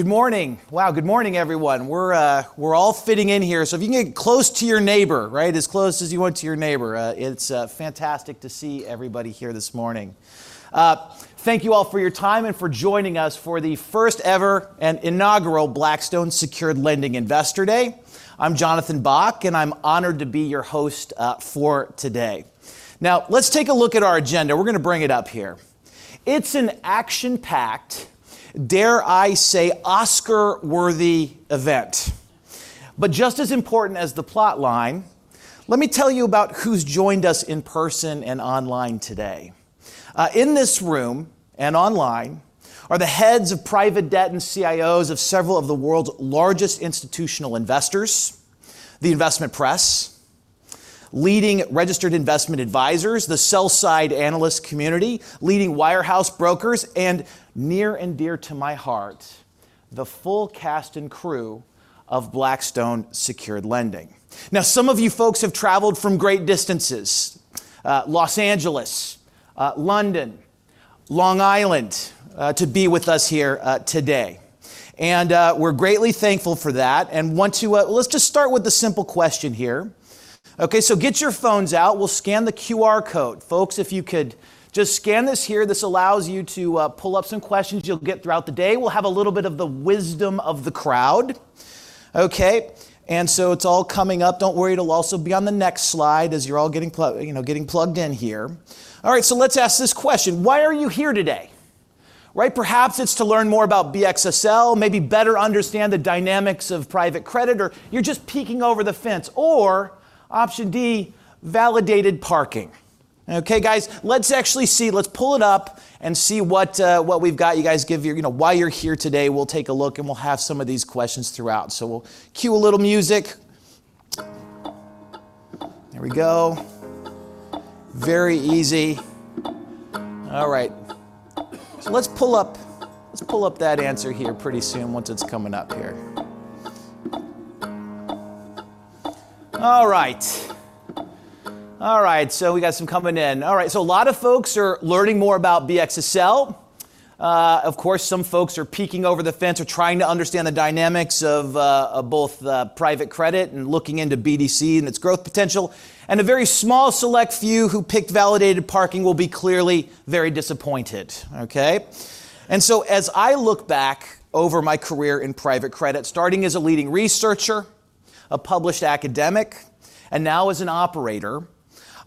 Good morning! Wow, good morning, everyone. We're all fitting in here, so if you can get close to your neighbor, right, as close as you want to your neighbor. It's fantastic to see everybody here this morning. Thank you all for your time and for joining us for the first ever and inaugural Blackstone Secured Lending Investor Day. I'm Jonathan Bock, and I'm honored to be your host for today. Now, let's take a look at our agenda. We're gonna bring it up here. It's an action-packed, dare I say, Oscar-worthy event. But just as important as the plot line, let me tell you about who's joined us in person and online today. In this room and online are the heads of private debt and CIOs of several of the world's largest institutional investors, the investment press, leading registered investment advisors, the sell-side analyst community, leading wirehouse brokers, and near and dear to my heart, the full cast and crew of Blackstone Secured Lending. Now, some of you folks have traveled from great distances, Los Angeles, London, Long Island, to be with us here, today. And, we're greatly thankful for that and want to... Let's just start with a simple question here. Okay, so get your phones out. We'll scan the QR code. Folks, if you could just scan this here. This allows you to, pull up some questions you'll get throughout the day. We'll have a little bit of the wisdom of the crowd, okay? And so it's all coming up. Don't worry, it'll also be on the next slide as you're all getting you know, getting plugged in here. All right, so let's ask this question: Why are you here today, right? Perhaps it's to learn more about BXSL, maybe better understand the dynamics of private credit, or you're just peeking over the fence, or option D, validated parking. Okay, guys, let's actually see. Let's pull it up and see what what we've got. You guys give your you know, why you're here today. We'll take a look, and we'll have some of these questions throughout. So we'll cue a little music. There we go. Very easy. All right. So let's pull up, let's pull up that answer here pretty soon, once it's coming up here. All right. All right, so we got some coming in. All right, so a lot of folks are learning more about BXSL. Of course, some folks are peeking over the fence or trying to understand the dynamics of both private credit and looking into BDC and its growth potential, and a very small select few who picked validated parking will be clearly very disappointed, okay? And so as I look back over my career in private credit, starting as a leading researcher, a published academic, and now as an operator,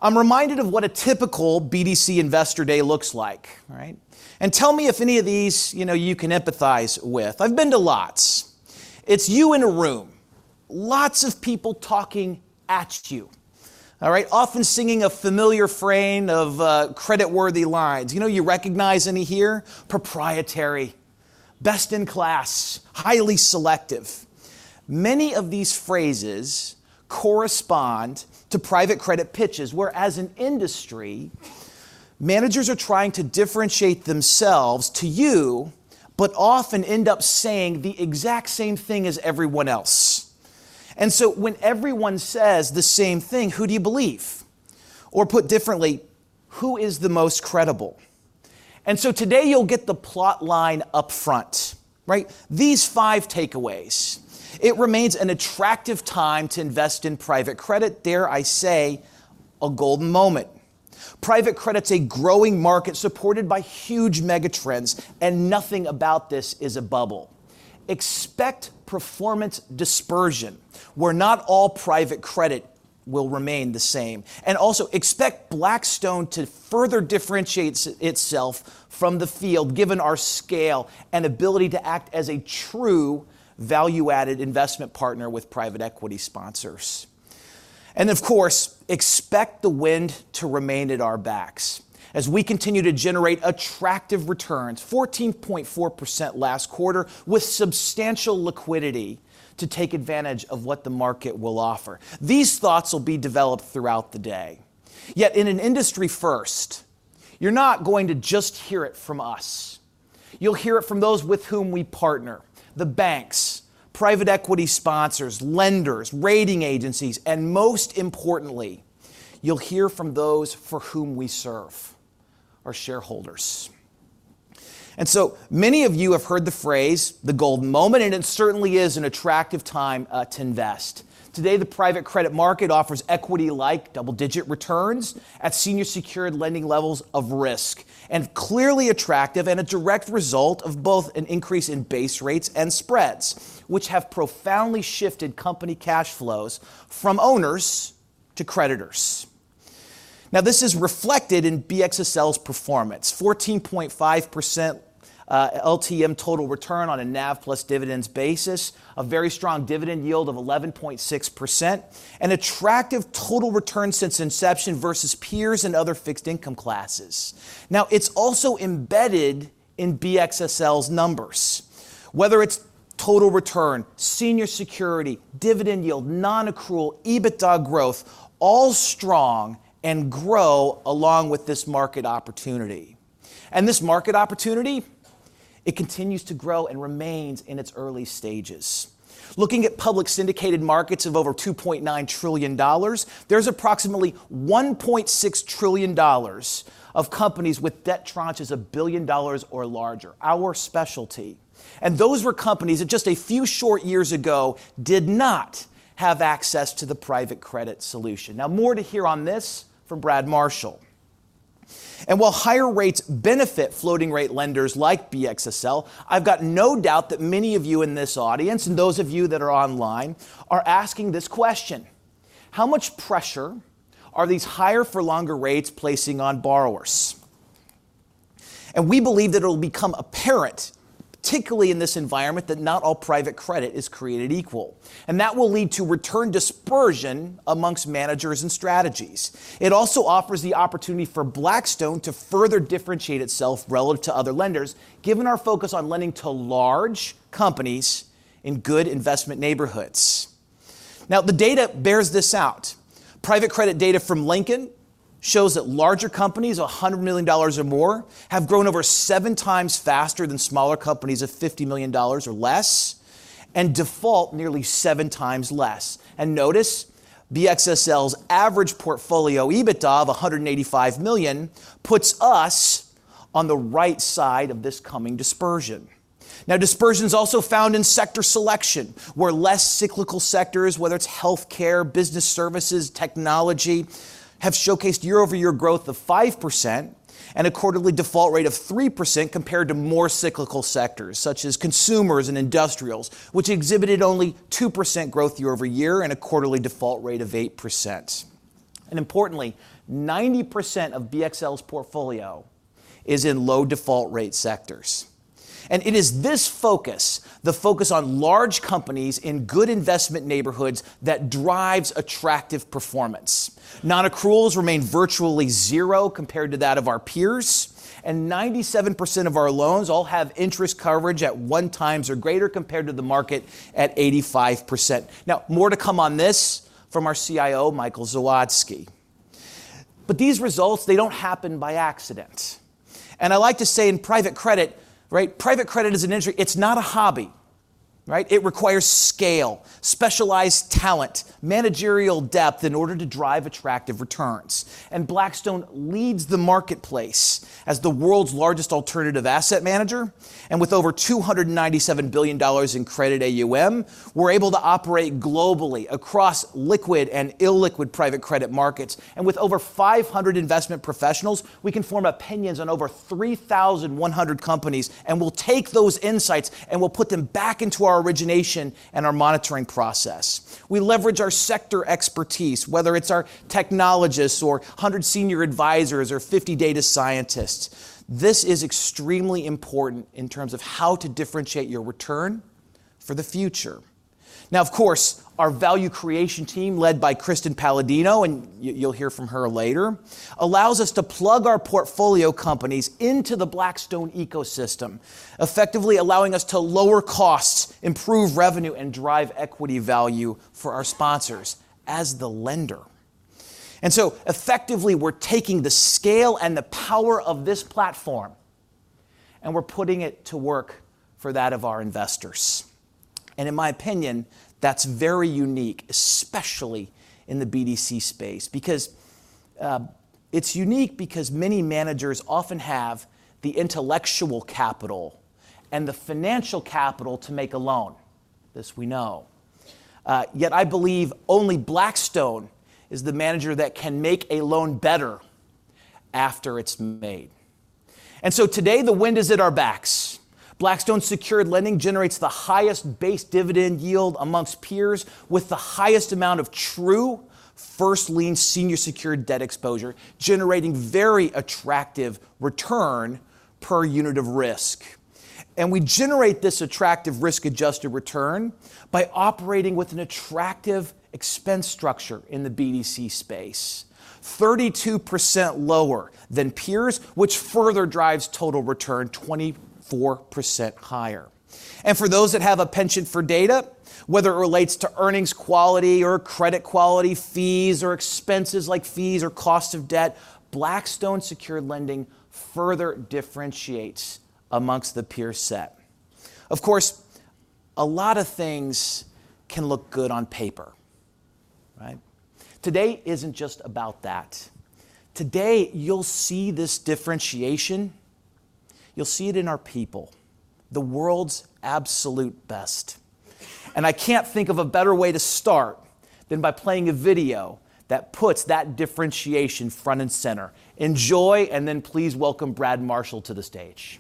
I'm reminded of what a typical BDC Investor Day looks like, right? And tell me if any of these, you know, you can empathize with. I've been to lots. It's you in a room, lots of people talking at you, all right? Often singing a familiar frame of creditworthy lines. You know, you recognize any here? Proprietary, best-in-class, highly selective. Many of these phrases correspond to private credit pitches, where as an industry, managers are trying to differentiate themselves to you, but often end up saying the exact same thing as everyone else. When everyone says the same thing, who do you believe? Put differently, who is the most credible? Today, you'll get the plot line up front, right? These five takeaways: It remains an attractive time to invest in private credit, dare I say, a golden moment. Private credit's a growing market supported by huge megatrends, and nothing about this is a bubble. Expect performance dispersion, where not all private credit will remain the same. Also, expect Blackstone to further differentiate itself from the field, given our scale and ability to act as a true value-added investment partner with private equity sponsors. Of course, expect the wind to remain at our backs as we continue to generate attractive returns, 14.4% last quarter, with substantial liquidity to take advantage of what the market will offer. These thoughts will be developed throughout the day. Yet in an industry first, you're not going to just hear it from us. You'll hear it from those with whom we partner, the banks, private equity sponsors, lenders, rating agencies, and most importantly, you'll hear from those for whom we serve, our shareholders. So many of you have heard the phrase, "the golden moment," and it certainly is an attractive time to invest. Today, the private credit market offers equity-like double-digit returns at senior secured lending levels of risk, and clearly attractive and a direct result of both an increase in base rates and spreads, which have profoundly shifted company cash flows from owners to creditors. Now, this is reflected in BXSL's performance, 14.5% LTM total return on a NAV plus dividends basis, a very strong dividend yield of 11.6%, an attractive total return since inception versus peers and other fixed income classes. Now, it's also embedded in BXSL's numbers, whether it's total return, senior security, dividend yield, non-accrual, EBITDA growth, all strong and grow along with this market opportunity. This market opportunity, it continues to grow and remains in its early stages. Looking at public syndicated markets of over $2.9 trillion, there's approximately $1.6 trillion of companies with debt tranches of $1 billion or larger, our specialty. And those were companies that just a few short years ago did not have access to the private credit solution. Now, more to hear on this from Brad Marshall. And while higher rates benefit floating rate lenders like BXSL, I've got no doubt that many of you in this audience and those of you that are online are asking this question: How much pressure are these higher-for-longer rates placing on borrowers? And we believe that it'll become apparent, particularly in this environment, that not all private credit is created equal, and that will lead to return dispersion amongst managers and strategies. It also offers the opportunity for Blackstone to further differentiate itself relative to other lenders, given our focus on lending to large companies in good investment neighborhoods. Now, the data bears this out. Private credit data from Lincoln shows that larger companies, $100 million or more, have grown over 7 times faster than smaller companies of $50 million or less, and default nearly 7 times less. And notice, BXSL's average portfolio EBITDA of $185 million puts us on the right side of this coming dispersion. Now, dispersion is also found in sector selection, where less cyclical sectors, whether it's healthcare, business services, technology, have showcased year-over-year growth of 5% and a quarterly default rate of 3%, compared to more cyclical sectors such as consumers and industrials, which exhibited only 2% growth year-over-year and a quarterly default rate of 8%. Importantly, 90% of BXSL's portfolio is in low default rate sectors. And it is this focus, the focus on large companies in good investment neighborhoods, that drives attractive performance. Non-accruals remain virtually zero compared to that of our peers, and 97% of our loans all have interest coverage at 1x or greater, compared to the market at 85%. Now, more to come on this from our CIO, Michael Zawadzki. But these results, they don't happen by accident, and I like to say in private credit, right? Private credit is an industry. It's not a hobby, right? It requires scale, specialized talent, managerial depth in order to drive attractive returns. Blackstone leads the marketplace as the world's largest alternative asset manager, and with over $297 billion in credit AUM, we're able to operate globally across liquid and illiquid private credit markets. With over 500 investment professionals, we can form opinions on over 3,100 companies, and we'll take those insights, and we'll put them back into our origination and our monitoring process. We leverage our sector expertise, whether it's our technologists or 100 senior advisors or 50 data scientists. This is extremely important in terms of how to differentiate your return for the future. Now, of course, our value creation team, led by Kristen Paladino, and you, you'll hear from her later, allows us to plug our portfolio companies into the Blackstone ecosystem, effectively allowing us to lower costs, improve revenue, and drive equity value for our sponsors as the lender. And so effectively, we're taking the scale and the power of this platform, and we're putting it to work for that of our investors. And in my opinion, that's very unique, especially in the BDC space, because, it's unique because many managers often have the intellectual capital and the financial capital to make a loan. This we know. Yet I believe only Blackstone is the manager that can make a loan better after it's made. And so today, the wind is at our backs. Blackstone Secured Lending generates the highest base dividend yield among peers with the highest amount of true first-lien, senior secured debt exposure, generating very attractive return per unit of risk. We generate this attractive risk-adjusted return by operating with an attractive expense structure in the BDC space, 32% lower than peers, which further drives total return 24% higher. For those that have a penchant for data, whether it relates to earnings quality or credit quality, fees or expenses like fees or cost of debt, Blackstone Secured Lending further differentiates among the peer set. Of course, a lot of things can look good on paper, right? Today isn't just about that. Today, you'll see this differentiation. You'll see it in our people, the world's absolute best, and I can't think of a better way to start than by playing a video that puts that differentiation front and center. Enjoy, and then please welcome Brad Marshall to the stage.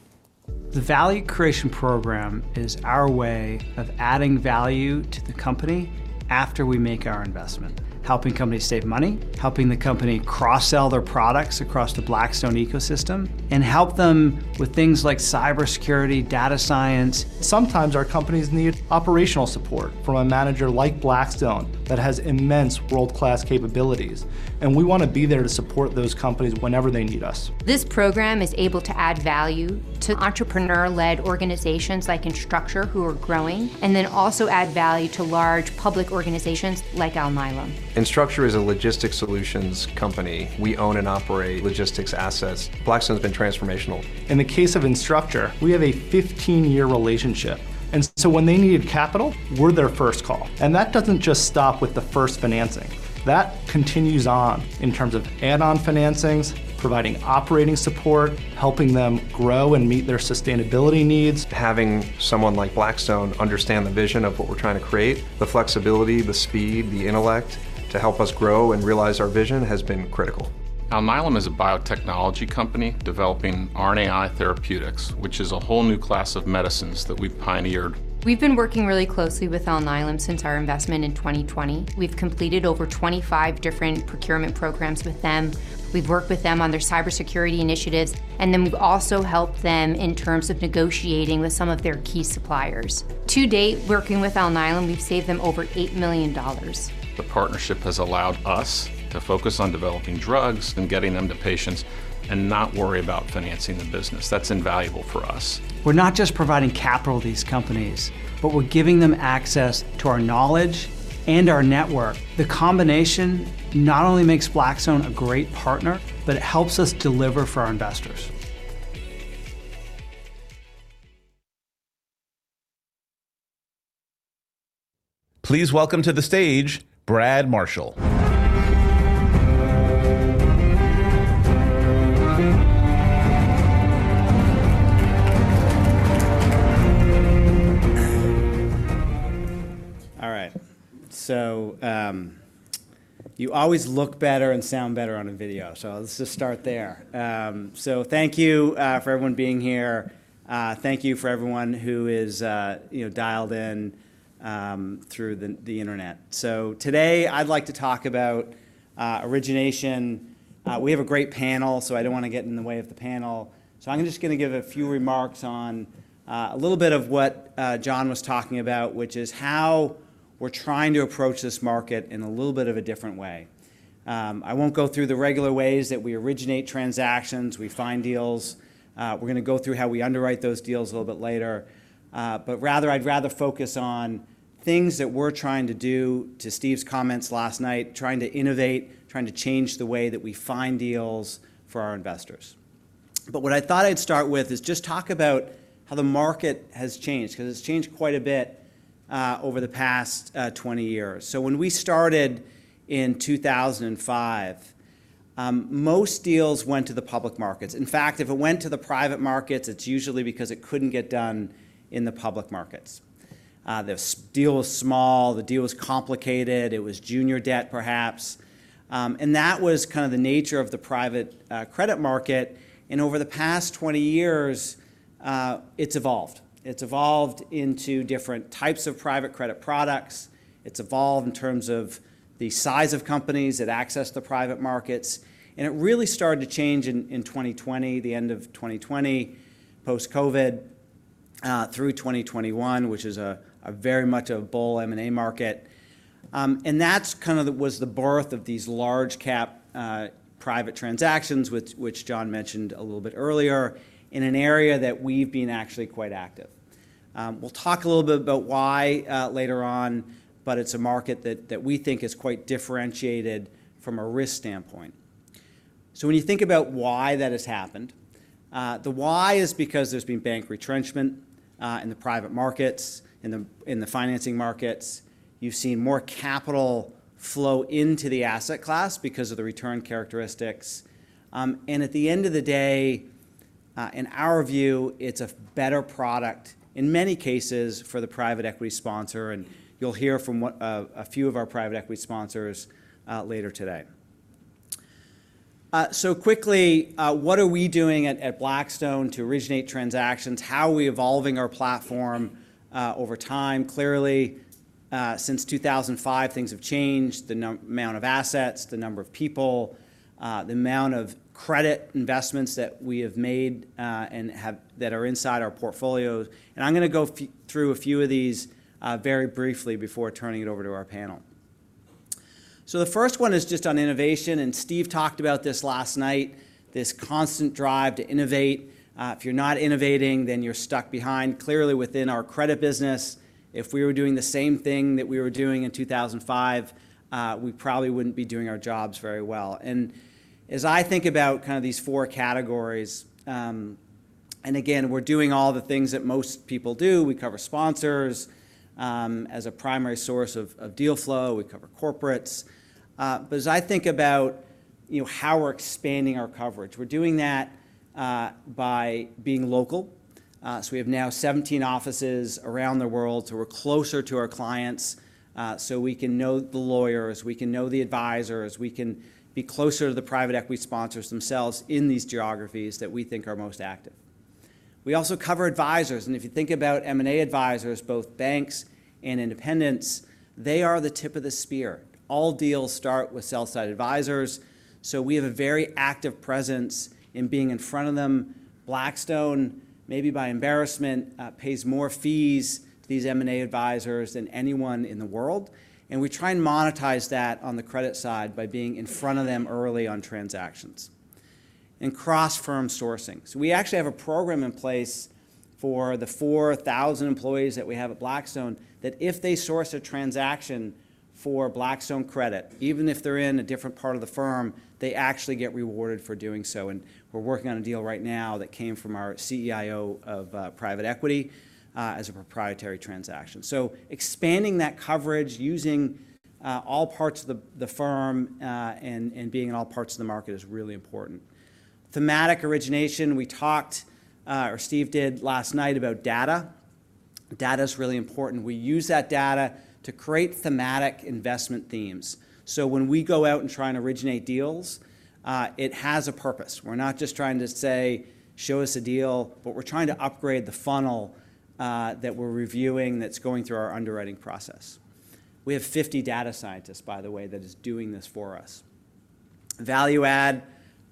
The Value Creation Program is our way of adding value to the company after we make our investment, helping companies save money, helping the company cross-sell their products across the Blackstone ecosystem, and help them with things like cybersecurity, data science. Sometimes our companies need operational support from a manager like Blackstone that has immense world-class capabilities, and we want to be there to support those companies whenever they need us. This program is able to add value to entrepreneur-led organizations like Instructure, who are growing, and then also add value to large public organizations like Alnylam. Instructure is a logistics solutions company. We own and operate logistics assets. Blackstone has been transformational. In the case of Instructure, we have a 15-year relationship, and so when they need capital, we're their first call. That doesn't just stop with the first financing. That continues on in terms of add-on financings, providing operating support, helping them grow and meet their sustainability needs. Having someone like Blackstone understand the vision of what we're trying to create, the flexibility, the speed, the intellect to help us grow and realize our vision has been critical. Alnylam is a biotechnology company developing RNAi therapeutics, which is a whole new class of medicines that we've pioneered. We've been working really closely with Alnylam since our investment in 2020. We've completed over 25 different procurement programs with them. We've worked with them on their cybersecurity initiatives, and then we've also helped them in terms of negotiating with some of their key suppliers. To date, working with Alnylam, we've saved them over $8 million. The partnership has allowed us to focus on developing drugs and getting them to patients, and not worry about financing the business. That's invaluable for us. We're not just providing capital to these companies, but we're giving them access to our knowledge and our network. The combination not only makes Blackstone a great partner, but it helps us deliver for our investors. Please welcome to the stage, Brad Marshall. All right, so you always look better and sound better on a video, so let's just start there. So thank you for everyone being here. Thank you for everyone who is, you know, dialed in through the internet. So today, I'd like to talk about origination. We have a great panel, so I don't want to get in the way of the panel. So I'm just gonna give a few remarks on a little bit of what Jon was talking about, which is how we're trying to approach this market in a little bit of a different way. I won't go through the regular ways that we originate transactions, we find deals. We're gonna go through how we underwrite those deals a little bit later. But rather, I'd rather focus on things that we're trying to do, to Steve's comments last night, trying to innovate, trying to change the way that we find deals for our investors. But what I thought I'd start with is just talk about how the market has changed, because it's changed quite a bit, over the past 20 years. So when we started in 2005, most deals went to the public markets. In fact, if it went to the private markets, it's usually because it couldn't get done in the public markets. The deal was small, the deal was complicated, it was junior debt, perhaps. And that was kind of the nature of the private credit market, and over the past 20 years, it's evolved. It's evolved into different types of private credit products. It's evolved in terms of the size of companies that access the private markets, and it really started to change in 2020, the end of 2020, post-COVID, through 2021, which is a very much a bull M&A market. And that's kind of the... was the birth of these large-cap private transactions, which Jon mentioned a little bit earlier, in an area that we've been actually quite active. We'll talk a little bit about why later on, but it's a market that we think is quite differentiated from a risk standpoint. So when you think about why that has happened, the why is because there's been bank retrenchment in the private markets, in the financing markets. You've seen more capital flow into the asset class because of the return characteristics. At the end of the day, in our view, it's a better product, in many cases, for the private equity sponsor, and you'll hear from a few of our private equity sponsors later today. So quickly, what are we doing at Blackstone to originate transactions? How are we evolving our platform over time? Clearly, since 2005, things have changed. The amount of assets, the number of people, the amount of credit investments that we have made, and have that are inside our portfolios. I'm gonna go through a few of these very briefly before turning it over to our panel. So the first one is just on innovation, and Steve talked about this last night, this constant drive to innovate. If you're not innovating, then you're stuck behind. Clearly, within our credit business, if we were doing the same thing that we were doing in 2005, we probably wouldn't be doing our jobs very well. As I think about kind of these four categories, and again, we're doing all the things that most people do. We cover sponsors, as a primary source of, of deal flow. We cover corporates. But as I think about, you know, how we're expanding our coverage, we're doing that, by being local. So we have now 17 offices around the world, so we're closer to our clients, so we can know the lawyers, we can know the advisors, we can be closer to the private equity sponsors themselves in these geographies that we think are most active. We also cover advisors, and if you think about M&A advisors, both banks and independents, they are the tip of the spear. All deals start with sell-side advisors, so we have a very active presence in being in front of them. Blackstone, maybe by embarrassment, pays more fees to these M&A advisors than anyone in the world, and we try and monetize that on the credit side by being in front of them early on transactions. And cross-firm sourcing. So we actually have a program in place for the 4,000 employees that we have at Blackstone, that if they source a transaction for Blackstone Credit, even if they're in a different part of the firm, they actually get rewarded for doing so, and we're working on a deal right now that came from our CEO of private equity as a proprietary transaction. So expanding that coverage, using all parts of the firm and being in all parts of the market is really important. Thematic origination, we talked or Steve did last night, about data. Data is really important. We use that data to create thematic investment themes. So when we go out and try and originate deals, it has a purpose. We're not just trying to say, "Show us a deal," but we're trying to upgrade the funnel that we're reviewing that's going through our underwriting process. We have 50 data scientists, by the way, that is doing this for us. Value add,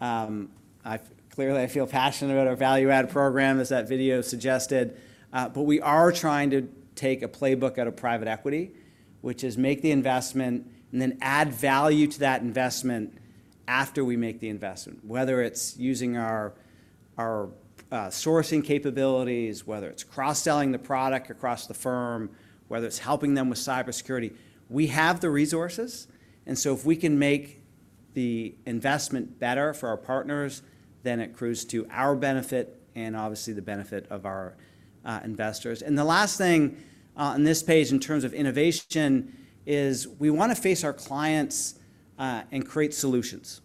clearly, I feel passionate about our value add program, as that video suggested. But we are trying to take a playbook out of private equity, which is make the investment and then add value to that investment after we make the investment, whether it's using our sourcing capabilities, whether it's cross-selling the product across the firm, whether it's helping them with cybersecurity. We have the resources, and so if we can make the investment better for our partners, then it accrues to our benefit and obviously the benefit of our investors. And the last thing on this page in terms of innovation is we wanna face our clients and create solutions.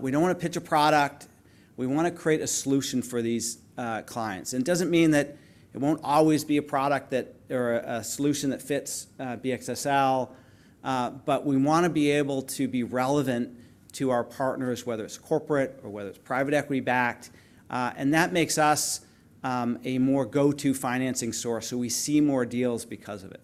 We don't wanna pitch a product. We wanna create a solution for these clients. And it doesn't mean that it won't always be a product that... or a, a solution that fits, BXSL, but we wanna be able to be relevant to our partners, whether it's corporate or whether it's private equity backed. And that makes us, a more go-to financing source, so we see more deals because of it.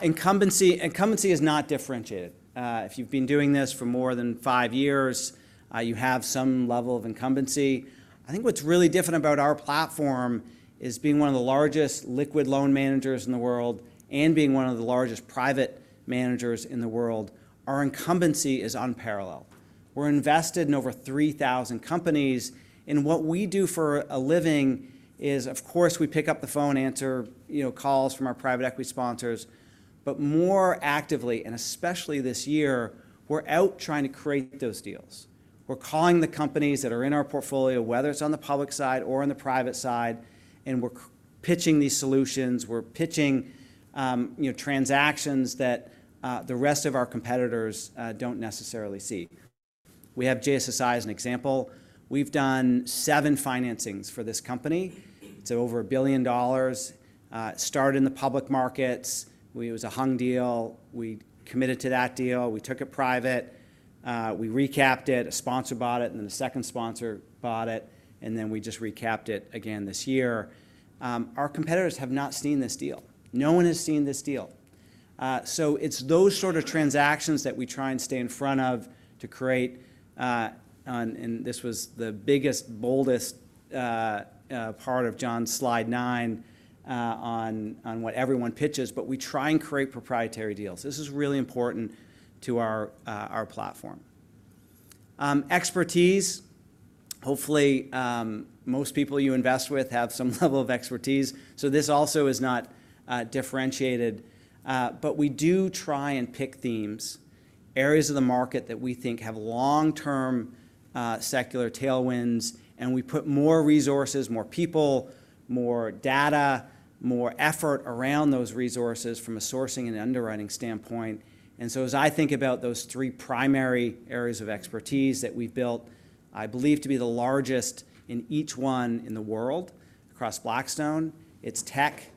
Incumbency. Incumbency is not differentiated. If you've been doing this for more than five years, you have some level of incumbency. I think what's really different about our platform is being one of the largest liquid loan managers in the world and being one of the largest private managers in the world, our incumbency is unparalleled. We're invested in over 3,000 companies, and what we do for a living is, of course, we pick up the phone, answer, you know, calls from our private equity sponsors, but more actively, and especially this year, we're out trying to create those deals. We're calling the companies that are in our portfolio, whether it's on the public side or on the private side, and we're pitching these solutions. We're pitching, you know, transactions that the rest of our competitors don't necessarily see. We have JSSI as an example. We've done seven financings for this company, so over $1 billion. It started in the public markets. It was a hung deal. We committed to that deal. We took it private. We recapped it. A sponsor bought it, and then a second sponsor bought it, and then we just recapped it again this year. Our competitors have not seen this deal. No one has seen this deal. So it's those sort of transactions that we try and stay in front of to create. And this was the biggest, boldest part of Jon's slide nine, on what everyone pitches, but we try and create proprietary deals. This is really important to our, our platform. Expertise, hopefully, most people you invest with have some level of expertise, so this also is not differentiated. But we do try and pick themes, areas of the market that we think have long-term secular tailwinds, and we put more resources, more people, more data, more effort around those resources from a sourcing and underwriting standpoint. And so as I think about those three primary areas of expertise that we've built, I believe to be the largest in each one in the world across Blackstone, it's tech,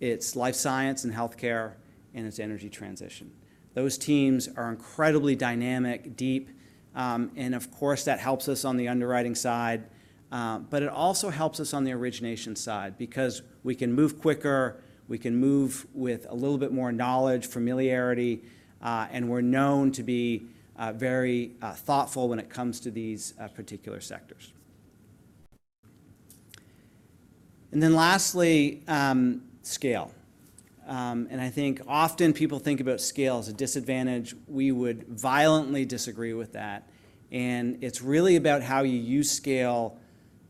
it's life science and healthcare, and it's energy transition. Those teams are incredibly dynamic, deep, and of course, that helps us on the underwriting side, but it also helps us on the origination side because we can move quicker. We can move with a little bit more knowledge, familiarity, and we're known to be very thoughtful when it comes to these particular sectors. And then lastly, scale. And I think often people think about scale as a disadvantage. We would violently disagree with that, and it's really about how you use scale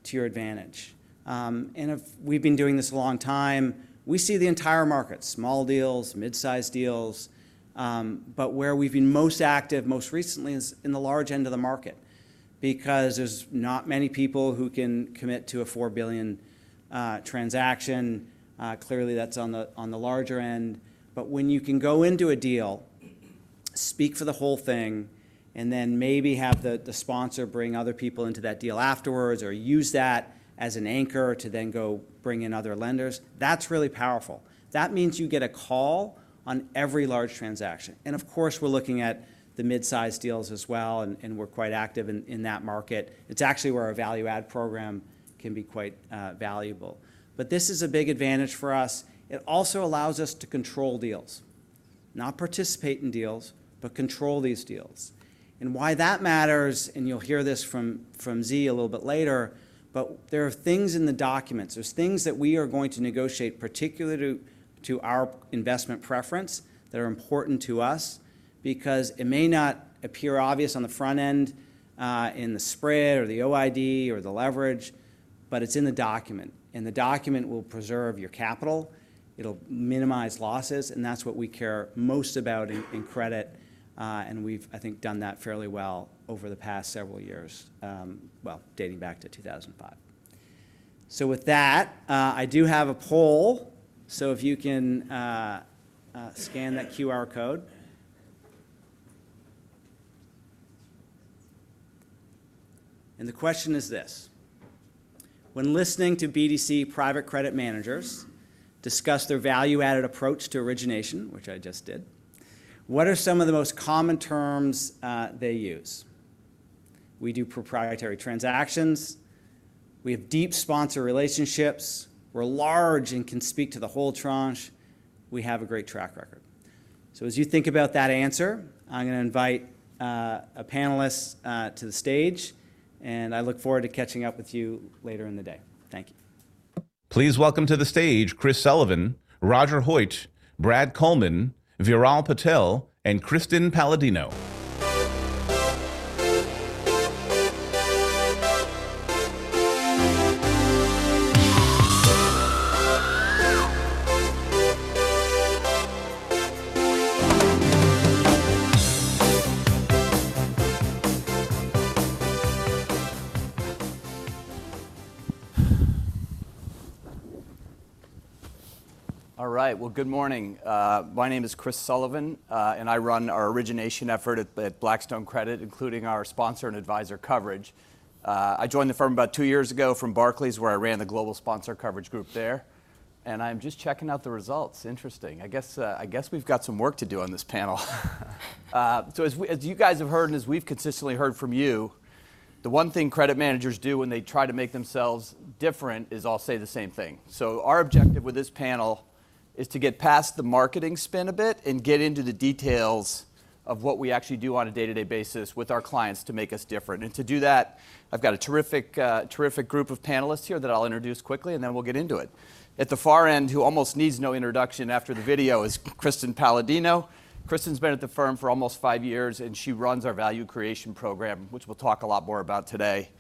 to your advantage. And we've been doing this a long time. We see the entire market, small deals, mid-sized deals, but where we've been most active most recently is in the large end of the market because there's not many people who can commit to a $4 billion transaction. Clearly, that's on the, on the larger end. But when you can go into a deal, speak for the whole thing, and then maybe have the, the sponsor bring other people into that deal afterwards or use that as an anchor to then go bring in other lenders, that's really powerful. That means you get a call on every large transaction, and of course, we're looking at the mid-size deals as well, and, and we're quite active in, in that market. It's actually where our value add program can be quite, valuable. But this is a big advantage for us. It also allows us to control deals, not participate in deals, but control these deals. Why that matters, and you'll hear this from a little bit later, but there are things in the documents, there's things that we are going to negotiate particular to our investment preference that are important to us because it may not appear obvious on the front end, in the spread or the OID or the leverage, but it's in the document, and the document will preserve your capital. It'll minimize losses, and that's what we care most about in credit, and we've, I think, done that fairly well over the past several years, well, dating back to 2005. So with that, I do have a poll, so if you can scan that QR code-... And the question is this: when listening to BDC private credit managers discuss their value-added approach to origination, which I just did, what are some of the most common terms they use? We do proprietary transactions. We have deep sponsor relationships. We're large and can speak to the whole tranche. We have a great track record. So as you think about that answer, I'm gonna invite a panelist to the stage, and I look forward to catching up with you later in the day. Thank you. Please welcome to the stage Chris Sullivan, Roger Hoit, Brad Colman, Viral Patel, and Kristen Paladino. All right. Well, good morning. My name is Chris Sullivan, and I run our origination effort at Blackstone Credit, including our sponsor and advisor coverage. I joined the firm about two years ago from Barclays, where I ran the global sponsor coverage group there, and I'm just checking out the results. Interesting. I guess, I guess we've got some work to do on this panel. So as you guys have heard, and as we've consistently heard from you, the one thing credit managers do when they try to make themselves different is all say the same thing. So our objective with this panel is to get past the marketing spin a bit and get into the details of what we actually do on a day-to-day basis with our clients to make us different. To do that, I've got a terrific, terrific group of panelists here that I'll introduce quickly, and then we'll get into it. At the far end, who almost needs no introduction after the video, is Kristen Paladino. Kristen's been at the firm for almost five years, and she runs our Value Creation Program, which we'll talk a lot more about today.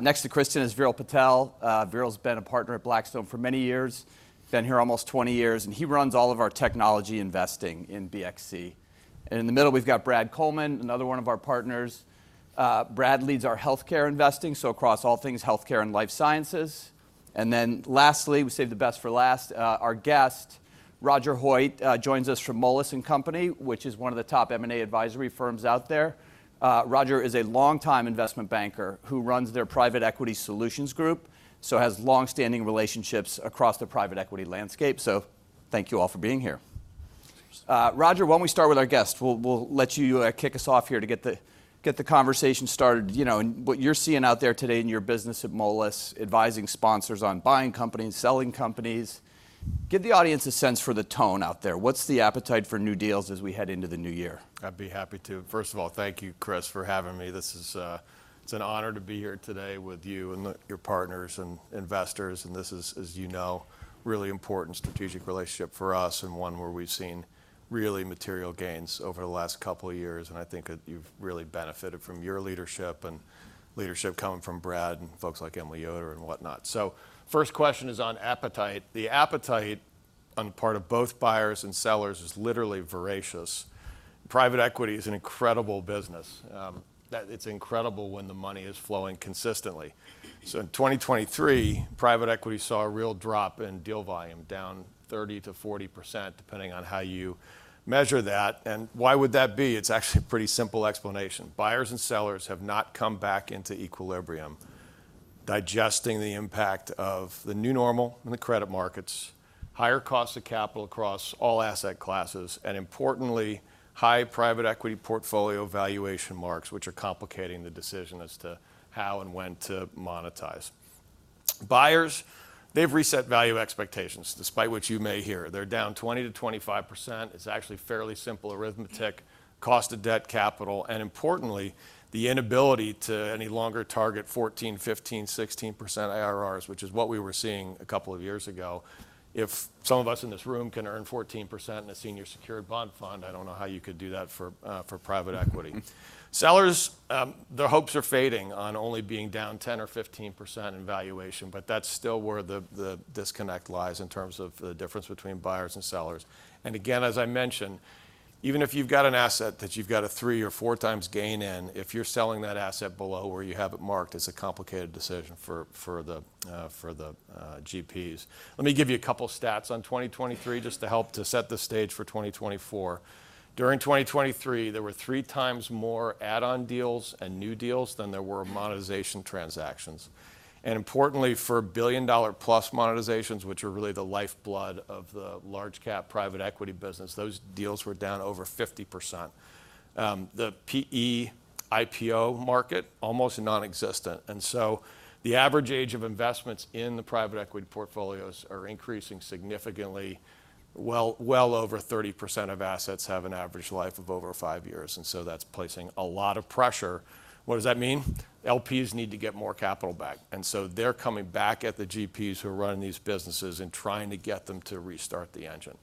Next to Kristen is Viral Patel. Viral's been a partner at Blackstone for many years, been here almost 20 years, and he runs all of our technology investing in BXC. And in the middle, we've got Brad Colman, another one of our partners. Brad leads our healthcare investing, so across all things healthcare and life sciences. And then lastly, we saved the best for last, our guest, Roger Hoit, joins us from Moelis & Company, which is one of the top M&A advisory firms out there. Roger is a longtime investment banker who runs their private equity solutions group, so has long-standing relationships across the private equity landscape. So thank you all for being here. Roger, why don't we start with our guest? We'll, we'll let you, kick us off here to get the, get the conversation started, you know, and what you're seeing out there today in your business at Moelis, advising sponsors on buying companies, selling companies. Give the audience a sense for the tone out there. What's the appetite for new deals as we head into the new year? I'd be happy to. First of all, thank you, Chris, for having me. This is. It's an honor to be here today with you and your partners and investors, and this is, as you know, a really important strategic relationship for us and one where we've seen really material gains over the last couple of years, and I think that you've really benefited from your leadership and leadership coming from Brad and folks like Emily Yoder and whatnot. So first question is on appetite. The appetite on part of both buyers and sellers is literally voracious. Private equity is an incredible business, that it's incredible when the money is flowing consistently. So in 2023, private equity saw a real drop in deal volume, down 30%-40%, depending on how you measure that. Why would that be? It's actually a pretty simple explanation. Buyers and sellers have not come back into equilibrium, digesting the impact of the new normal in the credit markets, higher cost of capital across all asset classes, and importantly, high private equity portfolio valuation marks, which are complicating the decision as to how and when to monetize. Buyers, they've reset value expectations, despite what you may hear. They're down 20%-25%. It's actually fairly simple arithmetic, cost of debt, capital, and importantly, the inability to any longer target 14, 15, 16% IRRs, which is what we were seeing a couple of years ago. If some of us in this room can earn 14% in a senior secured bond fund, I don't know how you could do that for private equity. Sellers, their hopes are fading on only being down 10% or 15% in valuation, but that's still where the disconnect lies in terms of the difference between buyers and sellers. And again, as I mentioned, even if you've got an asset that you've got a 3 or 4 times gain in, if you're selling that asset below where you have it marked, it's a complicated decision for the GPs. Let me give you a couple stats on 2023, just to help to set the stage for 2024. During 2023, there were three times more add-on deals and new deals than there were monetization transactions. And importantly, for billion-dollar-plus monetizations, which are really the lifeblood of the large-cap private equity business, those deals were down over 50%. The PE IPO market, almost non-existent, and so the average age of investments in the private equity portfolios are increasing significantly. Well, well over 30% of assets have an average life of over five years, and so that's placing a lot of pressure. What does that mean? LPs need to get more capital back, and so they're coming back at the GPs who are running these businesses and trying to get them to restart the engine.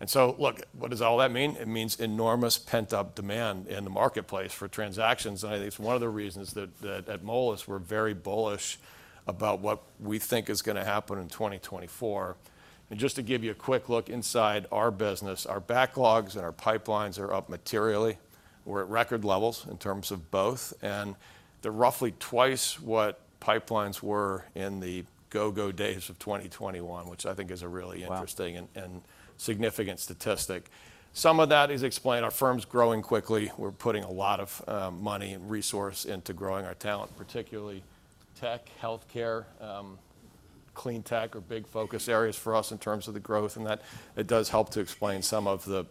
And so, look, what does all that mean? It means enormous pent-up demand in the marketplace for transactions, and I think it's one of the reasons that, that at Moelis, we're very bullish about what we think is gonna happen in 2024. And just to give you a quick look inside our business, our backlogs and our pipelines are up materially. We're at record levels in terms of both, and they're roughly twice what pipelines were in the go-go days of 2021, which I think is a really- Wow... interesting and significant statistic. Some of that is explained. Our firm's growing quickly. We're putting a lot of money and resource into growing our talent, particularly tech, healthcare, cleantech are big focus areas for us in terms of the growth, and that it does help to explain some of the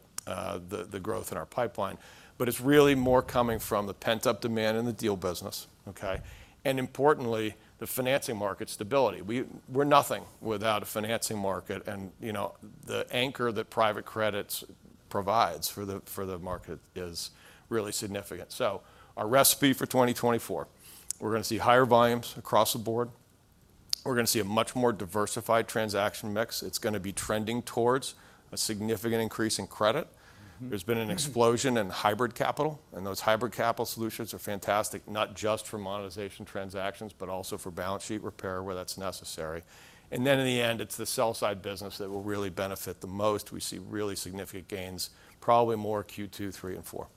the growth in our pipeline. But it's really more coming from the pent-up demand in the deal business, okay? And importantly, the financing market stability. We're nothing without a financing market, and, you know, the anchor that private credits provides for the market is really significant. So our recipe for 2024: we're going to see higher volumes across the board. We're going to see a much more diversified transaction mix. It's going to be trending towards a significant increase in credit. There's been an explosion in hybrid capital, and those hybrid capital solutions are fantastic, not just for monetization transactions, but also for balance sheet repair, where that's necessary. And then in the end, it's the sell-side business that will really benefit the most. We see really significant gains, probably more Q2, 3, and 4.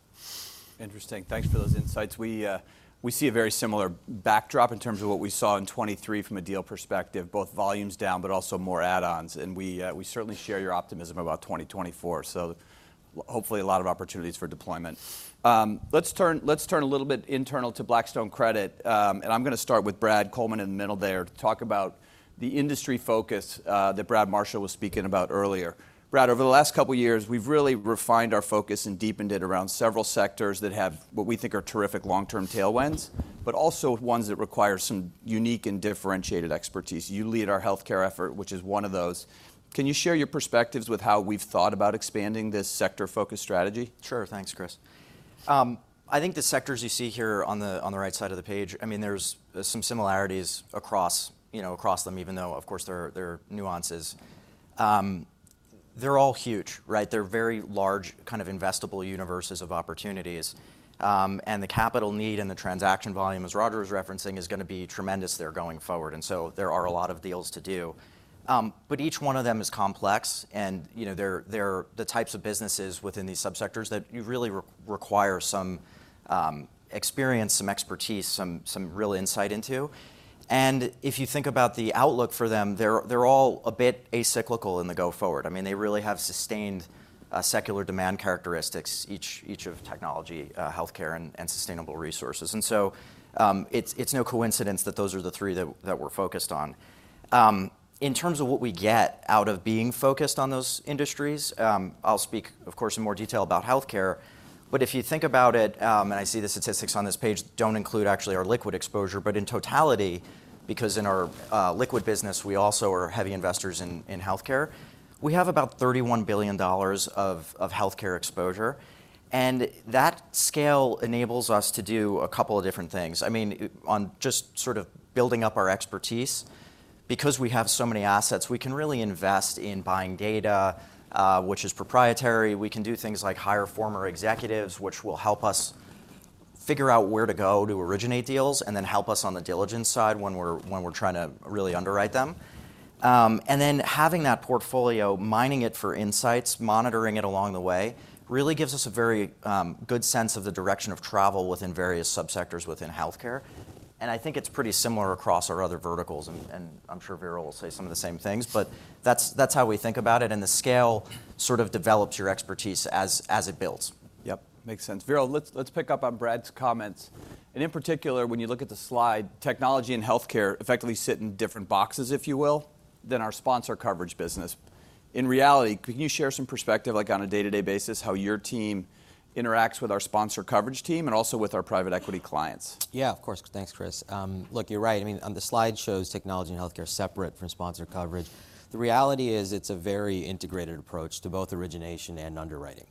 Interesting. Thanks for those insights. We see a very similar backdrop in terms of what we saw in 2023 from a deal perspective, both volumes down, but also more add-ons, and we certainly share your optimism about 2024. So, hopefully, a lot of opportunities for deployment. Let's turn a little bit internal to Blackstone Credit, and I'm going to start with Brad Colman in the middle there, to talk about the industry focus that Brad Marshall was speaking about earlier. Brad, over the last couple of years, we've really refined our focus and deepened it around several sectors that have what we think are terrific long-term tailwinds, but also ones that require some unique and differentiated expertise. You lead our healthcare effort, which is one of those. Can you share your perspectives with how we've thought about expanding this sector focus strategy? Sure. Thanks, Chris. I think the sectors you see here on the, on the right side of the page, I mean, there's some similarities across, you know, across them, even though, of course, there are, there are nuances. They're all huge, right? They're very large, kind of investable universes of opportunities, and the capital need and the transaction volume, as Roger was referencing, is going to be tremendous there going forward, and so there are a lot of deals to do. But each one of them is complex, and, you know, they're the types of businesses within these subsectors that you really require some experience, some expertise, some real insight into. And if you think about the outlook for them, they're all a bit acyclical in the go forward. I mean, they really have sustained secular demand characteristics, each of technology, healthcare, and sustainable resources. So, it's no coincidence that those are the three that we're focused on. In terms of what we get out of being focused on those industries, I'll speak, of course, in more detail about healthcare, but if you think about it, and I see the statistics on this page don't include actually our liquid exposure, but in totality, because in our liquid business, we also are heavy investors in healthcare. We have about $31 billion of healthcare exposure, and that scale enables us to do a couple of different things. I mean, on just sort of building up our expertise, because we have so many assets, we can really invest in buying data, which is proprietary. We can do things like hire former executives, which will help us figure out where to go to originate deals, and then help us on the diligence side when we're trying to really underwrite them. And then having that portfolio, mining it for insights, monitoring it along the way, really gives us a very good sense of the direction of travel within various subsectors within healthcare. And I think it's pretty similar across our other verticals, and I'm sure Viral will say some of the same things, but that's how we think about it, and the scale sort of develops your expertise as it builds. Yep, makes sense. Viral, let's, let's pick up on Brad's comments. And in particular, when you look at the slide, technology and healthcare effectively sit in different boxes, if you will, than our sponsor coverage business. In reality, can you share some perspective, like on a day-to-day basis, how your team interacts with our sponsor coverage team and also with our private equity clients? Yeah, of course. Thanks, Chris. Look, you're right. I mean, on the slide shows technology and healthcare separate from sponsor coverage. The reality is it's a very integrated approach to both origination and underwriting.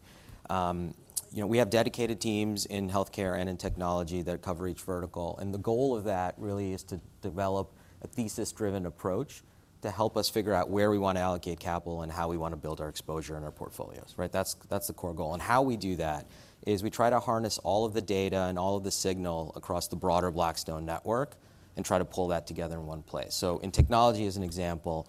You know, we have dedicated teams in healthcare and in technology that cover each vertical, and the goal of that really is to develop a thesis-driven approach to help us figure out where we want to allocate capital and how we want to build our exposure in our portfolios. Right? That's, that's the core goal. And how we do that is we try to harness all of the data and all of the signal across the broader Blackstone network and try to pull that together in one place. So in technology, as an example,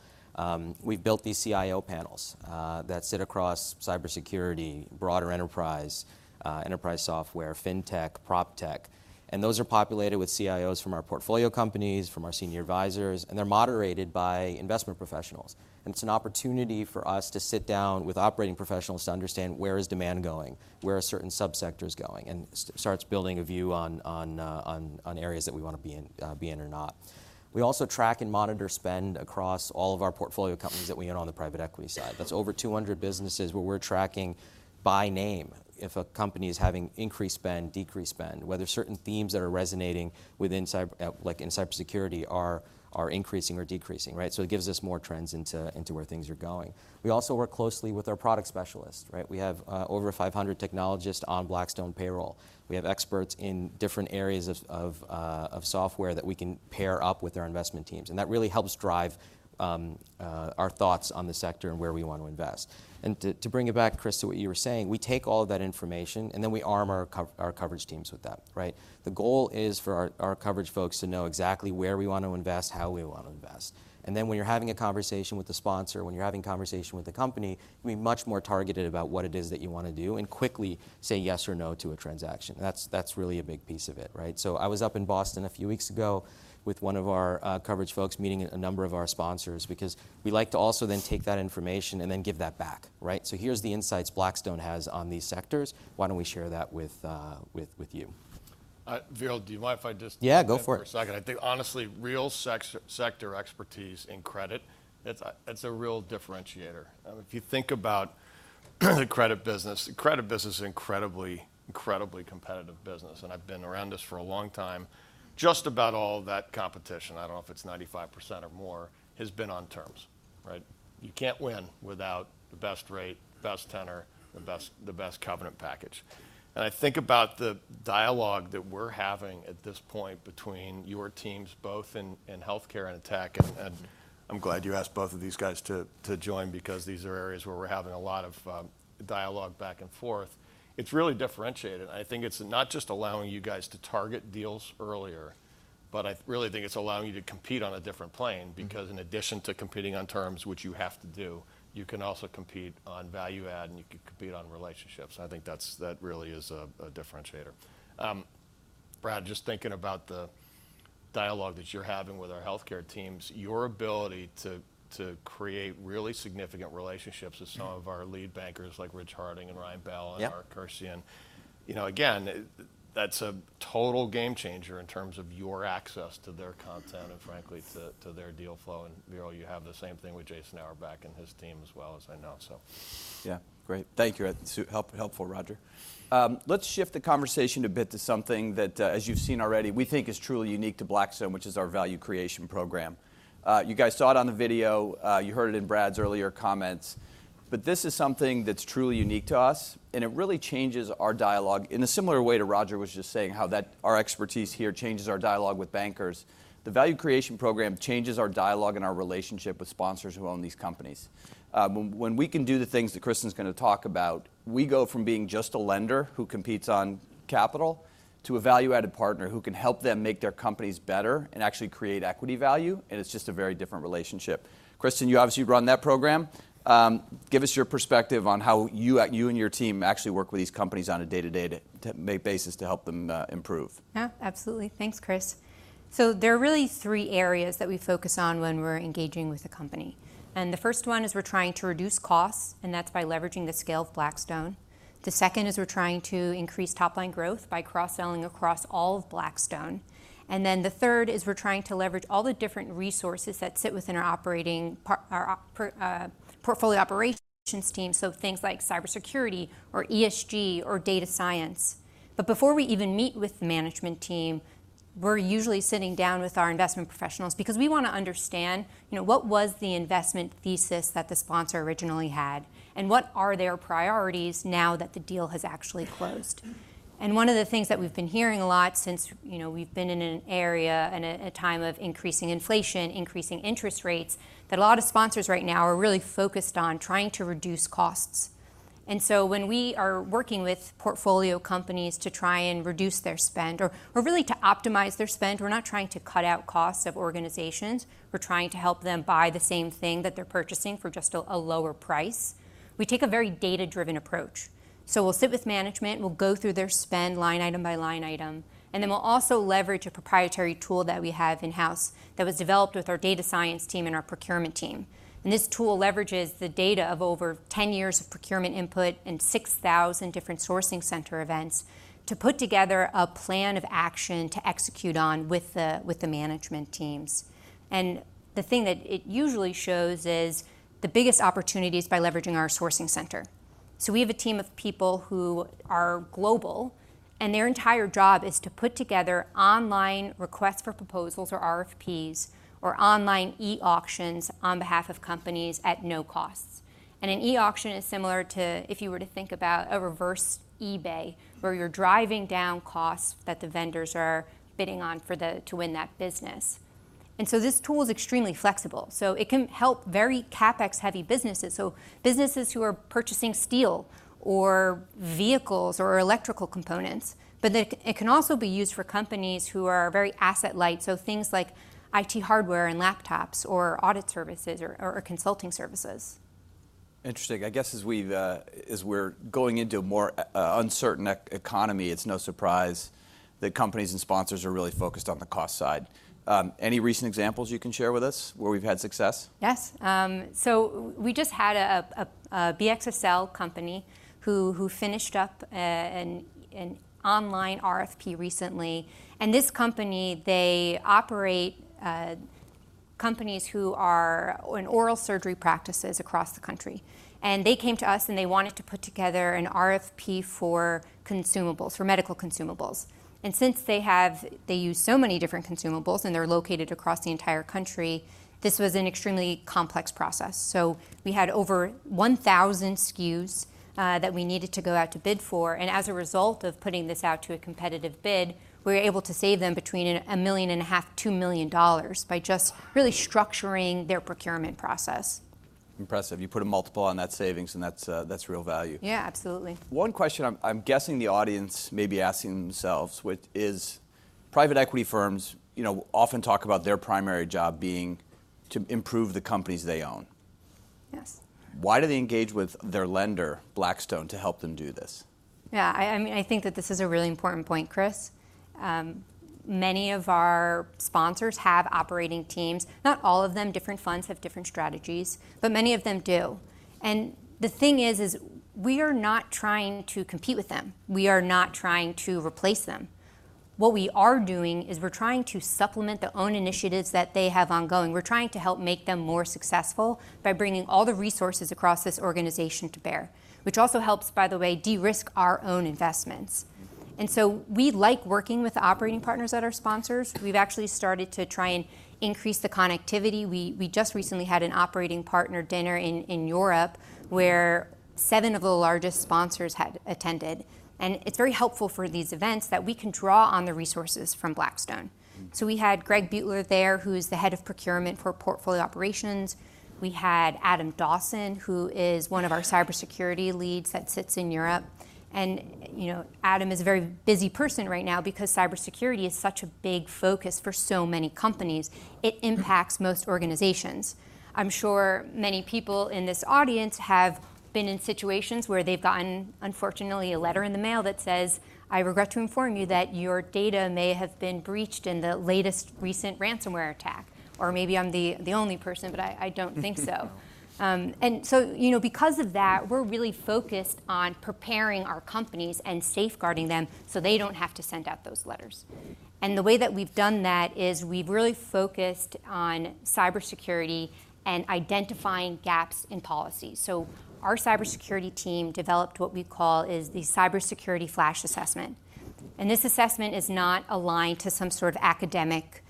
we've built these CIO panels that sit across cybersecurity, broader enterprise, enterprise software, fintech, proptech, and those are populated with CIOs from our portfolio companies, from our senior advisors, and they're moderated by investment professionals. And it's an opportunity for us to sit down with operating professionals to understand where is demand going, where are certain subsectors going, and starts building a view on areas that we want to be in, be in or not. We also track and monitor spend across all of our portfolio companies that we own on the private equity side. That's over 200 businesses where we're tracking by name. If a company is having increased spend, decreased spend, whether certain themes that are resonating within, like in cybersecurity, are increasing or decreasing, right? So it gives us more trends into where things are going. We also work closely with our product specialists, right? We have over 500 technologists on Blackstone payroll. We have experts in different areas of software that we can pair up with our investment teams, and that really helps drive our thoughts on the sector and where we want to invest. And to bring it back, Chris, to what you were saying, we take all of that information, and then we arm our coverage teams with that, right? The goal is for our coverage folks to know exactly where we want to invest, how we want to invest. And then when you're having a conversation with the sponsor, when you're having a conversation with the company, you can be much more targeted about what it is that you want to do and quickly say yes or no to a transaction. That's, that's really a big piece of it, right? So I was up in Boston a few weeks ago with one of our, coverage folks, meeting a number of our sponsors, because we like to also then take that information and then give that back, right? "So here's the insights Blackstone has on these sectors. Why don't we share that with, with, with you?... Viral, do you mind if I just- Yeah, go for it! -for a second? I think, honestly, real sector expertise in credit, it's a, it's a real differentiator. If you think about the credit business, the credit business is incredibly, incredibly competitive business, and I've been around this for a long time. Just about all of that competition, I don't know if it's 95% or more, has been on terms, right? You can't win without the best rate, best tenor, the best, the best covenant package. And I think about the dialogue that we're having at this point between your teams, both in, in healthcare and in tech, and, and I'm glad you asked both of these guys to, to join because these are areas where we're having a lot of, dialogue back and forth. It's really differentiated, and I think it's not just allowing you guys to target deals earlier, but I really think it's allowing you to compete on a different plane. Mm-hmm. Because in addition to competing on terms, which you have to do, you can also compete on value add, and you can compete on relationships, and I think that's... That really is a, a differentiator. Brad, just thinking about the dialogue that you're having with our healthcare teams, your ability to, to create really significant relationships- Yeah... with some of our lead bankers, like Rich Harding and Ryan Bell- Yep... and Mark Kersey, and, you know, again, that's a total game changer in terms of your access to their content and frankly, to their deal flow. And Viral, you have the same thing with Jason Auerbach and his team as well, as I know, so. Yeah, great. Thank you, that's helpful, Roger. Let's shift the conversation a bit to something that, as you've seen already, we think is truly unique to Blackstone, which is our Value Creation Program. You guys saw it on the video, you heard it in Brad's earlier comments, but this is something that's truly unique to us, and it really changes our dialogue in a similar way to Roger was just saying, how that our expertise here changes our dialogue with bankers. The Value Creation Program changes our dialogue and our relationship with sponsors who own these companies. When we can do the things that Kristen is going to talk about, we go from being just a lender who competes on capital, to a value-added partner who can help them make their companies better and actually create equity value, and it's just a very different relationship. Kristen, you obviously run that program. Give us your perspective on how you and your team actually work with these companies on a day-to-day basis to help them improve. Yeah, absolutely. Thanks, Chris. So there are really three areas that we focus on when we're engaging with a company, and the first one is we're trying to reduce costs, and that's by leveraging the scale of Blackstone. The second is we're trying to increase top-line growth by cross-selling across all of Blackstone. And then the third is we're trying to leverage all the different resources that sit within our operating partners, our portfolio operations team, so things like cybersecurity, or ESG, or data science. But before we even meet with the management team, we're usually sitting down with our investment professionals because we want to understand, you know, what was the investment thesis that the sponsor originally had? And what are their priorities now that the deal has actually closed? One of the things that we've been hearing a lot since, you know, we've been in an era and a time of increasing inflation, increasing interest rates, that a lot of sponsors right now are really focused on trying to reduce costs. So when we are working with portfolio companies to try and reduce their spend or, or really to optimize their spend, we're not trying to cut out costs of organizations, we're trying to help them buy the same thing that they're purchasing for just a lower price. We take a very data-driven approach. So we'll sit with management, we'll go through their spend line item by line item, and then we'll also leverage a proprietary tool that we have in-house that was developed with our data science team and our procurement team. This tool leverages the data of over 10 years of procurement input and 6,000 different sourcing center events to put together a plan of action to execute on with the, with the management teams. The thing that it usually shows is the biggest opportunities by leveraging our sourcing center. So we have a team of people who are global, and their entire job is to put together online requests for proposals, or RFPs, or online e-auctions on behalf of companies at no costs. An e-auction is similar to if you were to think about a reverse eBay, where you're driving down costs that the vendors are bidding on to win that business. This tool is extremely flexible, so it can help very CapEx-heavy businesses, so businesses who are purchasing steel, or vehicles, or electrical components, but it can also be used for companies who are very asset light, so things like IT hardware and laptops, or audit services or consulting services. Interesting. As we're going into a more uncertain economy, it's no surprise that companies and sponsors are really focused on the cost side. Any recent examples you can share with us where we've had success? Yes. So we just had a BXSL company who finished up an online RFP recently, and this company, they operate companies who are in oral surgery practices across the country. They came to us, and they wanted to put together an RFP for consumables, for medical consumables. Since they use so many different consumables, and they're located across the entire country, this was an extremely complex process. So we had over 1,000 SKUs that we needed to go out to bid for, and as a result of putting this out to a competitive bid, we were able to save them between $1.5 million and $2 million. Wow... by just really structuring their procurement process. Impressive. You put a multiple on that savings, and that's, that's real value. Yeah, absolutely. One question I'm guessing the audience may be asking themselves, which is, private equity firms, you know, often talk about their primary job being to improve the companies they own. Yes. Why do they engage with their lender, Blackstone, to help them do this? Yeah, I mean, I think that this is a really important point, Chris. Many of our sponsors have operating teams. Not all of them, different funds have different strategies, but many of them do. And the thing is, we are not trying to compete with them. We are not trying to replace them. What we are doing is we're trying to supplement their own initiatives that they have ongoing. We're trying to help make them more successful by bringing all the resources across this organization to bear, which also helps, by the way, de-risk our own investments. And so we like working with the operating partners that are sponsors. We've actually started to try and increase the connectivity. We just recently had an operating partner dinner in Europe, where seven of the largest sponsors had attended, and it's very helpful for these events that we can draw on the resources from Blackstone. Mm. So we had Greg Beutler there, who is the Head of Procurement for Portfolio Operations. We had Adam Dawson, who is one of our cybersecurity leads that sits in Europe. And, you know, Adam is a very busy person right now because cybersecurity is such a big focus for so many companies. Mm. It impacts most organizations. I'm sure many people in this audience have been in situations where they've gotten, unfortunately, a letter in the mail that says, "I regret to inform you that your data may have been breached in the latest recent ransomware attack." Or maybe I'm the only person, but I don't think so. And so, you know, because of that, we're really focused on preparing our companies and safeguarding them so they don't have to send out those letters. Mm. The way that we've done that is we've really focused on cybersecurity and identifying gaps in policy. So our cybersecurity team developed what we call the Cybersecurity Flash Assessment, and this assessment is not aligned to some sort of academic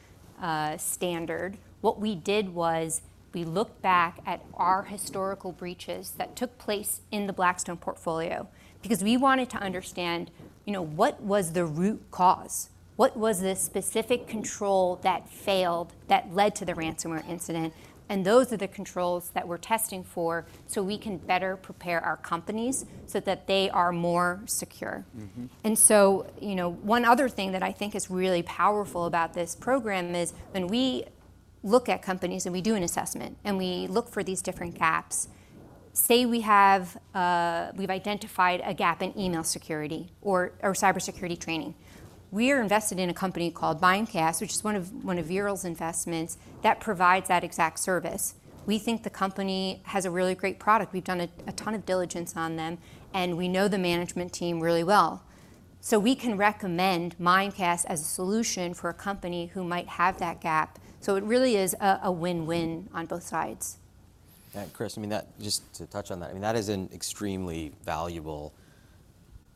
standard. What we did was we looked back at our historical breaches that took place in the Blackstone portfolio, because we wanted to understand, you know, what was the root cause? What was the specific control that failed, that led to the ransomware incident? And those are the controls that we're testing for so we can better prepare our companies so that they are more secure. Mm-hmm. And so, you know, one other thing that I think is really powerful about this program is, when we look at companies, and we do an assessment, and we look for these different gaps, say we have, we've identified a gap in email security or cybersecurity training. We are invested in a company called Mimecast, which is one of Viral's investments, that provides that exact service. We think the company has a really great product. We've done a ton of diligence on them, and we know the management team really well. So we can recommend Mimecast as a solution for a company who might have that gap. So it really is a win-win on both sides. Chris, I mean, that, just to touch on that, I mean, that is an extremely valuable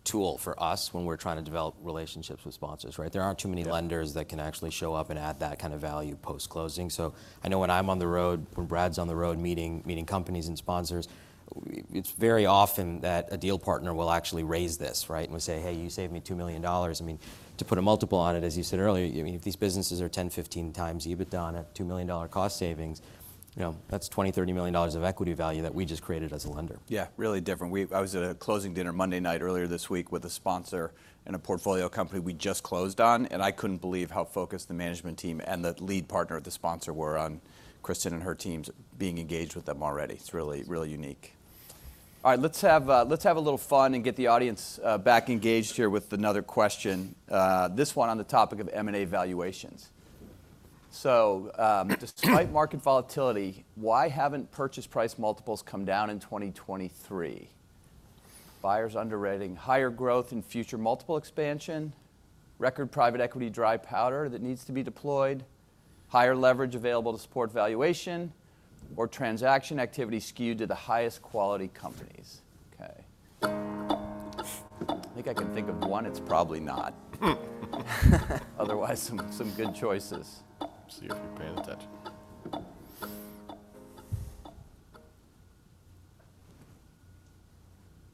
tool for us when we're trying to develop relationships with sponsors, right? There aren't too many- Yeah... lenders that can actually show up and add that kind of value post-closing. So I know when I'm on the road, when Brad's on the road meeting, meeting companies and sponsors, it's very often that a deal partner will actually raise this, right? And will say, "Hey, you saved me $2 million." I mean, to put a multiple on it, as you said earlier, you know, if these businesses are 10-15 times EBITDA on a $2 million cost savings, you know, that's $20-$30 million of equity value that we just created as a lender. Yeah. Really different. I was at a closing dinner Monday night, earlier this week, with a sponsor and a portfolio company we just closed on, and I couldn't believe how focused the management team and the lead partner of the sponsor were on Kristen and her teams being engaged with them already. It's really, really unique. All right, let's have a little fun and get the audience back engaged here with another question, this one on the topic of M&A valuations. So, despite market volatility, why haven't purchase price multiples come down in 2023? Buyers underrating higher growth and future multiple expansion, record private equity dry powder that needs to be deployed, higher leverage available to support valuation, or transaction activity skewed to the highest quality companies? Okay. I think I can think of one it's probably not. Otherwise, some good choices. See if you're paying attention.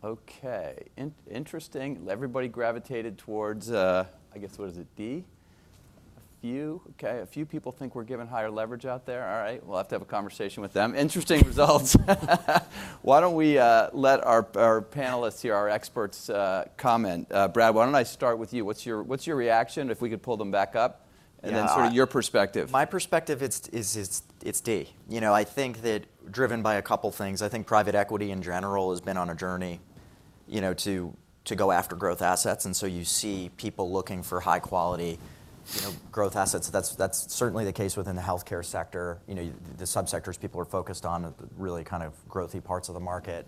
Okay. Interesting, everybody gravitated towards, I guess, what is it, D? A few. Okay, a few people think we're giving higher leverage out there. All right, we'll have to have a conversation with them. Interesting results. Why don't we let our panelists here, our experts, comment. Brad, why don't I start with you? What's your reaction, if we could pull them back up- Yeah... and then sort of your perspective. My perspective, it's D. You know, I think that driven by a couple of things. I think private equity, in general, has been on a journey, you know, to go after growth assets, and so you see people looking for high quality, you know, growth assets. That's certainly the case within the healthcare sector. You know, the subsectors people are focused on are the really kind of growthy parts of the market.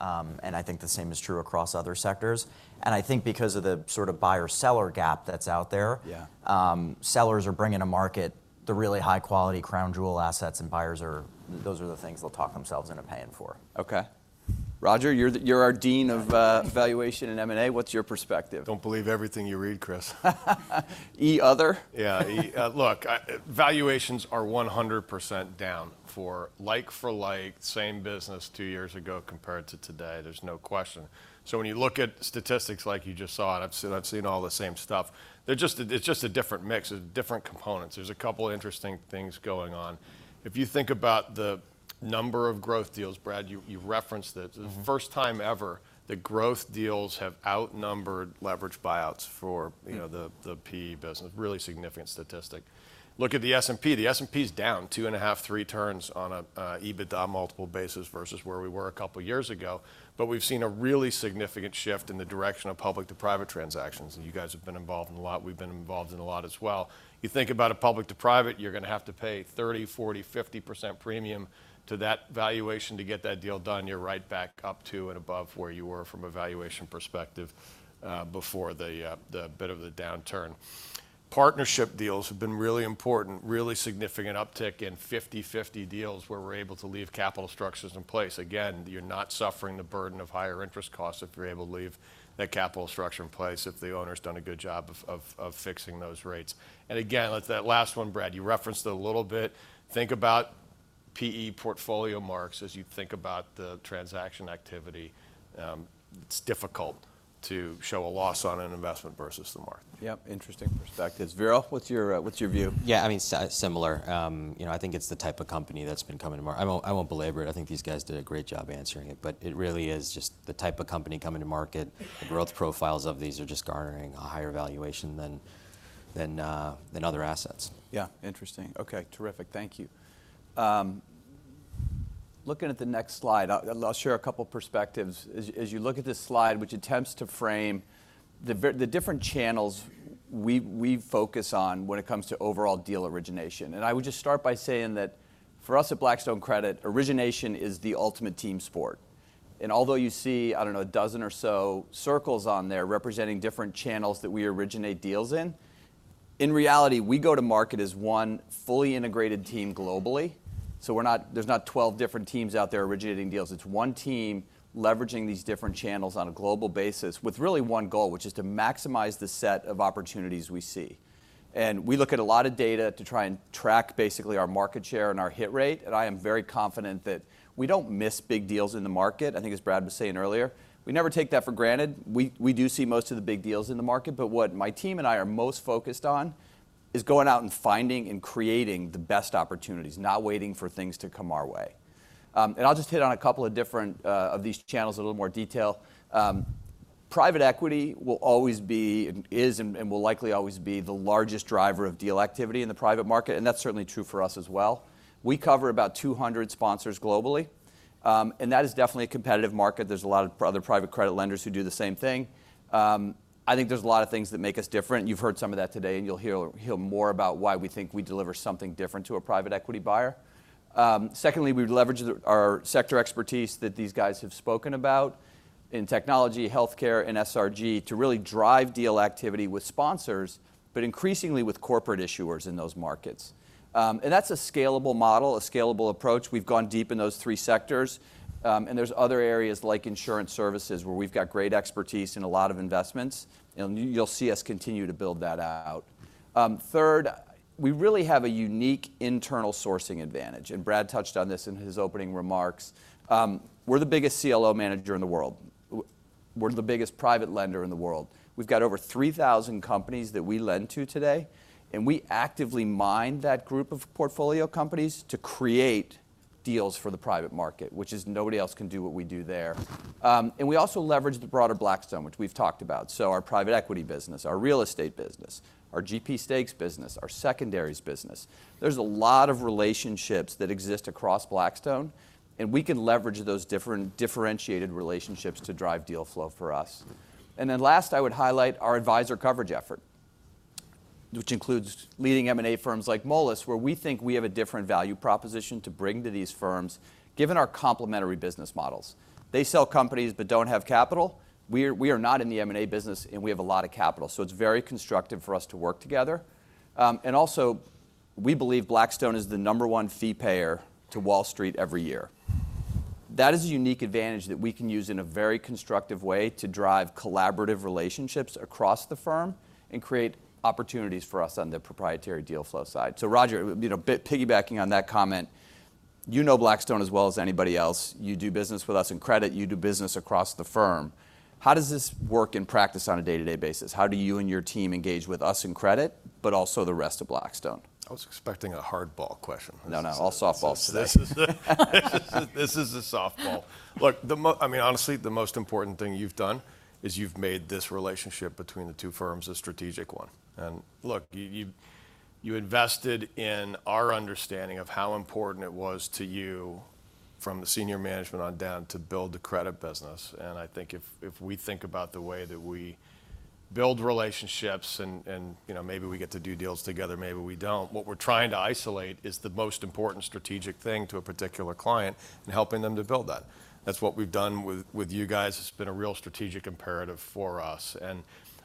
And I think the same is true across other sectors, and I think because of the sort of buyer-seller gap that's out there- Yeah... sellers are bringing to market the really high-quality, crown jewel assets, and buyers are... Those are the things they'll talk themselves into paying for. Okay. Roger, you're our dean of valuation and M&A. What's your perspective? Don't believe everything you read, Chris. E, other? Yeah, E. Look, valuations are 100% down for like-for-like, same business two years ago compared to today. There's no question. So when you look at statistics like you just saw, and I've seen, I've seen all the same stuff, they're just, it's just a different mix. There's different components. There's a couple of interesting things going on. If you think about the number of growth deals, Brad, you referenced it. Mm-hmm. The first time ever that growth deals have outnumbered leveraged buyouts for- Mm... you know, the PE business. Really significant statistic. Look at the S&P. The S&P's down 2.5, three turns on a EBITDA multiple basis versus where we were a couple of years ago, but we've seen a really significant shift in the direction of public to private transactions. And you guys have been involved in a lot. We've been involved in a lot as well. You think about a public to private, you're gonna have to pay 30, 40, 50% premium to that valuation to get that deal done. You're right back up to and above where you were from a valuation perspective, before the bit of the downturn.... partnership deals have been really important, really significant uptick in 50/50 deals where we're able to leave capital structures in place. Again, you're not suffering the burden of higher interest costs if you're able to leave that capital structure in place, if the owner's done a good job of fixing those rates. And again, like that last one, Brad, you referenced it a little bit. Think about PE portfolio marks as you think about the transaction activity. It's difficult to show a loss on an investment versus the mark. Yep, interesting perspectives. Viral, what's your, what's your view? Yeah, I mean, similar. You know, I think it's the type of company that's been coming to market. I won't, I won't belabor it. I think these guys did a great job answering it, but it really is just the type of company coming to market. The growth profiles of these are just garnering a higher valuation than, than, than other assets. Yeah. Interesting. Okay, terrific. Thank you. Looking at the next slide, I'll share a couple perspectives. As you look at this slide, which attempts to frame the different channels we focus on when it comes to overall deal origination. I would just start by saying that for us at Blackstone Credit, origination is the ultimate team sport. Although you see, I don't know, a dozen or so circles on there representing different channels that we originate deals in, in reality, we go to market as one fully integrated team globally. So we're not. There's not 12 different teams out there originating deals. It's one team leveraging these different channels on a global basis with really one goal, which is to maximize the set of opportunities we see. We look at a lot of data to try and track, basically, our market share and our hit rate, and I am very confident that we don't miss big deals in the market. I think as Brad was saying earlier, we never take that for granted. We do see most of the big deals in the market, but what my team and I are most focused on is going out and finding and creating the best opportunities, not waiting for things to come our way. I'll just hit on a couple of different of these channels in a little more detail. Private equity will always be, and is, and will likely always be the largest driver of deal activity in the private market, and that's certainly true for us as well. We cover about 200 sponsors globally, and that is definitely a competitive market. There's a lot of other private credit lenders who do the same thing. I think there's a lot of things that make us different. You've heard some of that today, and you'll hear more about why we think we deliver something different to a private equity buyer. Secondly, we leverage our sector expertise that these guys have spoken about in technology, healthcare, and SRG to really drive deal activity with sponsors, but increasingly with corporate issuers in those markets. And that's a scalable model, a scalable approach. We've gone deep in those three sectors, and there's other areas like insurance services, where we've got great expertise in a lot of investments, and you'll see us continue to build that out. Third, we really have a unique internal sourcing advantage, and Brad touched on this in his opening remarks. We're the biggest CLO manager in the world. We're the biggest private lender in the world. We've got over 3,000 companies that we lend to today, and we actively mine that group of portfolio companies to create deals for the private market, which is... nobody else can do what we do there. And we also leverage the broader Blackstone, which we've talked about. So our private equity business, our real estate business, our GP stakes business, our secondaries business. There's a lot of relationships that exist across Blackstone, and we can leverage those different differentiated relationships to drive deal flow for us. Then last, I would highlight our advisor coverage effort, which includes leading M&A firms like Moelis, where we think we have a different value proposition to bring to these firms, given our complementary business models. They sell companies but don't have capital. We're, we are not in the M&A business, and we have a lot of capital, so it's very constructive for us to work together. And also, we believe Blackstone is the number one fee payer to Wall Street every year. That is a unique advantage that we can use in a very constructive way to drive collaborative relationships across the firm and create opportunities for us on the proprietary deal flow side. So Roger, you know, piggybacking on that comment, you know Blackstone as well as anybody else. You do business with us in credit, you do business across the firm. How does this work in practice on a day-to-day basis? How do you and your team engage with us in credit, but also the rest of Blackstone? I was expecting a hardball question. No, no, all softballs today. This is a, this is a softball. Look, I mean, honestly, the most important thing you've done is you've made this relationship between the two firms a strategic one. And look, you, you, you invested in our understanding of how important it was to you, from the senior management on down, to build the credit business. And I think if, if we think about the way that we build relationships and, and, you know, maybe we get to do deals together, maybe we don't, what we're trying to isolate is the most important strategic thing to a particular client and helping them to build that. That's what we've done with, with you guys. It's been a real strategic imperative for us, and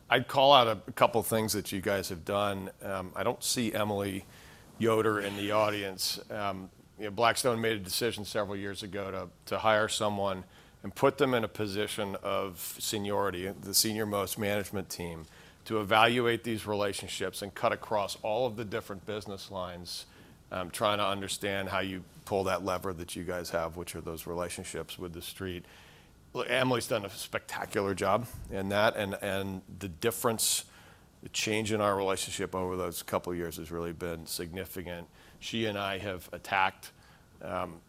I'd call out a, a couple things that you guys have done. I don't see Emily Yoder in the audience. You know, Blackstone made a decision several years ago to hire someone and put them in a position of seniority, the senior-most management team, to evaluate these relationships and cut across all of the different business lines, trying to understand how you pull that lever that you guys have, which are those relationships with the street. Look, Emily's done a spectacular job in that, and the difference, the change in our relationship over those couple of years has really been significant. She and I have attacked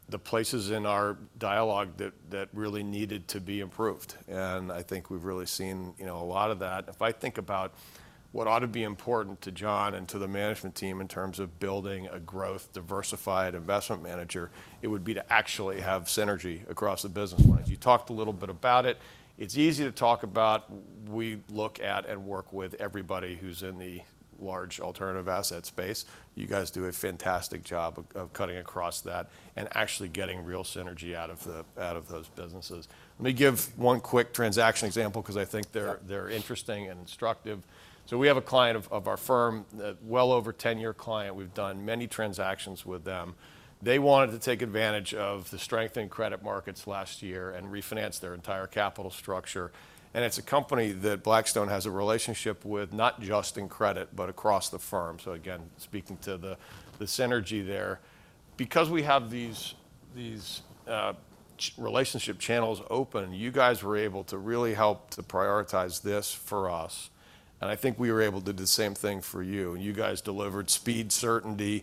the places in our dialogue that really needed to be improved, and I think we've really seen, you know, a lot of that. If I think about what ought to be important to Jon and to the management team in terms of building a growth, diversified investment manager, it would be to actually have synergy across the business lines. You talked a little bit about it. It's easy to talk about. We look at and work with everybody who's in the large alternative asset space. You guys do a fantastic job of cutting across that and actually getting real synergy out of those businesses. Let me give one quick transaction example 'cause I think they're- Sure... they're interesting and instructive. So we have a client of our firm, a well over 10-year client. We've done many transactions with them. They wanted to take advantage of the strength in credit markets last year and refinance their entire capital structure, and it's a company that Blackstone has a relationship with, not just in credit, but across the firm. So again, speaking to the synergy there. Because we have these relationship channels open, you guys were able to really help to prioritize this for us, and I think we were able to do the same thing for you, and you guys delivered speed, certainty,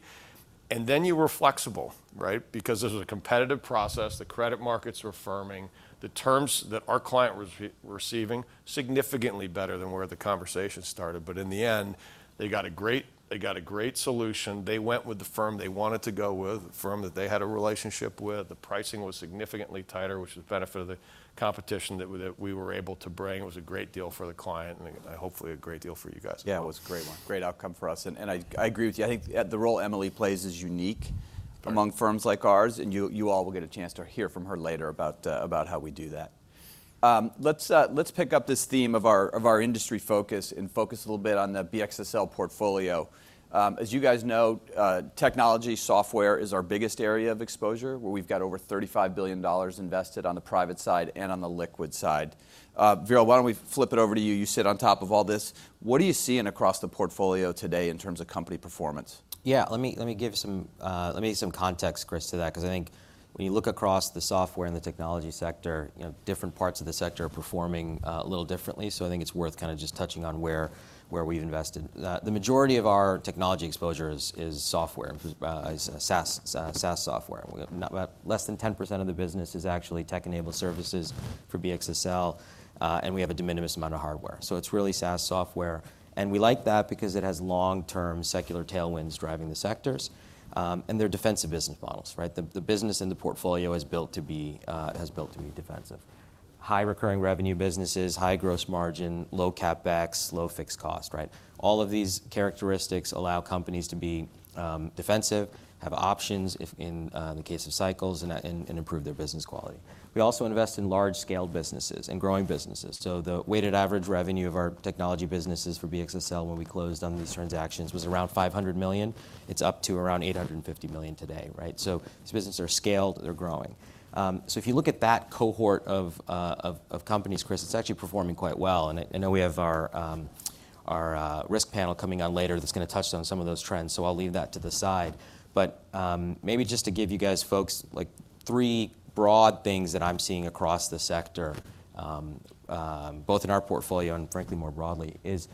and then you were flexible, right? Because this was a competitive process, the credit markets were firming, the terms that our client was receiving, significantly better than where the conversation started. But in the end, they got a great, they got a great solution. They went with the firm they wanted to go with, the firm that they had a relationship with. The pricing was significantly tighter, which is a benefit of the competition that we were able to bring. It was a great deal for the client, and hopefully a great deal for you guys. Yeah, it was a great one. Great outcome for us. I agree with you. I think the role Emily plays is unique- Right... among firms like ours, and you all will get a chance to hear from her later about about how we do that. Let's pick up this theme of our of our industry focus and focus a little bit on the BXSL portfolio. As you guys know, technology software is our biggest area of exposure, where we've got over $35 billion invested on the private side and on the liquid side. Viral, why don't we flip it over to you? You sit on top of all this. What are you seeing across the portfolio today in terms of company performance? Yeah, let me give some context, Chris, to that, 'cause I think when you look across the software and the technology sector, you know, different parts of the sector are performing a little differently, so I think it's worth kind of just touching on where we've invested. The majority of our technology exposure is software, is SaaS software. About less than 10% of the business is actually tech-enabled services for BXSL, and we have a de minimis amount of hardware. So it's really SaaS software, and we like that because it has long-term secular tailwinds driving the sectors, and they're defensive business models, right? The business and the portfolio is built to be defensive. High recurring revenue businesses, high gross margin, low CapEx, low fixed cost, right? All of these characteristics allow companies to be defensive, have options if in the case of cycles, and that improve their business quality. We also invest in large-scale businesses and growing businesses. So the weighted average revenue of our technology businesses for BXSL when we closed on these transactions was around $500 million. It's up to around $850 million today, right? So these businesses are scaled, they're growing. So if you look at that cohort of companies, Chris, it's actually performing quite well, and I know we have our risk panel coming on later that's going to touch on some of those trends, so I'll leave that to the side. But, maybe just to give you guys folks, like, three broad things that I'm seeing across the sector, both in our portfolio and frankly more broadly, is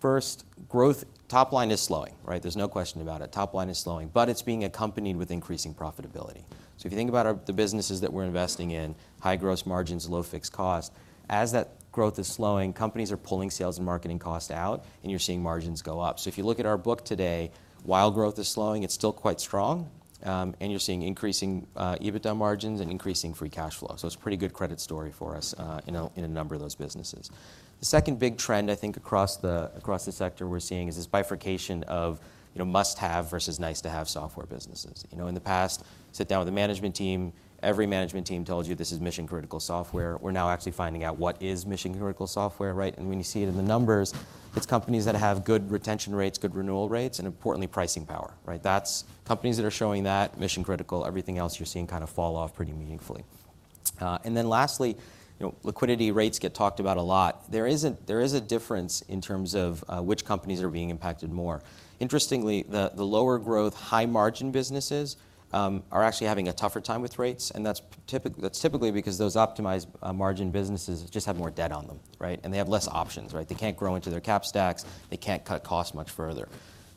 first, growth-top line is slowing, right? There's no question about it. Top line is slowing, but it's being accompanied with increasing profitability. So if you think about our the businesses that we're investing in, high gross margins, low fixed cost, as that growth is slowing, companies are pulling sales and marketing costs out, and you're seeing margins go up. So if you look at our book today, while growth is slowing, it's still quite strong, and you're seeing increasing, EBITDA margins and increasing free cash flow. So it's a pretty good credit story for us, you know, in a number of those businesses. The second big trend, I think, across the sector we're seeing is this bifurcation of, you know, must-have versus nice-to-have software businesses. You know, in the past, sit down with a management team, every management team tells you this is mission-critical software. We're now actually finding out what is mission-critical software, right? And when you see it in the numbers, it's companies that have good retention rates, good renewal rates, and importantly, pricing power, right? That's companies that are showing that, mission critical, everything else you're seeing kind of fall off pretty meaningfully. And then lastly, you know, liquidity rates get talked about a lot. There is a difference in terms of which companies are being impacted more. Interestingly, the lower growth, high margin businesses are actually having a tougher time with rates, and that's typically because those optimized margin businesses just have more debt on them, right? And they have less options, right? They can't grow into their cap stacks, they can't cut costs much further.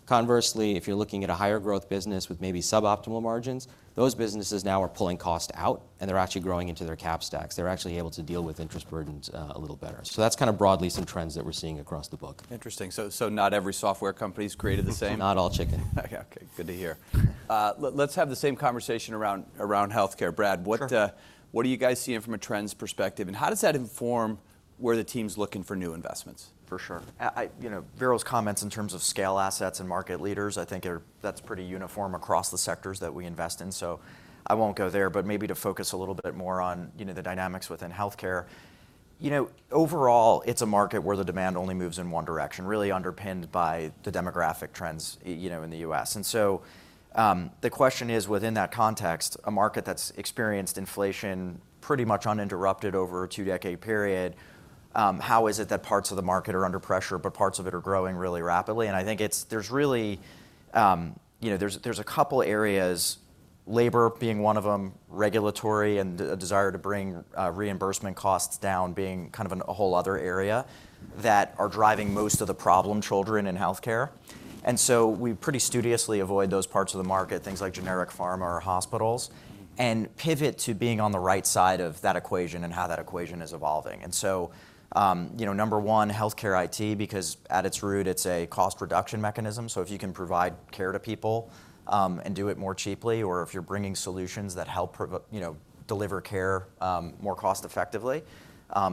Conversely, if you're looking at a higher growth business with maybe suboptimal margins, those businesses now are pulling cost out, and they're actually growing into their cap stacks. They're actually able to deal with interest burdens a little better. So that's kind of broadly some trends that we're seeing across the book. Interesting. So not every software company is created the same? Not all chicken. Okay, good to hear. Let's have the same conversation around, around healthcare. Brad- Sure.... what, what are you guys seeing from a trends perspective, and how does that inform where the team's looking for new investments? For sure. I, you know, Viral's comments in terms of scale, assets, and market leaders, I think are, that's pretty uniform across the sectors that we invest in, so I won't go there, but maybe to focus a little bit more on, you know, the dynamics within healthcare. You know, overall, it's a market where the demand only moves in one direction, really underpinned by the demographic trends, you know, in the U.S. And so, the question is, within that context, a market that's experienced inflation pretty much uninterrupted over a two-decade period, how is it that parts of the market are under pressure, but parts of it are growing really rapidly? I think there's really, you know, there's a couple areas, labor being one of them, regulatory, and a desire to bring reimbursement costs down being kind of a whole other area, that are driving most of the problem children in healthcare. So we pretty studiously avoid those parts of the market, things like generic pharma or hospitals, and pivot to being on the right side of that equation and how that equation is evolving. So, you know, number one, healthcare IT, because at its root, it's a cost reduction mechanism, so if you can provide care to people, and do it more cheaply, or if you're bringing solutions that help providers you know, deliver care, more cost-effectively,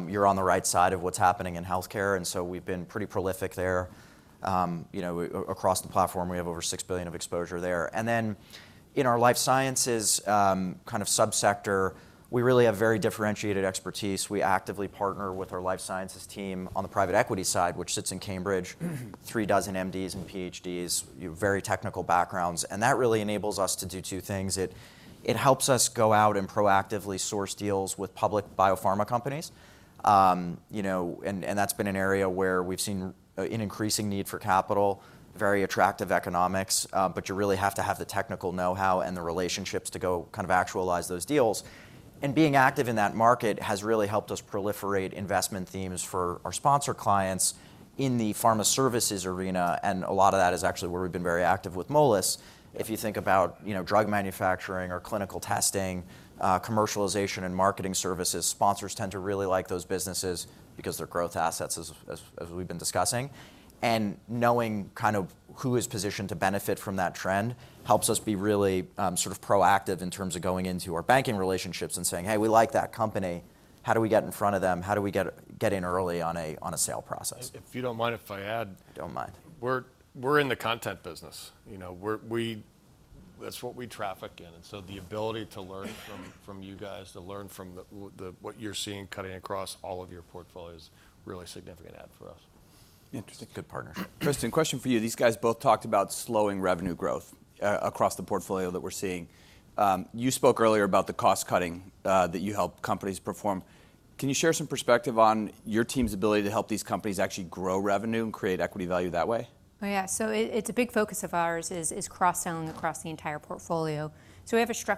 you're on the right side of what's happening in healthcare, and so we've been pretty prolific there. You know, across the platform, we have over $6 billion of exposure there. And then in our life sciences, kind of subsector, we really have very differentiated expertise. We actively partner with our life sciences team on the private equity side, which sits in Cambridge, 36 MDs and PhDs, you know, very technical backgrounds, and that really enables us to do two things. It, it helps us go out and proactively source deals with public biopharma companies. You know, and that's been an area where we've seen an increasing need for capital, very attractive economics, but you really have to have the technical know-how and the relationships to go kind of actualize those deals. And being active in that market has really helped us proliferate investment themes for our sponsor clients in the pharma services arena, and a lot of that is actually where we've been very active with Moelis. If you think about, you know, drug manufacturing or clinical testing, commercialization and marketing services, sponsors tend to really like those businesses because they're growth assets, as we've been discussing. And knowing kind of who is positioned to benefit from that trend helps us be really, sort of proactive in terms of going into our banking relationships and saying, "Hey, we like that company."... How do we get in front of them? How do we get in early on a sale process? If you don't mind, if I add- Don't mind. We're in the content business, you know. That's what we traffic in, and so the ability to learn from you guys, to learn from the what you're seeing cutting across all of your portfolios, really significant add for us. Interesting. Good partnership. Kristen, question for you. These guys both talked about slowing revenue growth across the portfolio that we're seeing. You spoke earlier about the cost-cutting that you helped companies perform. Can you share some perspective on your team's ability to help these companies actually grow revenue and create equity value that way? Oh, yeah. So it's a big focus of ours, is cross-selling across the entire portfolio. So we'll first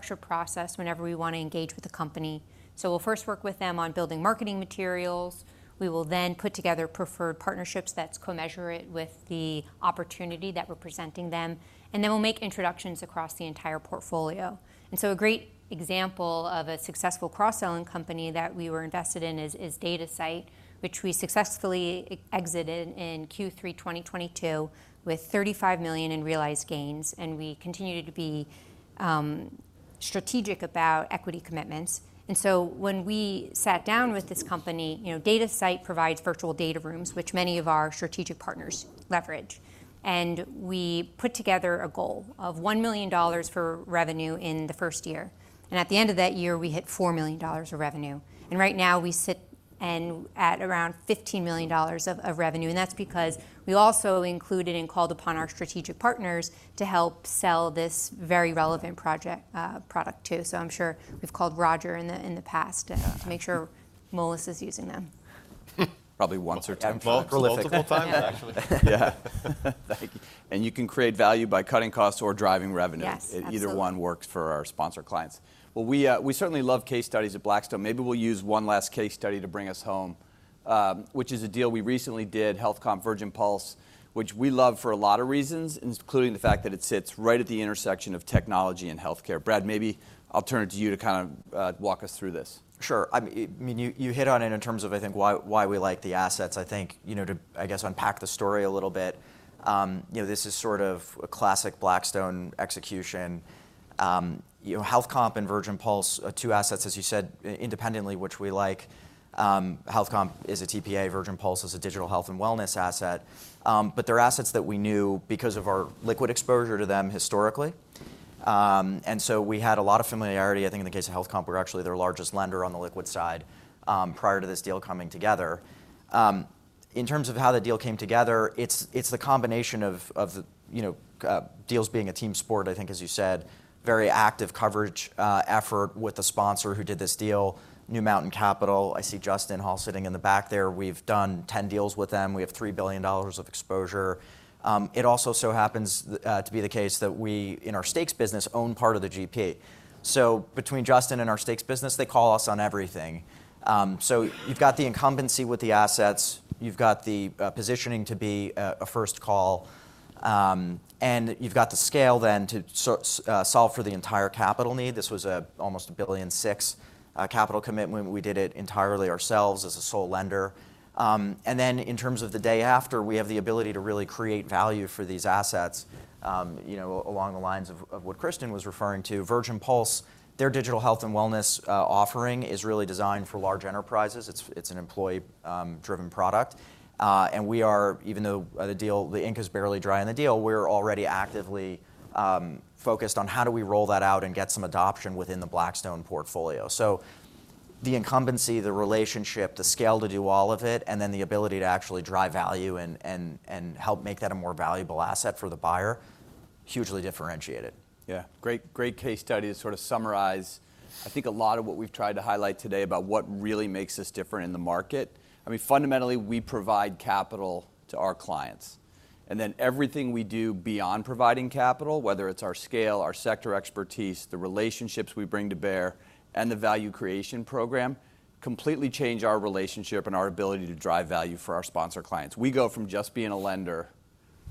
work with them on building marketing materials. We will then put together preferred partnerships that's co-measured with the opportunity that we're presenting them, and then we'll make introductions across the entire portfolio. And so a great example of a successful cross-selling company that we were invested in is Datasite, which we successfully exited in Q3 2022 with $35 million in realized gains, and we continued to be strategic about equity commitments. And so when we sat down with this company, you know, Datasite provides virtual data rooms, which many of our strategic partners leverage, and we put together a goal of $1 million for revenue in the first year, and at the end of that year, we hit $4 million of revenue. And right now we sit and at around $15 million of, of revenue, and that's because we also included and called upon our strategic partners to help sell this very relevant project- product too. So I'm sure we've called Roger in the, in the past- Yeah... to make sure Moelis is using them. Probably once or twice. Prolific. Multiple times, actually. Yeah. Thank you. You can create value by cutting costs or driving revenue. Yes, absolutely. Either one works for our sponsor clients. Well, we certainly love case studies at Blackstone. Maybe we'll use one last case study to bring us home, which is a deal we recently did, HealthComp/Virgin Pulse, which we love for a lot of reasons, including the fact that it sits right at the intersection of technology and healthcare. Brad, maybe I'll turn it to you to kind of walk us through this. Sure. I mean, you hit on it in terms of, I think, why, why we like the assets. I think, you know, to unpack the story a little bit, you know, this is sort of a classic Blackstone execution. You know, HealthComp and Virgin Pulse are two assets, as you said, independently, which we like. HealthComp is a TPA, Virgin Pulse is a digital health and wellness asset. But they're assets that we knew because of our liquid exposure to them historically. And so we had a lot of familiarity. I think in the case of HealthComp, we're actually their largest lender on the liquid side, prior to this deal coming together. In terms of how the deal came together, it's the combination of the you know, deals being a team sport, I think, as you said, very active coverage effort with the sponsor who did this deal, New Mountain Capital. I see Justin Hall sitting in the back there. We've done 10 deals with them. We have $3 billion of exposure. It also so happens to be the case that we, in our stakes business, own part of the GP. Between Justin and our stakes business, they call us on everything. So you've got the incumbency with the assets, you've got the positioning to be a first call, and you've got the scale then to solve for the entire capital need. This was almost $1.6 billion capital commitment. We did it entirely ourselves as a sole lender. And then in terms of the day after, we have the ability to really create value for these assets, you know, along the lines of what Kristen was referring to. Virgin Pulse, their digital health and wellness offering is really designed for large enterprises. It's an employee driven product. Even though the ink is barely dry on the deal, we're already actively focused on how do we roll that out and get some adoption within the Blackstone portfolio. So the incumbency, the relationship, the scale to do all of it, and then the ability to actually drive value and, and, and help make that a more valuable asset for the buyer, hugely differentiated. Yeah. Great, great case study to sort of summarize, I think a lot of what we've tried to highlight today about what really makes us different in the market. I mean, fundamentally, we provide capital to our clients, and then everything we do beyond providing capital, whether it's our scale, our sector expertise, the relationships we bring to bear, and the Value Creation Program, completely change our relationship and our ability to drive value for our sponsor clients. We go from just being a lender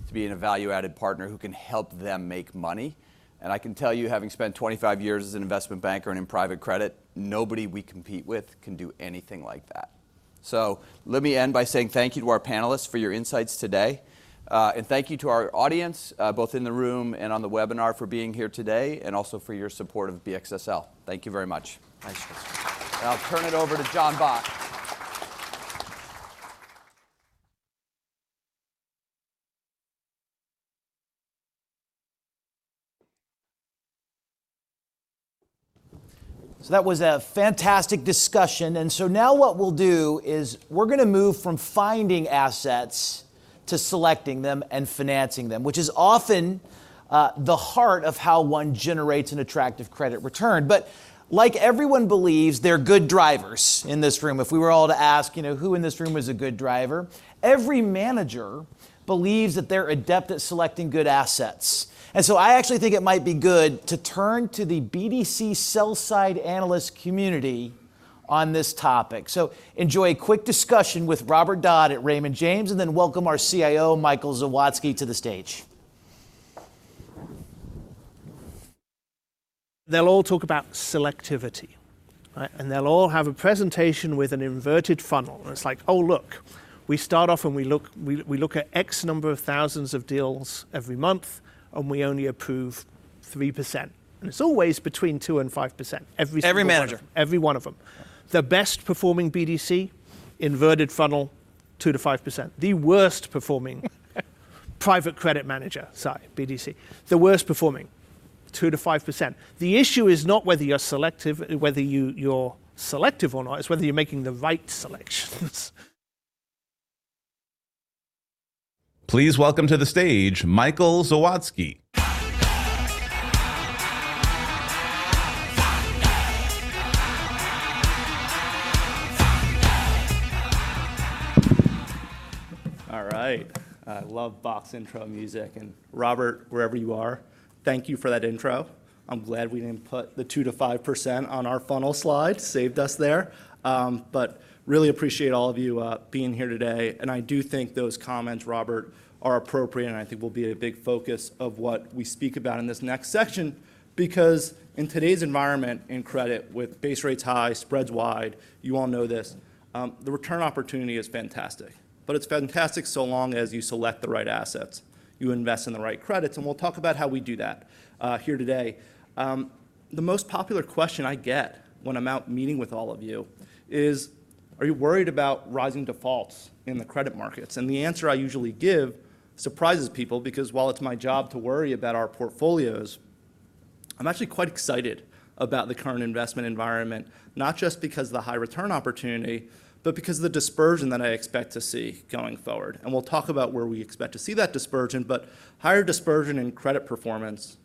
to being a value-added partner who can help them make money, and I can tell you, having spent 25 years as an investment banker and in private credit, nobody we compete with can do anything like that. So let me end by saying thank you to our panelists for your insights today. Thank you to our audience, both in the room and on the webinar for being here today, and also for your support of BXSL. Thank you very much. Thanks, guys. I'll turn it over to Jon Bock. So that was a fantastic discussion, and so now what we'll do is we're gonna move from finding assets to selecting them and financing them, which is often the heart of how one generates an attractive credit return. But like everyone believes they're good drivers in this room, if we were all to ask, you know, "Who in this room is a good driver?" Every manager believes that they're adept at selecting good assets. And so I actually think it might be good to turn to the BDC sell-side analyst community on this topic. So enjoy a quick discussion with Robert Dodd at Raymond James, and then welcome our CIO, Michael Zawadzki, to the stage. They'll all talk about selectivity, right? And they'll all have a presentation with an inverted funnel, and it's like, "Oh, look, we start off and we look at X number of thousands of deals every month, and we only approve 3%." And it's always between 2% and 5%, every single one. Every manager ...every one of them. The best performing BDC, inverted funnel?... 2%-5%. The worst performing private credit manager, sorry, BDC. The worst performing, 2%-5%. The issue is not whether you're selective, whether you, you're selective or not, it's whether you're making the right selections. Please welcome to the stage, Michael Zawadzki. All right. I love Bock's intro music, and Robert, wherever you are, thank you for that intro. I'm glad we didn't put the 2%-5% on our funnel slide. Saved us there. But really appreciate all of you being here today, and I do think those comments, Robert, are appropriate, and I think will be a big focus of what we speak about in this next section. Because in today's environment in credit, with base rates high, spreads wide, you all know this, the return opportunity is fantastic. But it's fantastic so long as you select the right assets, you invest in the right credits, and we'll talk about how we do that here today. The most popular question I get when I'm out meeting with all of you is, "Are you worried about rising defaults in the credit markets?" And the answer I usually give surprises people, because while it's my job to worry about our portfolios, I'm actually quite excited about the current investment environment, not just because of the high return opportunity, but because of the dispersion that I expect to see going forward. And we'll talk about where we expect to see that dispersion, but higher dispersion in credit performance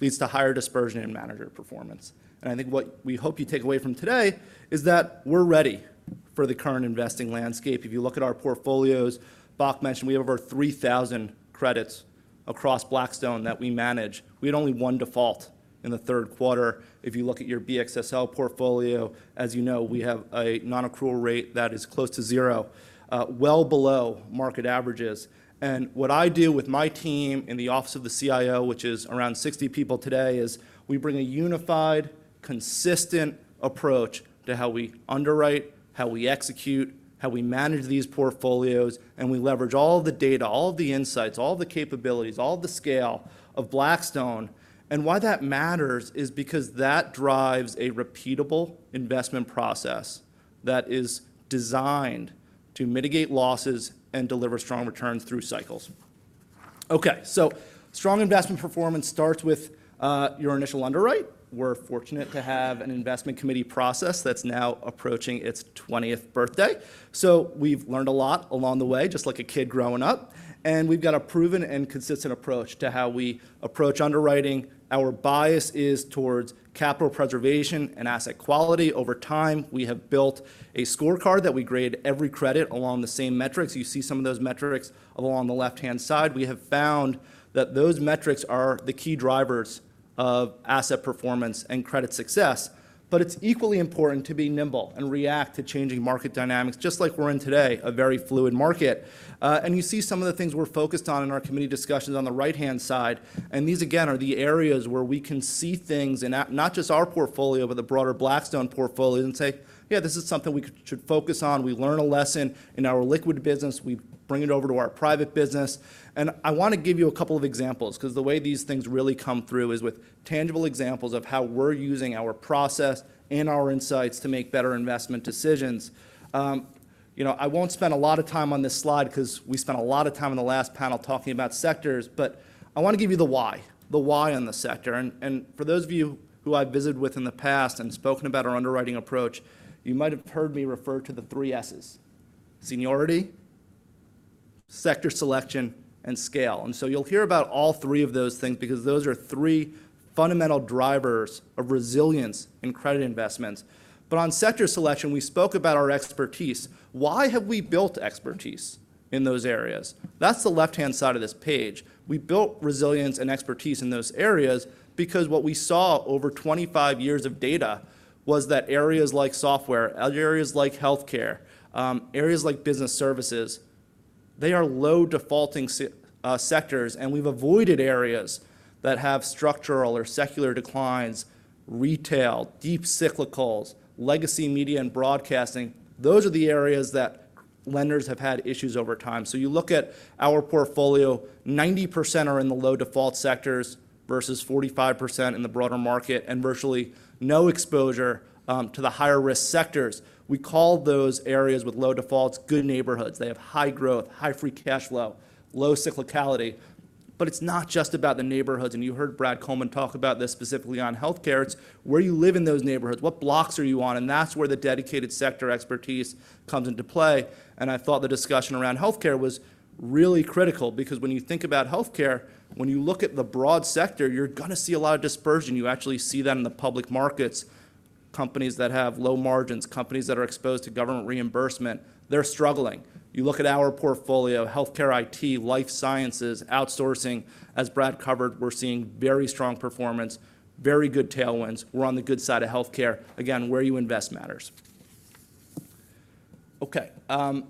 leads to higher dispersion in manager performance. And I think what we hope you take away from today is that we're ready for the current investing landscape. If you look at our portfolios, Brad mentioned we have over 3,000 credits across Blackstone that we manage. We had only one default in the third quarter. If you look at your BXSL portfolio, as you know, we have a nonaccrual rate that is close to zero, well below market averages. What I do with my team in the Office of the CIO, which is around 60 people today, is we bring a unified, consistent approach to how we underwrite, how we execute, how we manage these portfolios, and we leverage all the data, all the insights, all the capabilities, all the scale of Blackstone. Why that matters is because that drives a repeatable investment process that is designed to mitigate losses and deliver strong returns through cycles. Okay, strong investment performance starts with your initial underwrite. We're fortunate to have an investment committee process that's now approaching its twentieth birthday. So we've learned a lot along the way, just like a kid growing up, and we've got a proven and consistent approach to how we approach underwriting. Our bias is towards capital preservation and asset quality. Over time, we have built a scorecard that we grade every credit along the same metrics. You see some of those metrics along the left-hand side. We have found that those metrics are the key drivers of asset performance and credit success. But it's equally important to be nimble and react to changing market dynamics, just like we're in today, a very fluid market. And you see some of the things we're focused on in our committee discussions on the right-hand side, and these again, are the areas where we can see things in, not just our portfolio, but the broader Blackstone portfolio and say, "Yeah, this is something we should focus on." We learn a lesson in our liquid business, we bring it over to our private business. And I wanna give you a couple of examples, 'cause the way these things really come through is with tangible examples of how we're using our process and our insights to make better investment decisions. You know, I won't spend a lot of time on this slide 'cause we spent a lot of time on the last panel talking about sectors, but I wanna give you the why, the why on the sector. For those of you who I've visited with in the past and spoken about our underwriting approach, you might have heard me refer to the three S's: seniority, sector selection, and scale. So you'll hear about all three of those things, because those are three fundamental drivers of resilience in credit investments. But on sector selection, we spoke about our expertise. Why have we built expertise in those areas? That's the left-hand side of this page. We built resilience and expertise in those areas because what we saw over 25 years of data was that areas like software, areas like healthcare, areas like business services, they are low-defaulting sectors, and we've avoided areas that have structural or secular declines, retail, deep cyclicals, legacy media and broadcasting. Those are the areas that lenders have had issues over time. So you look at our portfolio, 90% are in the low-default sectors, versus 45% in the broader market, and virtually no exposure to the higher-risk sectors. We call those areas with low defaults, good neighborhoods. They have high growth, high free cash flow, low cyclicality. But it's not just about the neighborhoods, and you heard Brad Colman talk about this specifically on healthcare. It's where you live in those neighborhoods, what blocks are you on? And that's where the dedicated sector expertise comes into play. And I thought the discussion around healthcare was really critical, because when you think about healthcare, when you look at the broad sector, you're gonna see a lot of dispersion. You actually see that in the public markets. Companies that have low margins, companies that are exposed to government reimbursement, they're struggling. You look at our portfolio, healthcare IT, life sciences, outsourcing. As Brad covered, we're seeing very strong performance, very good tailwinds. We're on the good side of healthcare. Again, where you invest matters. Okay, I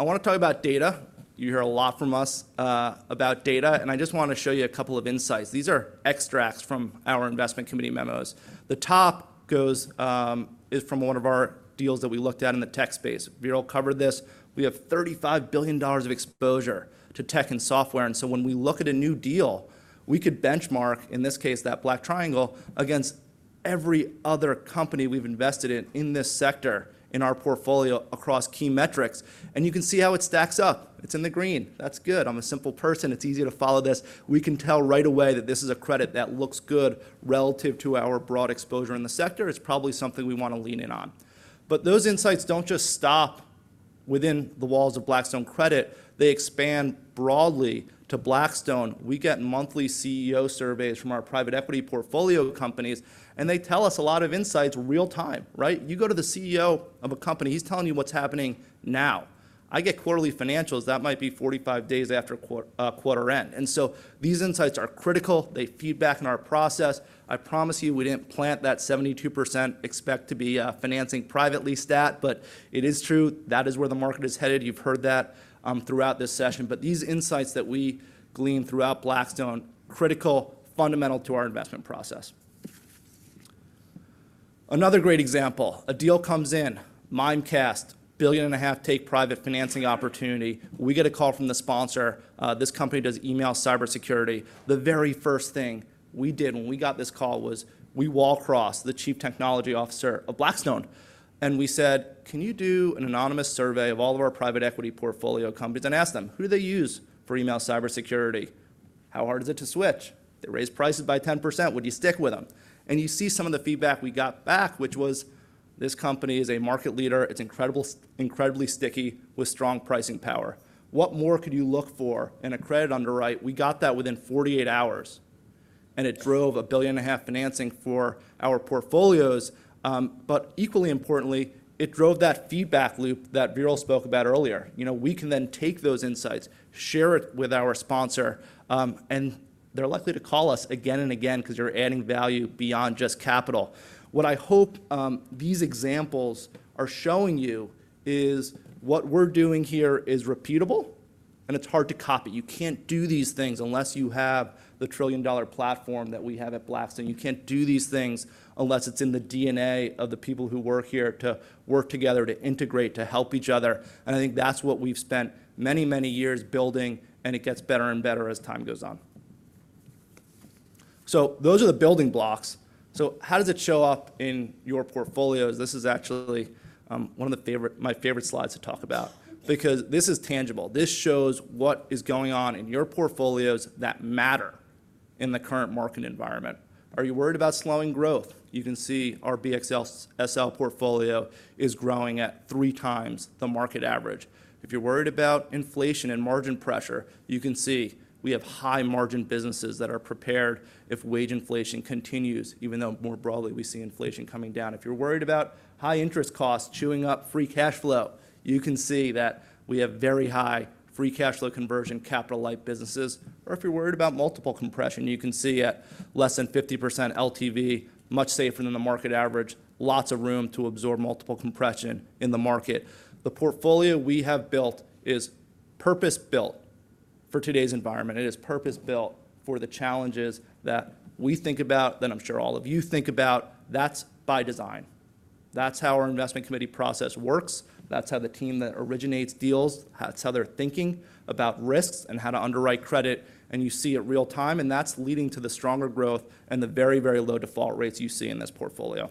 wanna talk about data. You hear a lot from us about data, and I just wanna show you a couple of insights. These are extracts from our investment committee memos. The top goes is from one of our deals that we looked at in the tech space. Viral covered this. We have $35 billion of exposure to tech and software, and so when we look at a new deal, we could benchmark, in this case, that black triangle, against every other company we've invested in, in this sector, in our portfolio across key metrics, and you can see how it stacks up. It's in the green. That's good. I'm a simple person. It's easy to follow this. We can tell right away that this is a credit that looks good relative to our broad exposure in the sector. It's probably something we wanna lean in on. But those insights don't just stop within the walls of Blackstone Credit, they expand broadly to Blackstone. We get monthly CEO surveys from our private equity portfolio companies, and they tell us a lot of insights real time, right? You go to the CEO of a company, he's telling you what's happening now. I get quarterly financials, that might be 45 days after a quarter end. And so these insights are critical. They feed back in our process. I promise you, we didn't plant that 72% expect to be financing privately stat, but it is true. That is where the market is headed. You've heard that throughout this session. But these insights that we glean throughout Blackstone, critical, fundamental to our investment process. Another great example, a deal comes in, Mimecast, a $1.5 billion take-private financing opportunity. We get a call from the sponsor. This company does email cybersecurity. The very first thing we did when we got this call was, we walked across the Chief Technology Officer of Blackstone, and we said: "Can you do an anonymous survey of all of our private equity portfolio companies and ask them, 'Who do they use for email cybersecurity? How hard is it to switch? If they raised prices by 10%, would you stick with them?'" And you see some of the feedback we got back, which was, this company is a market leader. It's incredibly sticky with strong pricing power. What more could you look for in a credit underwrite? We got that within 48 hours, and it drove $1.5 billion financing for our portfolios. But equally importantly, it drove that feedback loop that Viral spoke about earlier. You know, we can then take those insights, share it with our sponsor, and they're likely to call us again and again because you're adding value beyond just capital. What I hope these examples are showing you is what we're doing here is repeatable and it's hard to copy. You can't do these things unless you have the $1 trillion-dollar platform that we have at Blackstone. You can't do these things unless it's in the DNA of the people who work here to work together, to integrate, to help each other. And I think that's what we've spent many, many years building, and it gets better and better as time goes on. So those are the building blocks. So how does it show up in your portfolios? This is actually one of my favorite slides to talk about, because this is tangible. This shows what is going on in your portfolios that matter in the current market environment. Are you worried about slowing growth? You can see our BXSL portfolio is growing at three times the market average. If you're worried about inflation and margin pressure, you can see we have high-margin businesses that are prepared if wage inflation continues, even though more broadly, we see inflation coming down. If you're worried about high interest costs chewing up free cash flow, you can see that we have very high free cash flow conversion, capital-light businesses. Or if you're worried about multiple compression, you can see at less than 50% LTV, much safer than the market average, lots of room to absorb multiple compression in the market. The portfolio we have built is purpose-built for today's environment. It is purpose-built for the challenges that we think about, that I'm sure all of you think about. That's by design. That's how our investment committee process works. That's how the team that originates deals, that's how they're thinking about risks and how to underwrite credit, and you see it real time, and that's leading to the stronger growth and the very, very low default rates you see in this portfolio.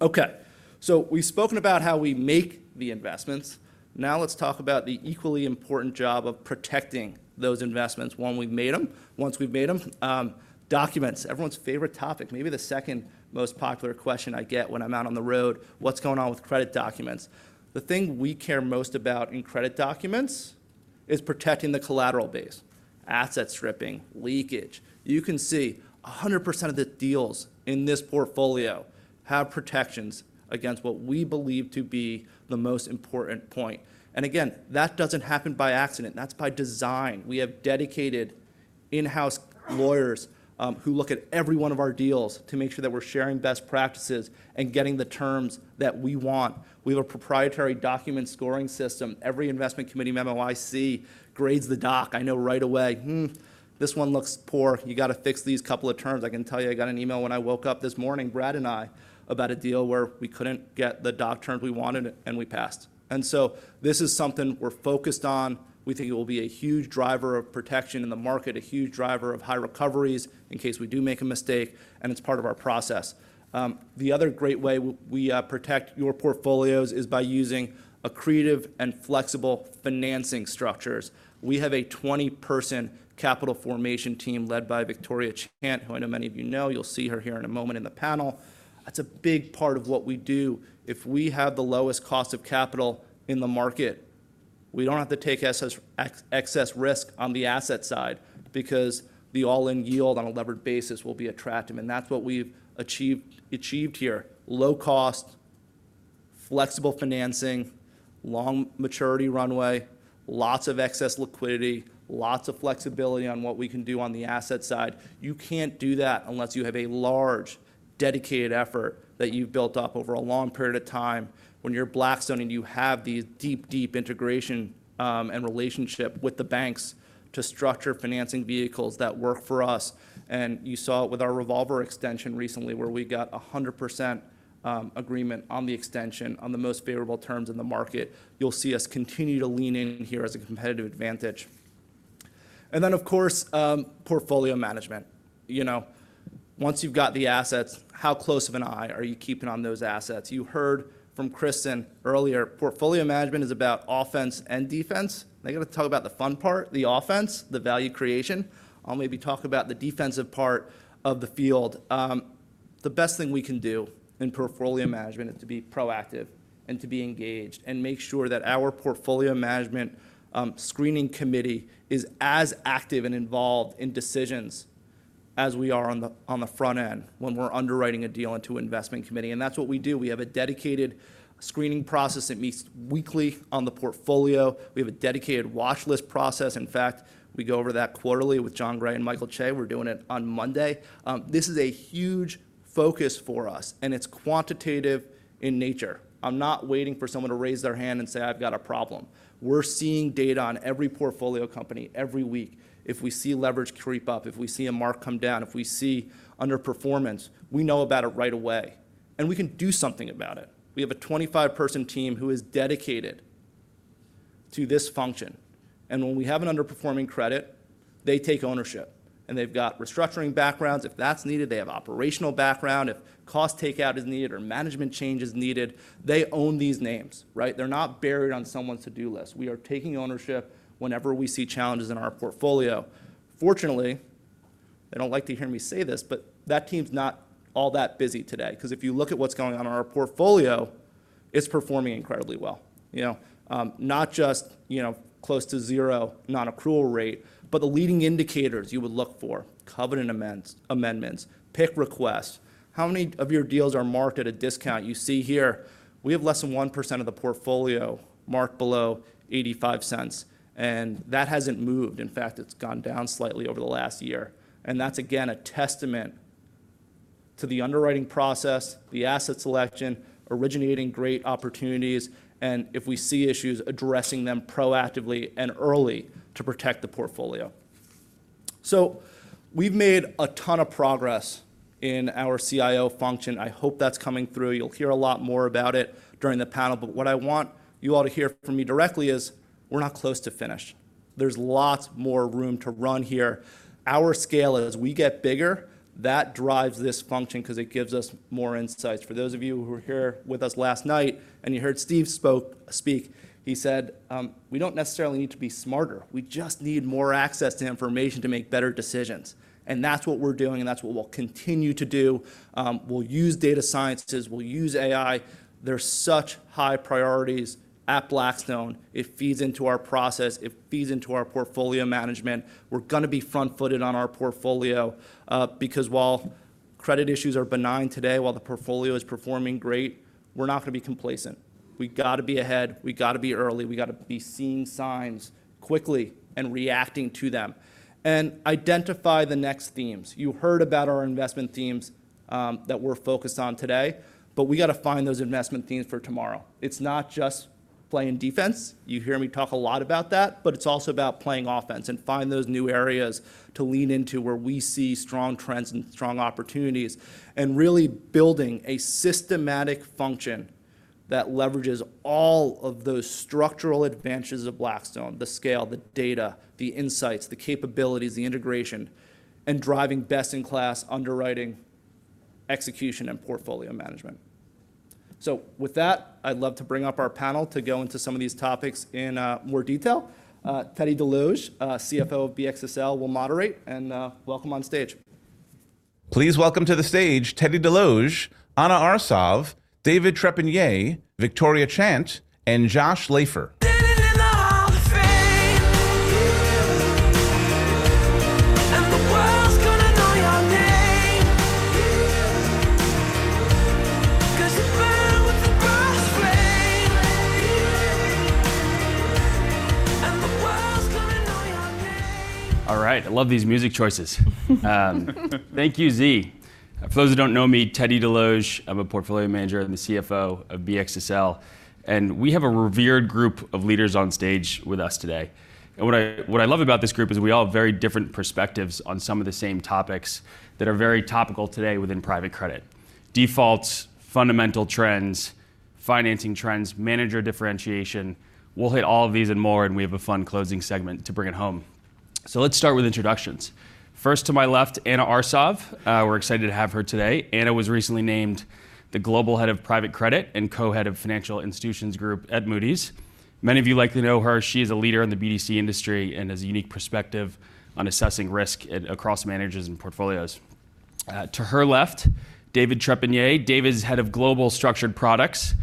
Okay, so we've spoken about how we make the investments. Now let's talk about the equally important job of protecting those investments when we've made them, once we've made them. Documents, everyone's favorite topic, maybe the second most popular question I get when I'm out on the road: What's going on with credit documents? The thing we care most about in credit documents is protecting the collateral base, asset stripping, leakage. You can see 100% of the deals in this portfolio have protections against what we believe to be the most important point. Again, that doesn't happen by accident. That's by design. We have dedicated in-house lawyers, who look at every one of our deals to make sure that we're sharing best practices and getting the terms that we want. We have a proprietary document scoring system. Every investment committee memo I see grades the doc. I know right away, "Hmm, this one looks poor. You got to fix these couple of terms." I can tell you, I got an email when I woke up this morning, Brad and I, about a deal where we couldn't get the doc terms we wanted, and we passed. And so this is something we're focused on. We think it will be a huge driver of protection in the market, a huge driver of high recoveries in case we do make a mistake, and it's part of our process. The other great way we protect your portfolios is by using accretive and flexible financing structures. We have a 20-person capital formation team led by Victoria Chant, who I know many of you know. You'll see her here in a moment in the panel. That's a big part of what we do. If we have the lowest cost of capital in the market, we don't have to take excess risk on the asset side because the all-in yield on a levered basis will be attractive, and that's what we've achieved here. Low cost, flexible financing, long maturity runway, lots of excess liquidity, lots of flexibility on what we can do on the asset side. You can't do that unless you have a large, dedicated effort that you've built up over a long period of time. When you're Blackstone and you have the deep, deep integration and relationship with the banks to structure financing vehicles that work for us, and you saw it with our revolver extension recently, where we got 100% agreement on the extension on the most favorable terms in the market. You'll see us continue to lean in here as a competitive advantage. And then, of course, portfolio management. You know, once you've got the assets, how close of an eye are you keeping on those assets? You heard from Kristen earlier, portfolio management is about offense and defense. I'm gonna talk about the fun part, the offense, the value creation, I'll maybe talk about the defensive part of the field. The best thing we can do in portfolio management is to be proactive and to be engaged, and make sure that our portfolio management, screening committee is as active and involved in decisions as we are on the, on the front end when we're underwriting a deal into investment committee. And that's what we do. We have a dedicated screening process that meets weekly on the portfolio. We have a dedicated watchlist process. In fact, we go over that quarterly with Jon Gray and Michael Chae. We're doing it on Monday. This is a huge focus for us, and it's quantitative in nature. I'm not waiting for someone to raise their hand and say, "I've got a problem." We're seeing data on every portfolio company every week. If we see leverage creep up, if we see a mark come down, if we see underperformance, we know about it right away, and we can do something about it. We have a 25-person team who is dedicated to this function, and when we have an underperforming credit, they take ownership. And they've got restructuring backgrounds if that's needed. They have operational background if cost takeout is needed or management change is needed. They own these names, right? They're not buried on someone's to-do list. We are taking ownership whenever we see challenges in our portfolio. Fortunately, they don't like to hear me say this, but that team's not all that busy today, 'cause if you look at what's going on in our portfolio, it's performing incredibly well. You know, not just, you know, close to zero non-accrual rate, but the leading indicators you would look for: covenant amendments, PIK requests. How many of your deals are marked at a discount? You see here, we have less than 1% of the portfolio marked below $0.85, and that hasn't moved. In fact, it's gone down slightly over the last year, and that's, again, a testament to the underwriting process, the asset selection, originating great opportunities, and if we see issues, addressing them proactively and early to protect the portfolio. So we've made a ton of progress in our CIO function. I hope that's coming through. You'll hear a lot more about it during the panel. But what I want you all to hear from me directly is we're not close to finished. There's lots more room to run here. Our scale, as we get bigger, that drives this function 'cause it gives us more insights. For those of you who were here with us last night, and you heard Steve speak, he said, "We don't necessarily need to be smarter. We just need more access to information to make better decisions." And that's what we're doing, and that's what we'll continue to do. We'll use data sciences. We'll use AI. They're such high priorities at Blackstone. It feeds into our process. It feeds into our portfolio management. We're gonna be front-footed on our portfolio, because while credit issues are benign today, while the portfolio is performing great, we're not gonna be complacent. We've got to be ahead. We've got to be early. We've got to be seeing signs quickly and reacting to them, and identify the next themes. You heard about our investment themes, that we're focused on today, but we got to find those investment themes for tomorrow. It's not just playing defense. You hear me talk a lot about that, but it's also about playing offense and find those new areas to lean into, where we see strong trends and strong opportunities, and really building a systematic function that leverages all of those structural advantages of Blackstone, the scale, the data, the insights, the capabilities, the integration, and driving best-in-class underwriting, execution, and portfolio management. So with that, I'd love to bring up our panel to go into some of these topics in more detail. Teddy Desloge, CFO of BXSL, will moderate, and welcome on stage. Please welcome to the stage Teddy Desloge, Ana Arsov, David Trepanier, Victoria Chant, and Josh Laifer. You're in the hall of fame. The world's gonna know your name. 'Cause you burn with the brightest flame. The world's gonna know your name. All right. I love these music choices. Thank you, B. For those who don't know me, Teddy Desloge, I'm a portfolio manager and the CFO of BXSL, and we have a revered group of leaders on stage with us today. And what I, what I love about this group is we all have very different perspectives on some of the same topics that are very topical today within private credit: defaults, fundamental trends, financing trends, manager differentiation. We'll hit all of these and more, and we have a fun closing segment to bring it home. So let's start with introductions. First, to my left, Ana Arsov. We're excited to have her today. Ana was recently named the Global Head of Private Credit and Co-Head of Financial Institutions Group at Moody's. Many of you likely know her. She's a leader in the BDC industry and has a unique perspective on assessing risk at, across managers and portfolios. To her left, David Trepanier. David is Head of Global Structured Products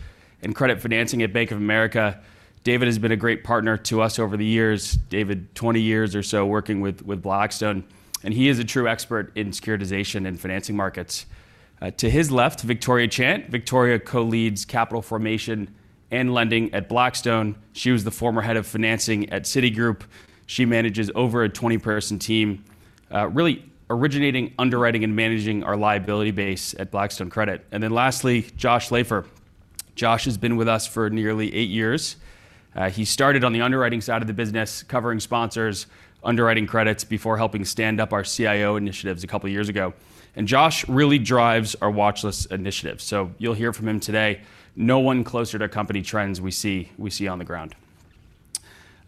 and Credit Financing at Bank of America. David has been a great partner to us over the years, David, 20 years or so working with, with Blackstone, and he is a true expert in securitization and financing markets. To his left, Victoria Chant. Victoria co-leads Capital Formation and Lending at Blackstone. She was the former head of financing at Citigroup. She manages over a 20-person team, really originating, underwriting, and managing our liability base at Blackstone Credit. And then lastly, Josh Laifer. Josh has been with us for nearly 8 years. He started on the underwriting side of the business, covering sponsors, underwriting credits, before helping stand up our CIO initiatives a couple years ago. Josh really drives our watchlist initiatives, so you'll hear from him today. No one closer to company trends we see on the ground....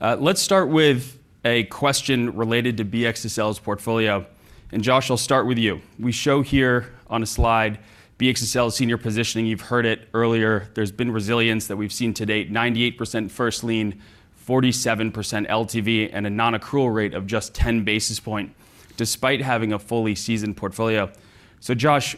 Let's start with a question related to BXSL's portfolio, and Josh, I'll start with you. We show here on a slide BXSL's senior positioning. You've heard it earlier, there's been resilience that we've seen to date, 98% first lien, 47% LTV, and a non-accrual rate of just 10 basis points despite having a fully seasoned portfolio. So Josh,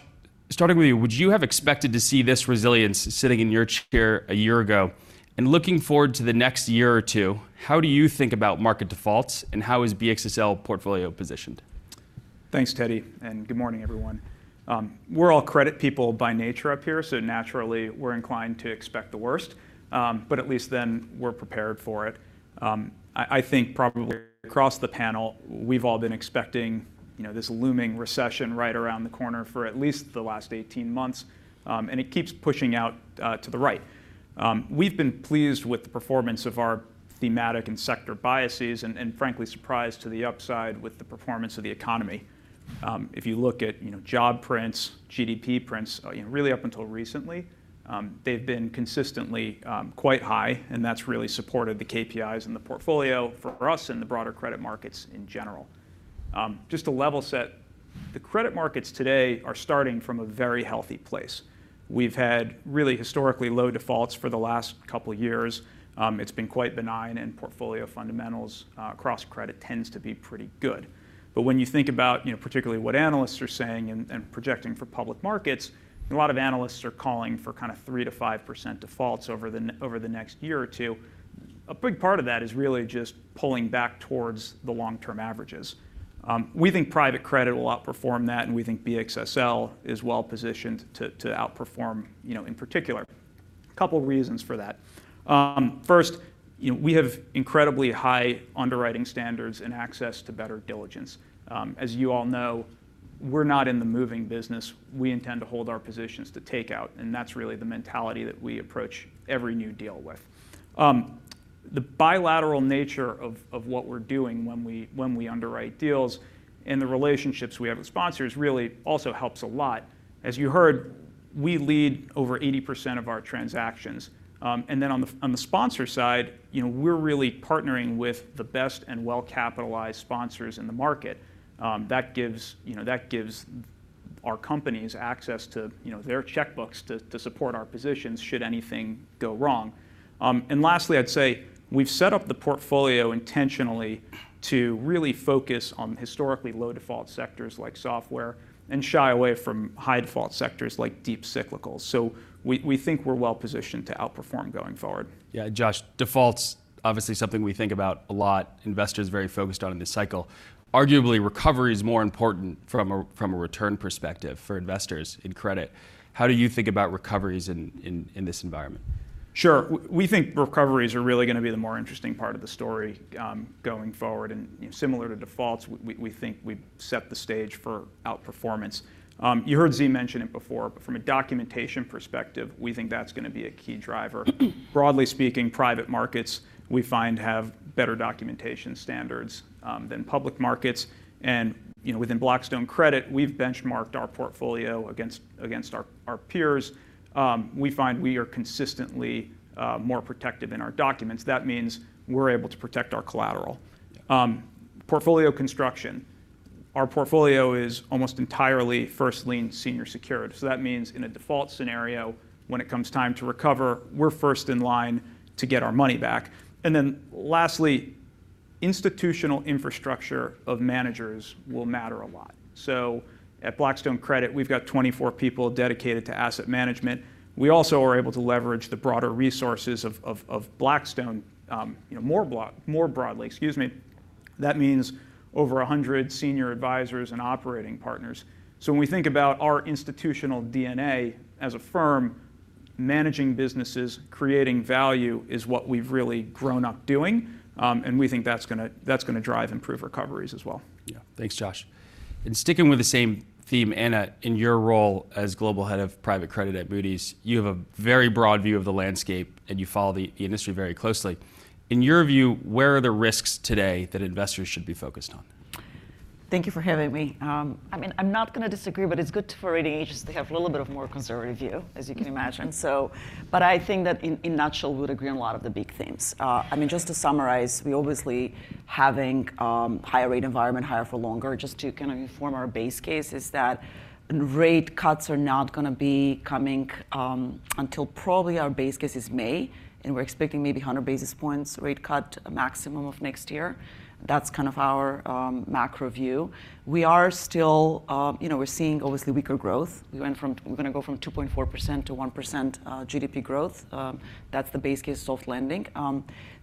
starting with you, would you have expected to see this resilience sitting in your chair a year ago? And looking forward to the next year or two, how do you think about market defaults, and how is BXSL portfolio positioned? Thanks, Teddy, and good morning, everyone. We're all credit people by nature up here, so naturally, we're inclined to expect the worst, but at least then we're prepared for it. I think probably across the panel, we've all been expecting, you know, this looming recession right around the corner for at least the last 18 months, and it keeps pushing out to the right. We've been pleased with the performance of our thematic and sector biases and, and frankly, surprised to the upside with the performance of the economy. If you look at, you know, job prints, GDP prints, you know, really up until recently, they've been consistently quite high, and that's really supported the KPIs in the portfolio for us and the broader credit markets in general. Just to level set, the credit markets today are starting from a very healthy place. We've had really historically low defaults for the last couple of years. It's been quite benign, and portfolio fundamentals across credit tends to be pretty good. But when you think about, you know, particularly what analysts are saying and projecting for public markets, and a lot of analysts are calling for kind of 3%-5% defaults over the next year or two, a big part of that is really just pulling back towards the long-term averages. We think private credit will outperform that, and we think BXSL is well-positioned to outperform, you know, in particular. A couple reasons for that. First, you know, we have incredibly high underwriting standards and access to better diligence. As you all know, we're not in the moving business. We intend to hold our positions to takeout, and that's really the mentality that we approach every new deal with. The bilateral nature of what we're doing when we underwrite deals and the relationships we have with sponsors really also helps a lot. As you heard, we lead over 80% of our transactions. And then on the sponsor side, you know, we're really partnering with the best and well-capitalized sponsors in the market. That gives, you know, our companies access to, you know, their checkbooks to support our positions, should anything go wrong. And lastly, I'd say we've set up the portfolio intentionally to really focus on historically low default sectors like software and shy away from high default sectors like deep cyclicals. So we think we're well-positioned to outperform going forward. Yeah, Josh, default's obviously something we think about a lot, investors are very focused on in this cycle. Arguably, recovery is more important from a return perspective for investors in credit. How do you think about recoveries in this environment? Sure. We think recoveries are really going to be the more interesting part of the story, going forward. And, you know, similar to defaults, we think we've set the stage for outperformance. You heard B mention it before, but from a documentation perspective, we think that's going to be a key driver. Broadly speaking, private markets, we find, have better documentation standards than public markets. And, you know, within Blackstone Credit, we've benchmarked our portfolio against our peers. We find we are consistently more protective in our documents. That means we're able to protect our collateral. Portfolio construction, our portfolio is almost entirely first-lien senior secured, so that means in a default scenario, when it comes time to recover, we're first in line to get our money back. And then lastly, institutional infrastructure of managers will matter a lot. So at Blackstone Credit, we've got 24 people dedicated to asset management. We also are able to leverage the broader resources of Blackstone, you know, more broadly, excuse me. That means over 100 senior advisors and operating partners. So when we think about our institutional DNA as a firm, managing businesses, creating value is what we've really grown up doing, and we think that's gonna drive improved recoveries as well. Yeah. Thanks, Josh. Sticking with the same theme, Ana, in your role as Global Head of Private Credit at Moody's, you have a very broad view of the landscape, and you follow the industry very closely. In your view, where are the risks today that investors should be focused on? Thank you for having me. I mean, I'm not going to disagree, but it's good for rating agencies to have a little bit of more conservative view, as you can imagine. So, but I think that in a nutshell, would agree on a lot of the big themes. I mean, just to summarize, we obviously having higher rate environment, higher for longer, just to kind of inform our base case, is that rate cuts are not going to be coming until probably our base case is May, and we're expecting maybe 100 basis points rate cut a maximum of next year. That's kind of our macro view. We are still. You know, we're seeing obviously weaker growth. We're going to go from 2.4%-1%, GDP growth. That's the base case of lending.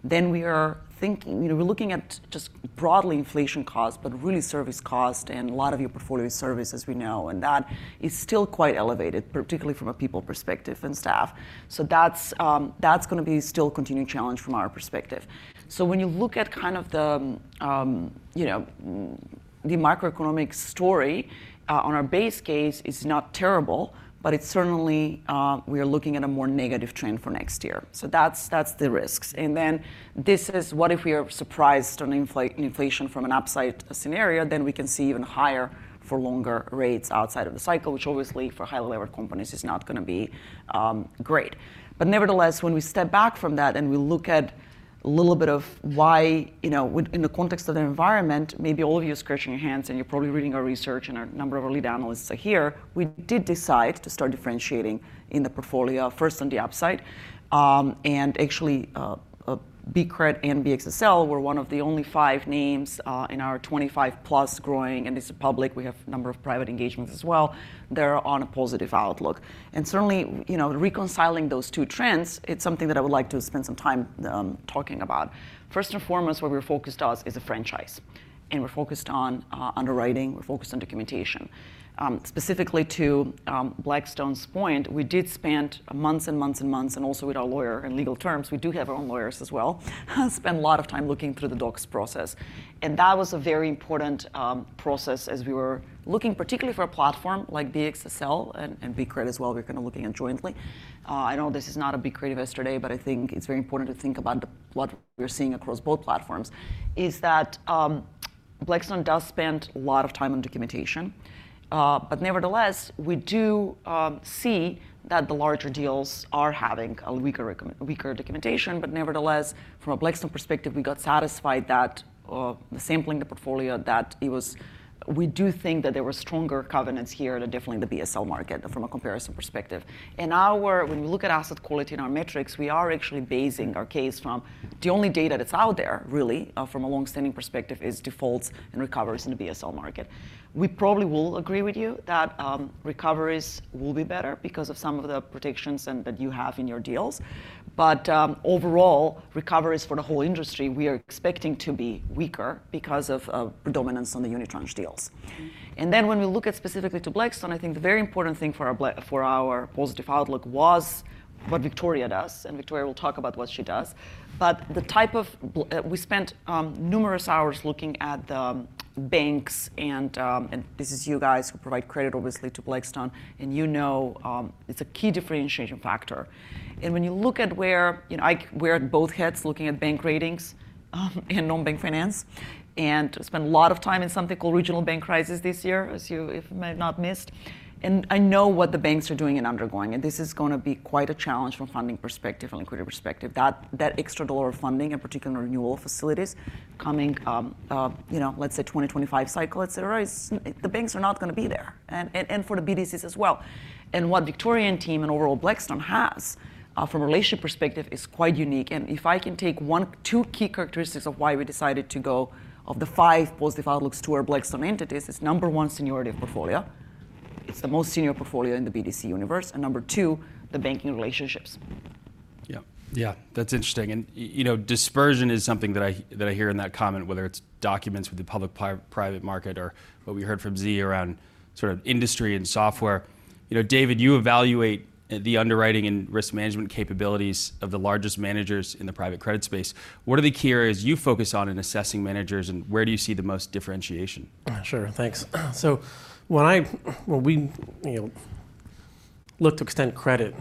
Then we are thinking, you know, we're looking at just broadly inflation costs, but really service cost and a lot of your portfolio is service, as we know, and that is still quite elevated, particularly from a people perspective and staff. So that's going to be still a continuing challenge from our perspective. So when you look at kind of the, you know, the macroeconomic story, on our base case, it's not terrible, but it's certainly we are looking at a more negative trend for next year. So that's, that's the risks. And then this is what if we are surprised on inflation from an upside scenario, then we can see even higher for longer rates outside of the cycle, which obviously, for highly levered companies, is not gonna be great. But nevertheless, when we step back from that and we look at a little bit of why, you know, in the context of the environment, maybe all of you are scratching your heads, and you're probably reading our research, and a number of lead analysts are here, we did decide to start differentiating in the portfolio, first on the upside. And actually, BCRED and BXSL were one of the only five names in our 25+ growing, and this is public. We have a number of private engagements as well. They're on a positive outlook. And certainly, you know, reconciling those two trends, it's something that I would like to spend some time talking about. First and foremost, where we're focused on is the franchise, and we're focused on underwriting, we're focused on documentation. Specifically to Blackstone's point, we did spend months and months and months, and also with our lawyer, in legal terms, we do have our own lawyers as well, spend a lot of time looking through the docs process. And that was a very important process as we were looking particularly for a platform like BXSL and BCRED as well. We're kinda looking at jointly. I know this is not a BCRED investor day, but I think it's very important to think about what we're seeing across both platforms, is that, Blackstone does spend a lot of time on documentation. But nevertheless, we do see that the larger deals are having a weaker documentation. But nevertheless, from a Blackstone perspective, we got satisfied that the sampling, the portfolio, that it was... We do think that there were stronger covenants here than definitely in the BSL market from a comparison perspective. When we look at asset quality in our metrics, we are actually basing our case from the only data that's out there, really, from a long-standing perspective, is defaults and recoveries in the BSL market. We probably will agree with you that recoveries will be better because of some of the protections and that you have in your deals. But overall, recoveries for the whole industry, we are expecting to be weaker because of predominance on the unitranche deals. And then when we look at specifically to Blackstone, I think the very important thing for our positive outlook was what Victoria does, and Victoria will talk about what she does. But the type of, we spent numerous hours looking at the banks, and this is you guys who provide credit, obviously, to Blackstone, and you know, it's a key differentiation factor. And when you look at where... You know, I wear both hats, looking at bank ratings, and non-bank finance, and spend a lot of time in something called regional bank crisis this year, as you might not have missed, and I know what the banks are doing and undergoing, and this is gonna be quite a challenge from funding perspective and liquidity perspective. That extra dollar of funding, and particularly renewal facilities, coming, you know, let's say, 2025 cycle, et cetera, is the banks are not gonna be there, and, and, and for the BDCs as well. What Victoria and team and overall Blackstone has, from a relationship perspective, is quite unique. If I can take one... two key characteristics of why we decided to go, of the 5 positive outlooks to our Blackstone entities, is, number 1, seniority of portfolio. It's the most senior portfolio in the BDC universe, and number 2, the banking relationships. Yeah. Yeah, that's interesting. And you know, dispersion is something that I hear in that comment, whether it's differences with the public private market or what we heard from V around sort of industry and software. You know, David, you evaluate the underwriting and risk management capabilities of the largest managers in the private credit space. What are the key areas you focus on in assessing managers, and where do you see the most differentiation? Sure. Thanks. So when we, you know, look to extend credit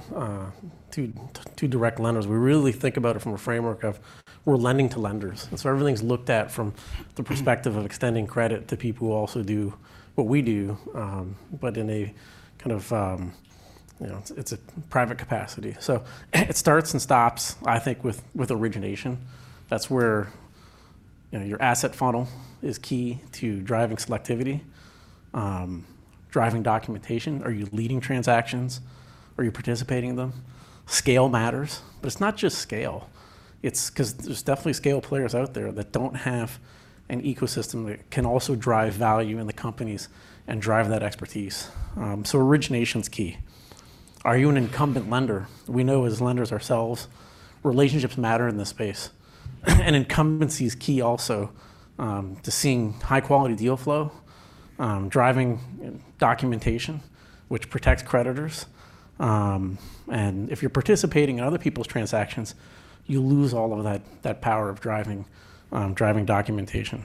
to direct lenders, we really think about it from a framework of we're lending to lenders. And so everything's looked at from the perspective of extending credit to people who also do what we do, but in a kind of, you know, it's a private capacity. So it starts and stops, I think, with origination. That's where, you know, your asset funnel is key to driving selectivity, driving documentation. Are you leading transactions? Are you participating in them? Scale matters, but it's not just scale. It's 'cause there's definitely scale players out there that don't have an ecosystem that can also drive value in the companies and drive that expertise. So origination's key. Are you an incumbent lender? We know, as lenders ourselves, relationships matter in this space. Incumbency is key also to seeing high-quality deal flow, driving documentation, which protects creditors. And if you're participating in other people's transactions, you lose all of that, that power of driving, driving documentation.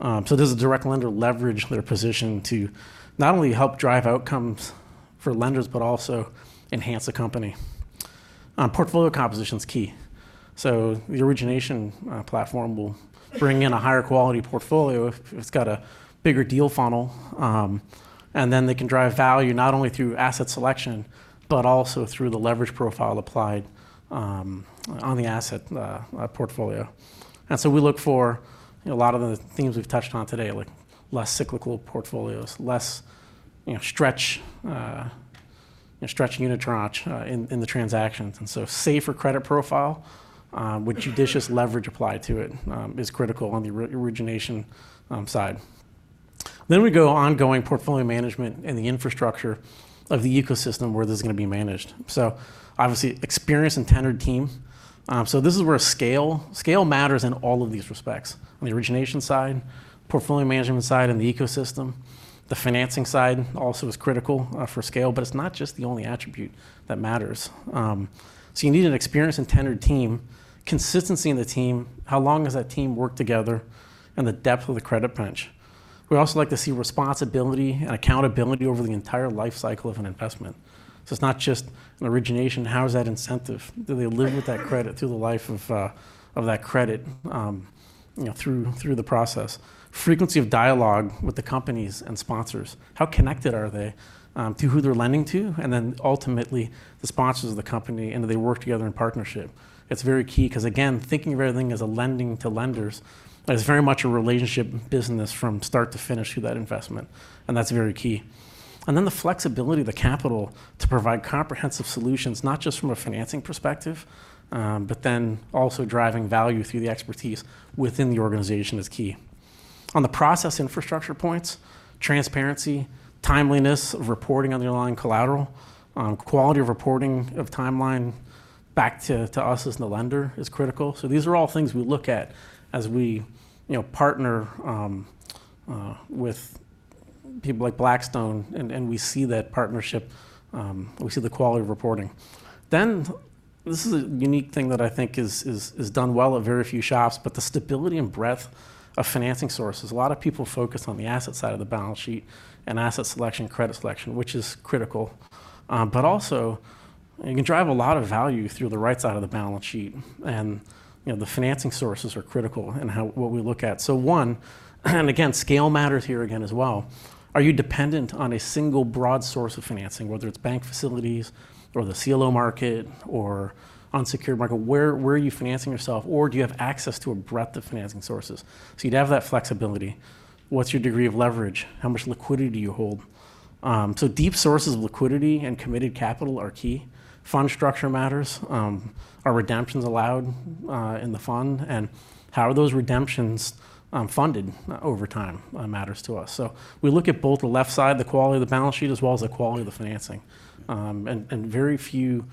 So there's a direct lender leverage that are positioned to not only help drive outcomes for lenders, but also enhance the company. Portfolio composition's key. So the origination platform will bring in a higher quality portfolio if it's got a bigger deal funnel. And then they can drive value not only through asset selection, but also through the leverage profile applied on the asset portfolio. And so we look for, you know, a lot of the themes we've touched on today, like less cyclical portfolios, less, you know, stretch, you know, stretch unitranche in the transactions. Safer credit profile, with judicious leverage applied to it, is critical on the origination side. Then we go ongoing portfolio management and the infrastructure of the ecosystem where this is gonna be managed. So obviously, experienced and tenured team. So this is where scale, scale matters in all of these respects, on the origination side, portfolio management side, and the ecosystem. The financing side also is critical, for scale, but it's not just the only attribute that matters. So you need an experienced and tenured team, consistency in the team, how long has that team worked together, and the depth of the credit bench. We also like to see responsibility and accountability over the entire life cycle of an investment. So it's not just an origination, how is that incentive? Do they live with that credit through the life of that credit, you know, through the process? Frequency of dialogue with the companies and sponsors. How connected are they to who they're lending to? And then ultimately, the sponsors of the company, and do they work together in partnership? It's very key, 'cause again, thinking of everything as a lending to lenders is very much a relationship business from start to finish through that investment, and that's very key. And then the flexibility of the capital to provide comprehensive solutions, not just from a financing perspective, but then also driving value through the expertise within the organization is key. On the process infrastructure points, transparency, timeliness of reporting on the underlying collateral, quality of reporting of timeline back to us as the lender is critical. So these are all things we look at as we, you know, partner with people like Blackstone, and we see that partnership, we see the quality of reporting. Then this is a unique thing that I think is done well at very few shops, but the stability and breadth of financing sources. A lot of people focus on the asset side of the balance sheet and asset selection, credit selection, which is critical. But also, you can drive a lot of value through the right side of the balance sheet, and, you know, the financing sources are critical in how... what we look at. So one, and again, scale matters here again as well. Are you dependent on a single broad source of financing, whether it's bank facilities or the CLO market or unsecured market? Where, where are you financing yourself, or do you have access to a breadth of financing sources? So you'd have that flexibility. What's your degree of leverage? How much liquidity do you hold? So deep sources of liquidity and committed capital are key. Fund structure matters. Are redemptions allowed in the fund? And how are those redemptions funded over time matters to us. So we look at both the left side, the quality of the balance sheet, as well as the quality of the financing. And very few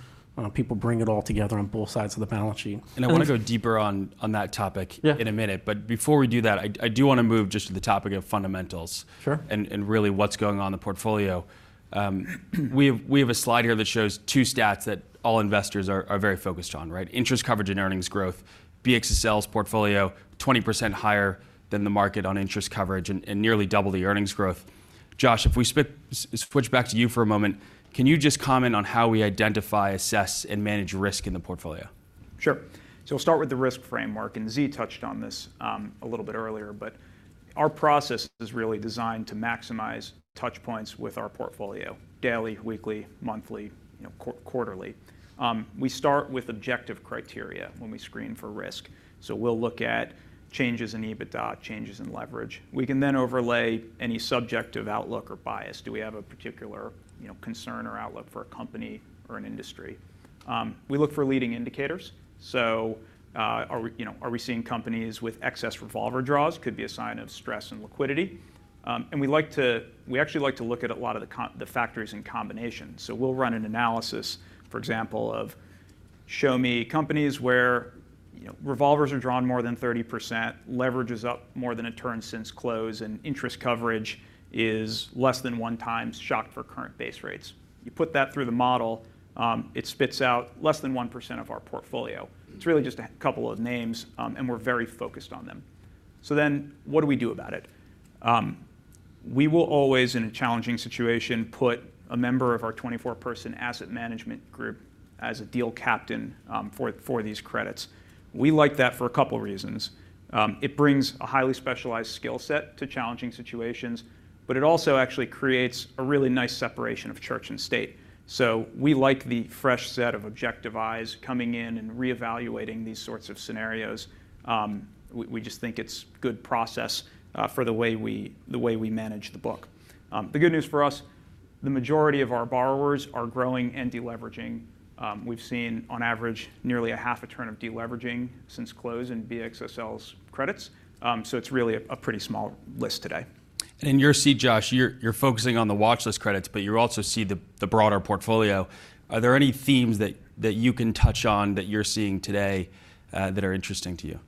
people bring it all together on both sides of the balance sheet. I want to go deeper on that topic. Yeah... in a minute. But before we do that, I do want to move just to the topic of fundamentals- Sure... and really what's going on in the portfolio. We have a slide here that shows two stats that all investors are very focused on, right? Interest coverage and earnings growth. BXSL's portfolio, 20% higher than the market on interest coverage and nearly double the earnings growth. Josh, if we switch back to you for a moment, can you just comment on how we identify, assess, and manage risk in the portfolio? Sure. So we'll start with the risk framework, and B touched on this, a little bit earlier, but our process is really designed to maximize touch points with our portfolio, daily, weekly, monthly, you know, quarterly. We start with objective criteria when we screen for risk, so we'll look at changes in EBITDA, changes in leverage. We can then overlay any subjective outlook or bias. Do we have a particular, you know, concern or outlook for a company or an industry? We look for leading indicators, so are we, you know, are we seeing companies with excess revolver draws? Could be a sign of stress and liquidity. And we like to... We actually like to look at a lot of the factors in combination. So we'll run an analysis, for example, of show me companies where, you know, revolvers are drawn more than 30%, leverage is up more than a turn since close, and interest coverage is less than 1x shocked for current base rates. You put that through the model, it spits out less than 1% of our portfolio. It's really just a couple of names, and we're very focused on them. So then, what do we do about it? We will always, in a challenging situation, put a member of our 24-person asset management group as a deal captain for these credits. We like that for a couple reasons. It brings a highly specialized skill set to challenging situations, but it also actually creates a really nice separation of church and state. So we like the fresh set of objective eyes coming in and reevaluating these sorts of scenarios. We just think it's good process for the way we manage the book. The good news for us, the majority of our borrowers are growing and deleveraging. We've seen, on average, nearly a half a turn of deleveraging since close in BXSL's credits. So it's really a pretty small list today. And in your seat, Josh, you're focusing on the watchlist credits, but you also see the broader portfolio. Are there any themes that you can touch on that you're seeing today that are interesting to you?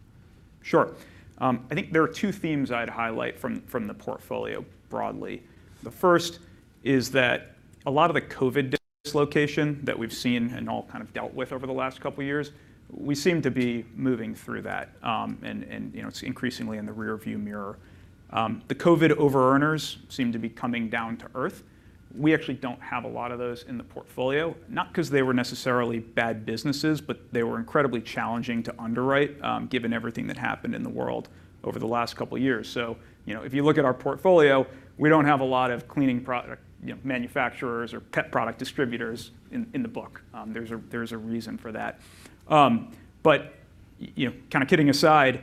Sure. I think there are two themes I'd highlight from the portfolio broadly. The first is that a lot of the COVID dislocation that we've seen and all kind of dealt with over the last couple years, we seem to be moving through that. And you know, it's increasingly in the rearview mirror. The COVID over-earners seem to be coming down to earth. We actually don't have a lot of those in the portfolio, not 'cause they were necessarily bad businesses, but they were incredibly challenging to underwrite, given everything that happened in the world over the last couple years. So, you know, if you look at our portfolio, we don't have a lot of cleaning pro- you know, manufacturers or pet product distributors in the book. There's a reason for that. But you know, kind of kidding aside,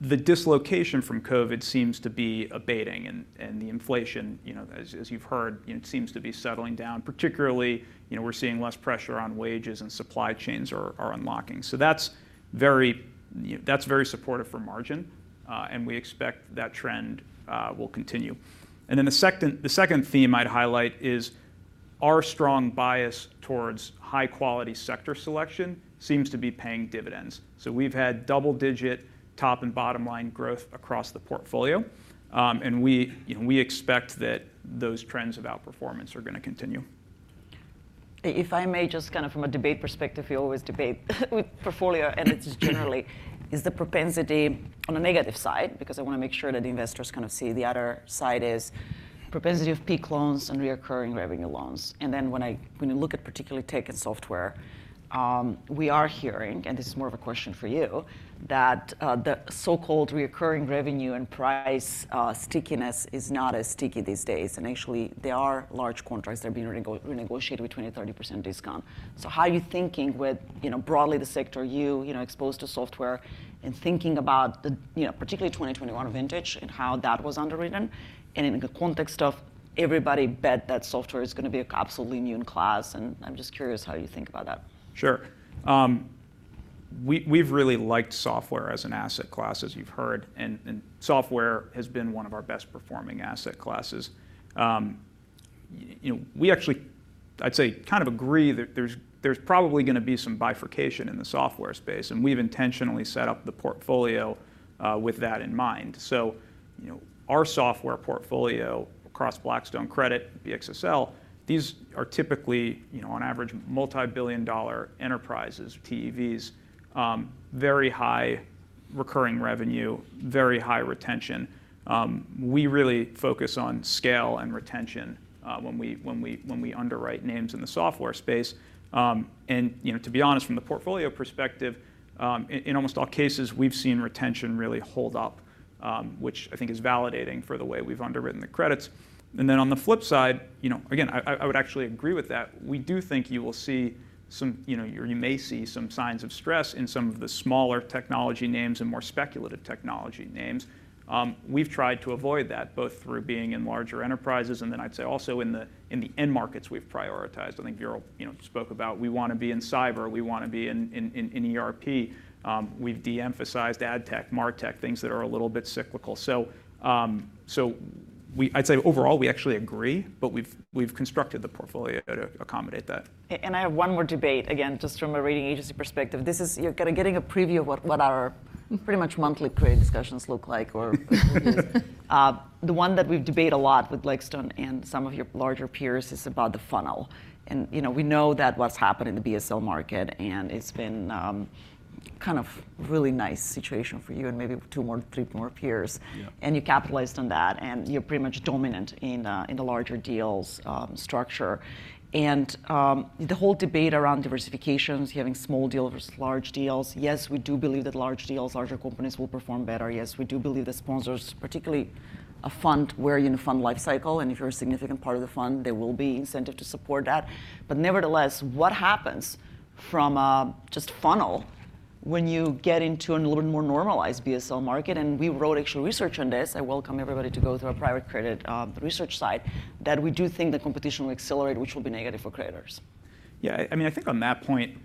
the dislocation from COVID seems to be abating, and the inflation, you know, as you've heard, you know, seems to be settling down. Particularly, you know, we're seeing less pressure on wages and supply chains are unlocking. So that's very, you know, that's very supportive for margin, and we expect that trend will continue. And then the second theme I'd highlight is our strong bias towards high-quality sector selection seems to be paying dividends. So we've had double-digit top and bottom line growth across the portfolio, and we, you know, we expect that those trends of outperformance are going to continue.... if I may just kind of from a debate perspective, we always debate with portfolio, and it's generally is the propensity on the negative side, because I want to make sure that the investors kind of see the other side, is propensity of peak loans and recurring revenue loans. And then when you look at particularly tech and software, we are hearing, and this is more of a question for you, that the so-called recurring revenue and price stickiness is not as sticky these days, and actually there are large contracts that are being renegotiated with 20%-30% discount. So how are you thinking with, you know, broadly the sector, you, you know, exposed to software and thinking about the, you know, particularly 2021 vintage and how that was underwritten, and in the context of everybody bet that software is going to be an absolutely new in class, and I'm just curious how you think about that? Sure. We've really liked software as an asset class, as you've heard, and software has been one of our best performing asset classes. You know, we actually, I'd say, kind of agree that there's probably gonna be some bifurcation in the software space, and we've intentionally set up the portfolio with that in mind. So, you know, our software portfolio across Blackstone Credit, BXSL, these are typically, you know, on average, multi-billion dollar enterprises, TEVs, very high recurring revenue, very high retention. We really focus on scale and retention when we underwrite names in the software space. And, you know, to be honest, from the portfolio perspective, in almost all cases, we've seen retention really hold up, which I think is validating for the way we've underwritten the credits. And then on the flip side, you know, again, I would actually agree with that. We do think you will see some... you know, or you may see some signs of stress in some of the smaller technology names and more speculative technology names. We've tried to avoid that, both through being in larger enterprises, and then I'd say also in the end markets we've prioritized. I think Viral, you know, spoke about, we want to be in cyber, we want to be in ERP. We've de-emphasized ad tech, martech, things that are a little bit cyclical. So, I'd say overall, we actually agree, but we've constructed the portfolio to accommodate that. I have one more debate, again, just from a rating agency perspective. This is, you're kind of getting a preview of what, what our pretty much monthly credit discussions look like. The one that we've debated a lot with Blackstone and some of your larger peers is about the funnel. And, you know, we know that what's happened in the BSL market, and it's been, kind of really nice situation for you and maybe two more, three more peers. Yeah. You capitalized on that, and you're pretty much dominant in the larger deals structure. The whole debate around diversification, having small deals versus large deals, yes, we do believe that large deals, larger companies will perform better. Yes, we do believe that sponsors, particularly a fund where you're in a fund life cycle, and if you're a significant part of the fund, there will be incentive to support that. But nevertheless, what happens from just funnel when you get into a little more normalized BSL market? We wrote actual research on this. I welcome everybody to go to our private credit research site, that we do think the competition will accelerate, which will be negative for creditors. Yeah, I mean, I think on that point,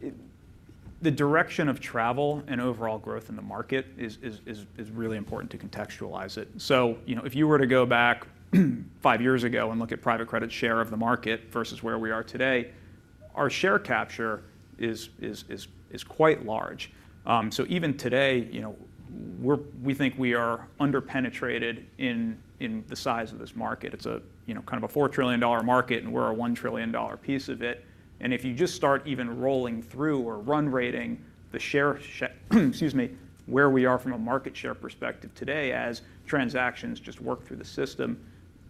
it- the direction of travel and overall growth in the market is really important to contextualize it. So, you know, if you were to go back five years ago and look at private credit share of the market versus where we are today, our share capture is quite large. So even today, you know, we're- we think we are under-penetrated in the size of this market. It's a, you know, kind of a $4 trillion market, and we're a $1 trillion piece of it. If you just start even rolling through or re-rating the share, excuse me, where we are from a market share perspective today, as transactions just work through the system,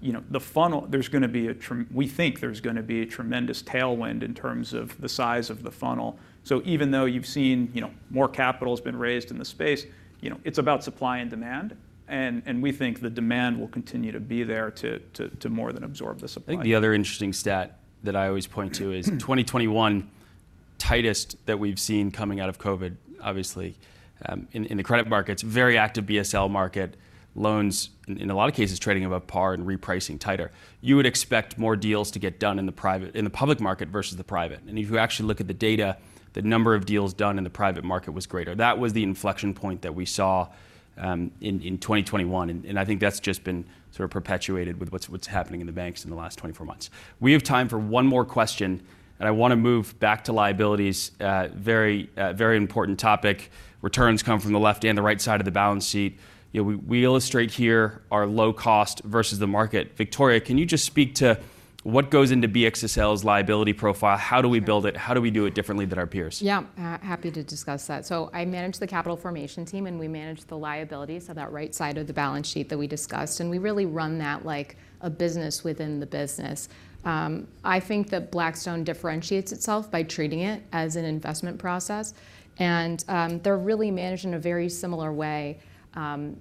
you know, the funnel—there's gonna be a tremendous tailwind in terms of the size of the funnel. So even though you've seen, you know, more capital has been raised in the space, you know, it's about supply and demand, and we think the demand will continue to be there to more than absorb the supply. I think the other interesting stat that I always point to is 2021, tightest that we've seen coming out of COVID, obviously, in the credit markets. Very active BSL market, loans, in a lot of cases, trading above par and repricing tighter. You would expect more deals to get done in the private – in the public market versus the private. And if you actually look at the data, the number of deals done in the private market was greater. That was the inflection point that we saw, in 2021, and I think that's just been sort of perpetuated with what's happening in the banks in the last 24 months. We have time for one more question, and I want to move back to liabilities, very important topic. Returns come from the left and the right side of the balance sheet. You know, we illustrate here our low cost versus the market. Victoria, can you just speak to what goes into BXSL's liability profile? How do we build it? How do we do it differently than our peers? Yeah, happy to discuss that. So I manage the capital formation team, and we manage the liabilities, so that right side of the balance sheet that we discussed, and we really run that like a business within the business. I think that Blackstone differentiates itself by treating it as an investment process, and they're really managed in a very similar way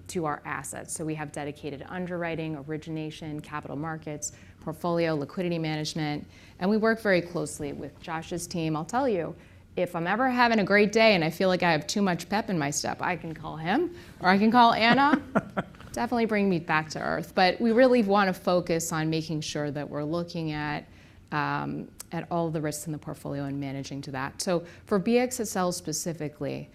to our assets. So we have dedicated underwriting, origination, capital markets, portfolio, liquidity management, and we work very closely with Josh's team. I'll tell you, if I'm ever having a great day, and I feel like I have too much pep in my step, I can call him, or I can call Ana... Definitely bring me back to earth. But we really want to focus on making sure that we're looking at all the risks in the portfolio and managing to that. So for BXSL specifically,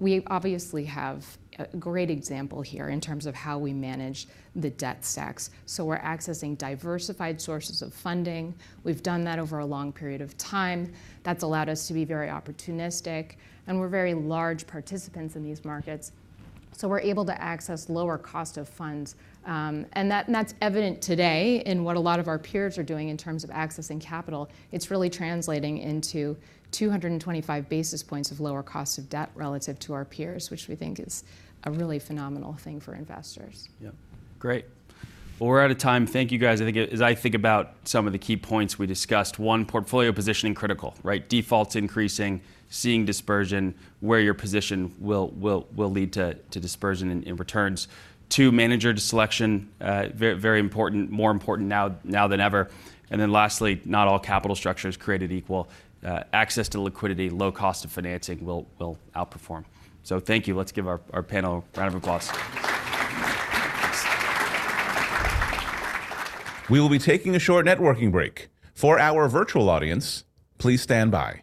we obviously have a great example here in terms of how we manage the debt stacks. So we're accessing diversified sources of funding. We've done that over a long period of time. That's allowed us to be very opportunistic, and we're very large participants in these markets.... So we're able to access lower cost of funds, and that, and that's evident today in what a lot of our peers are doing in terms of accessing capital. It's really translating into 225 basis points of lower cost of debt relative to our peers, which we think is a really phenomenal thing for investors. Yeah. Great. Well, we're out of time. Thank you, guys. I think, as I think about some of the key points we discussed, one, portfolio positioning, critical, right? Defaults increasing, seeing dispersion, where your position will lead to dispersion in returns. Two, manager selection, very, very important, more important now than ever. And then lastly, not all capital structure is created equal. Access to liquidity, low cost of financing will outperform. So thank you. Let's give our panel a round of applause. We will be taking a short networking break. For our virtual audience, please stand by.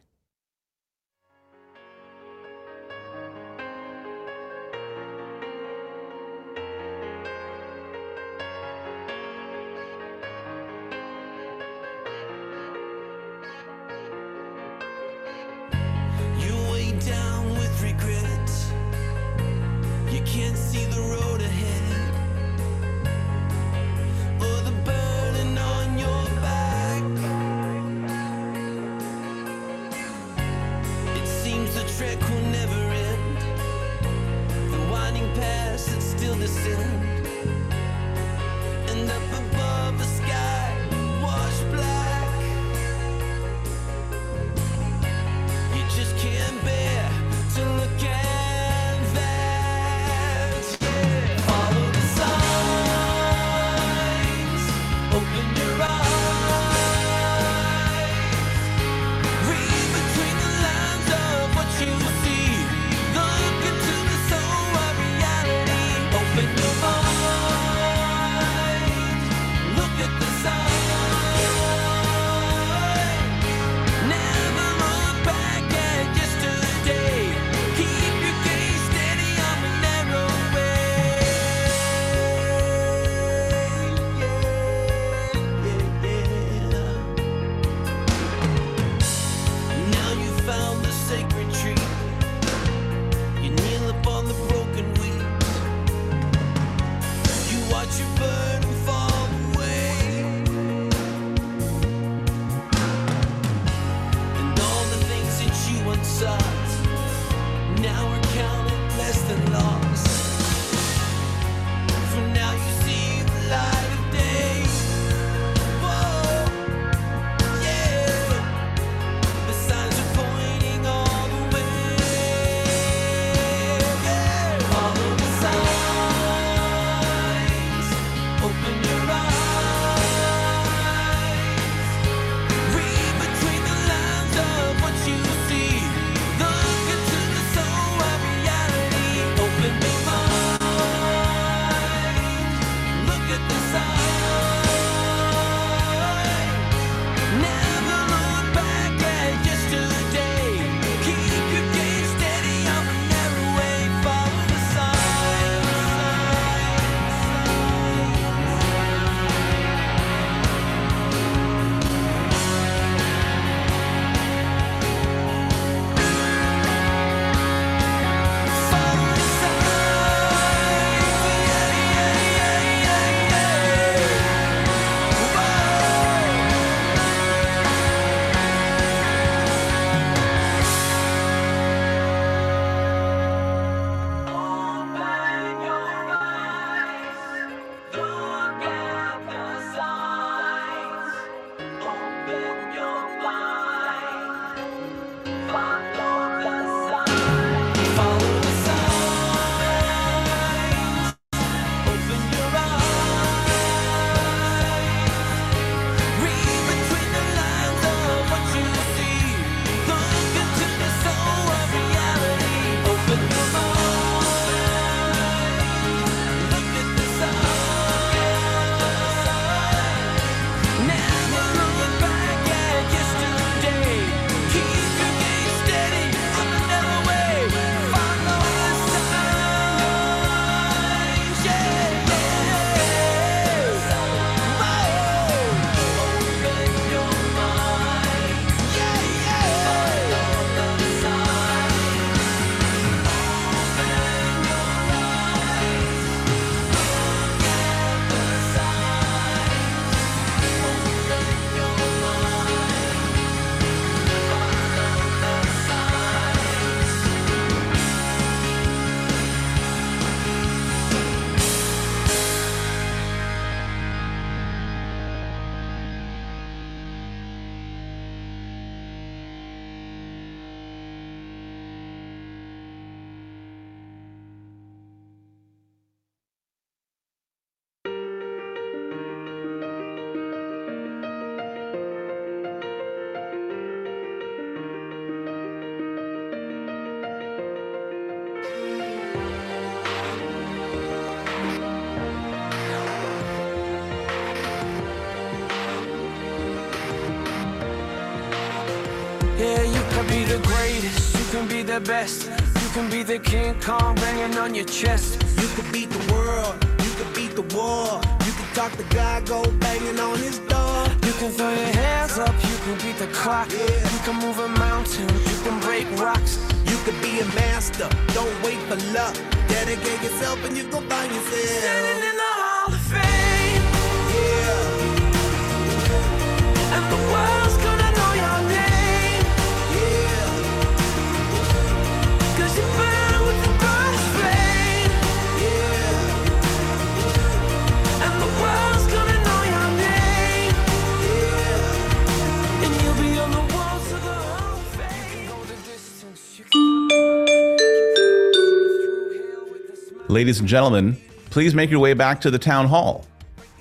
Ladies and gentlemen, please make your way back to the town hall.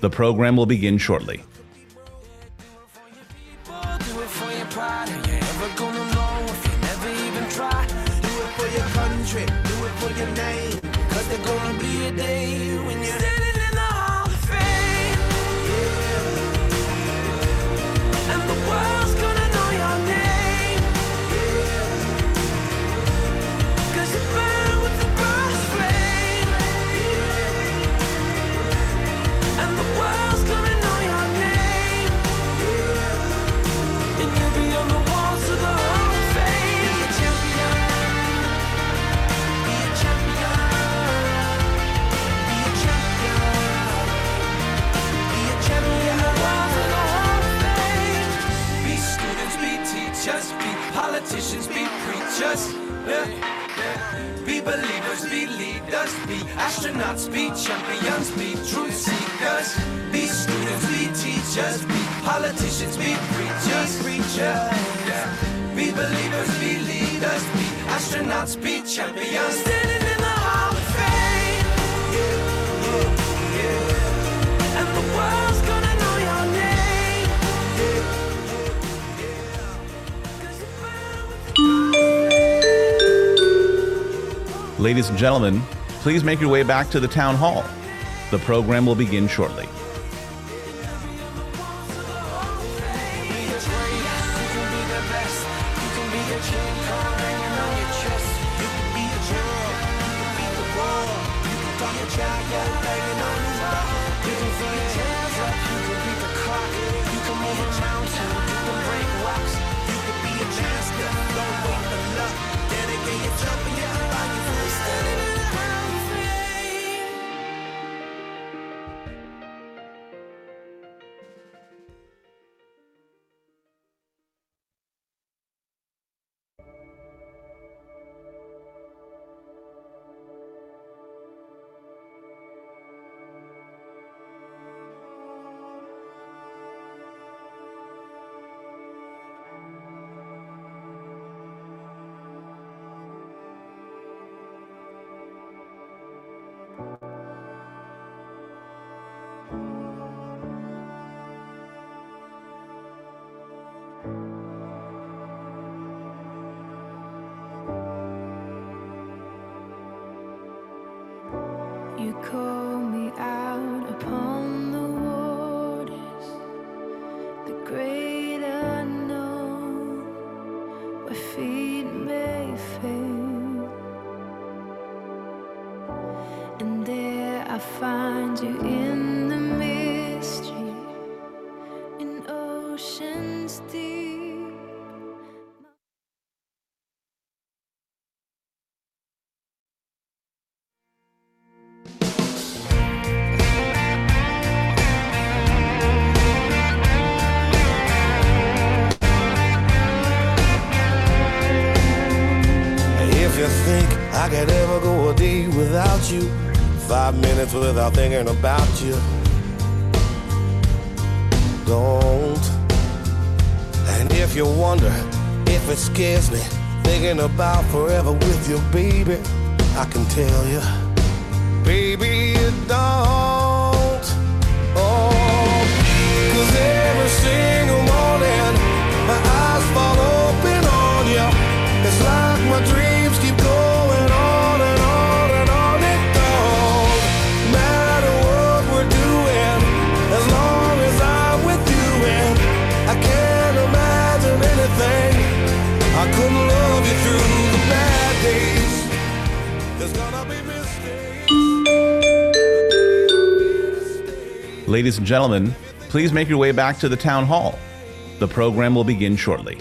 The program will begin shortly. Ladies and gentlemen, please make your way back to the town hall. The program will begin shortly. Ladies and gentlemen, please make your way back to the town hall. The program will begin shortly.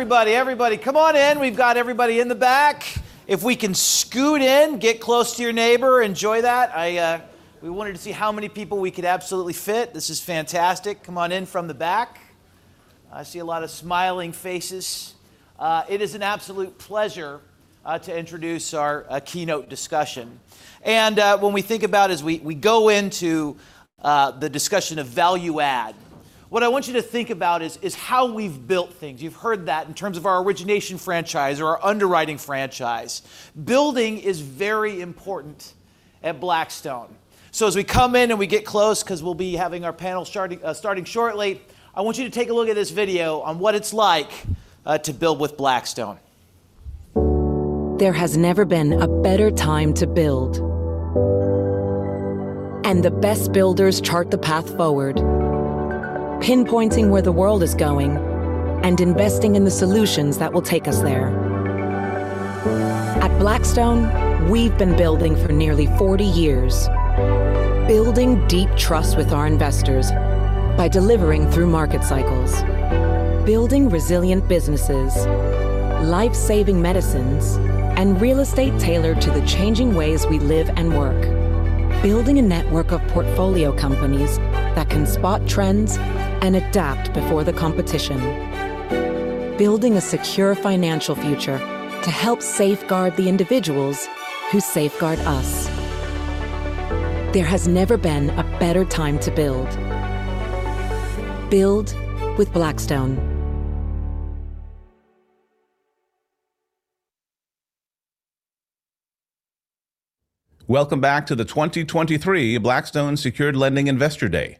Okay, everybody, everybody, come on in. We've got everybody in the back. If we can scoot in, get close to your neighbor, enjoy that. I, we wanted to see how many people we could absolutely fit. This is fantastic. Come on in from the back. I see a lot of smiling faces.... It is an absolute pleasure to introduce our keynote discussion. And, when we think about as we go into the discussion of value add, what I want you to think about is how we've built things. You've heard that in terms of our origination franchise or our underwriting franchise. Building is very important at Blackstone. As we come in and we get close, 'cause we'll be having our panel starting shortly, I want you to take a look at this video on what it's like to build with Blackstone. There has never been a better time to build. The best builders chart the path forward, pinpointing where the world is going, and investing in the solutions that will take us there. At Blackstone, we've been building for nearly 40 years, building deep trust with our investors by delivering through market cycles. Building resilient businesses, life-saving medicines, and real estate tailored to the changing ways we live and work. Building a network of portfolio companies that can spot trends and adapt before the competition. Building a secure financial future to help safeguard the individuals who safeguard us. There has never been a better time to build. Build with Blackstone. Welcome back to the 2023 Blackstone Secured Lending Investor Day.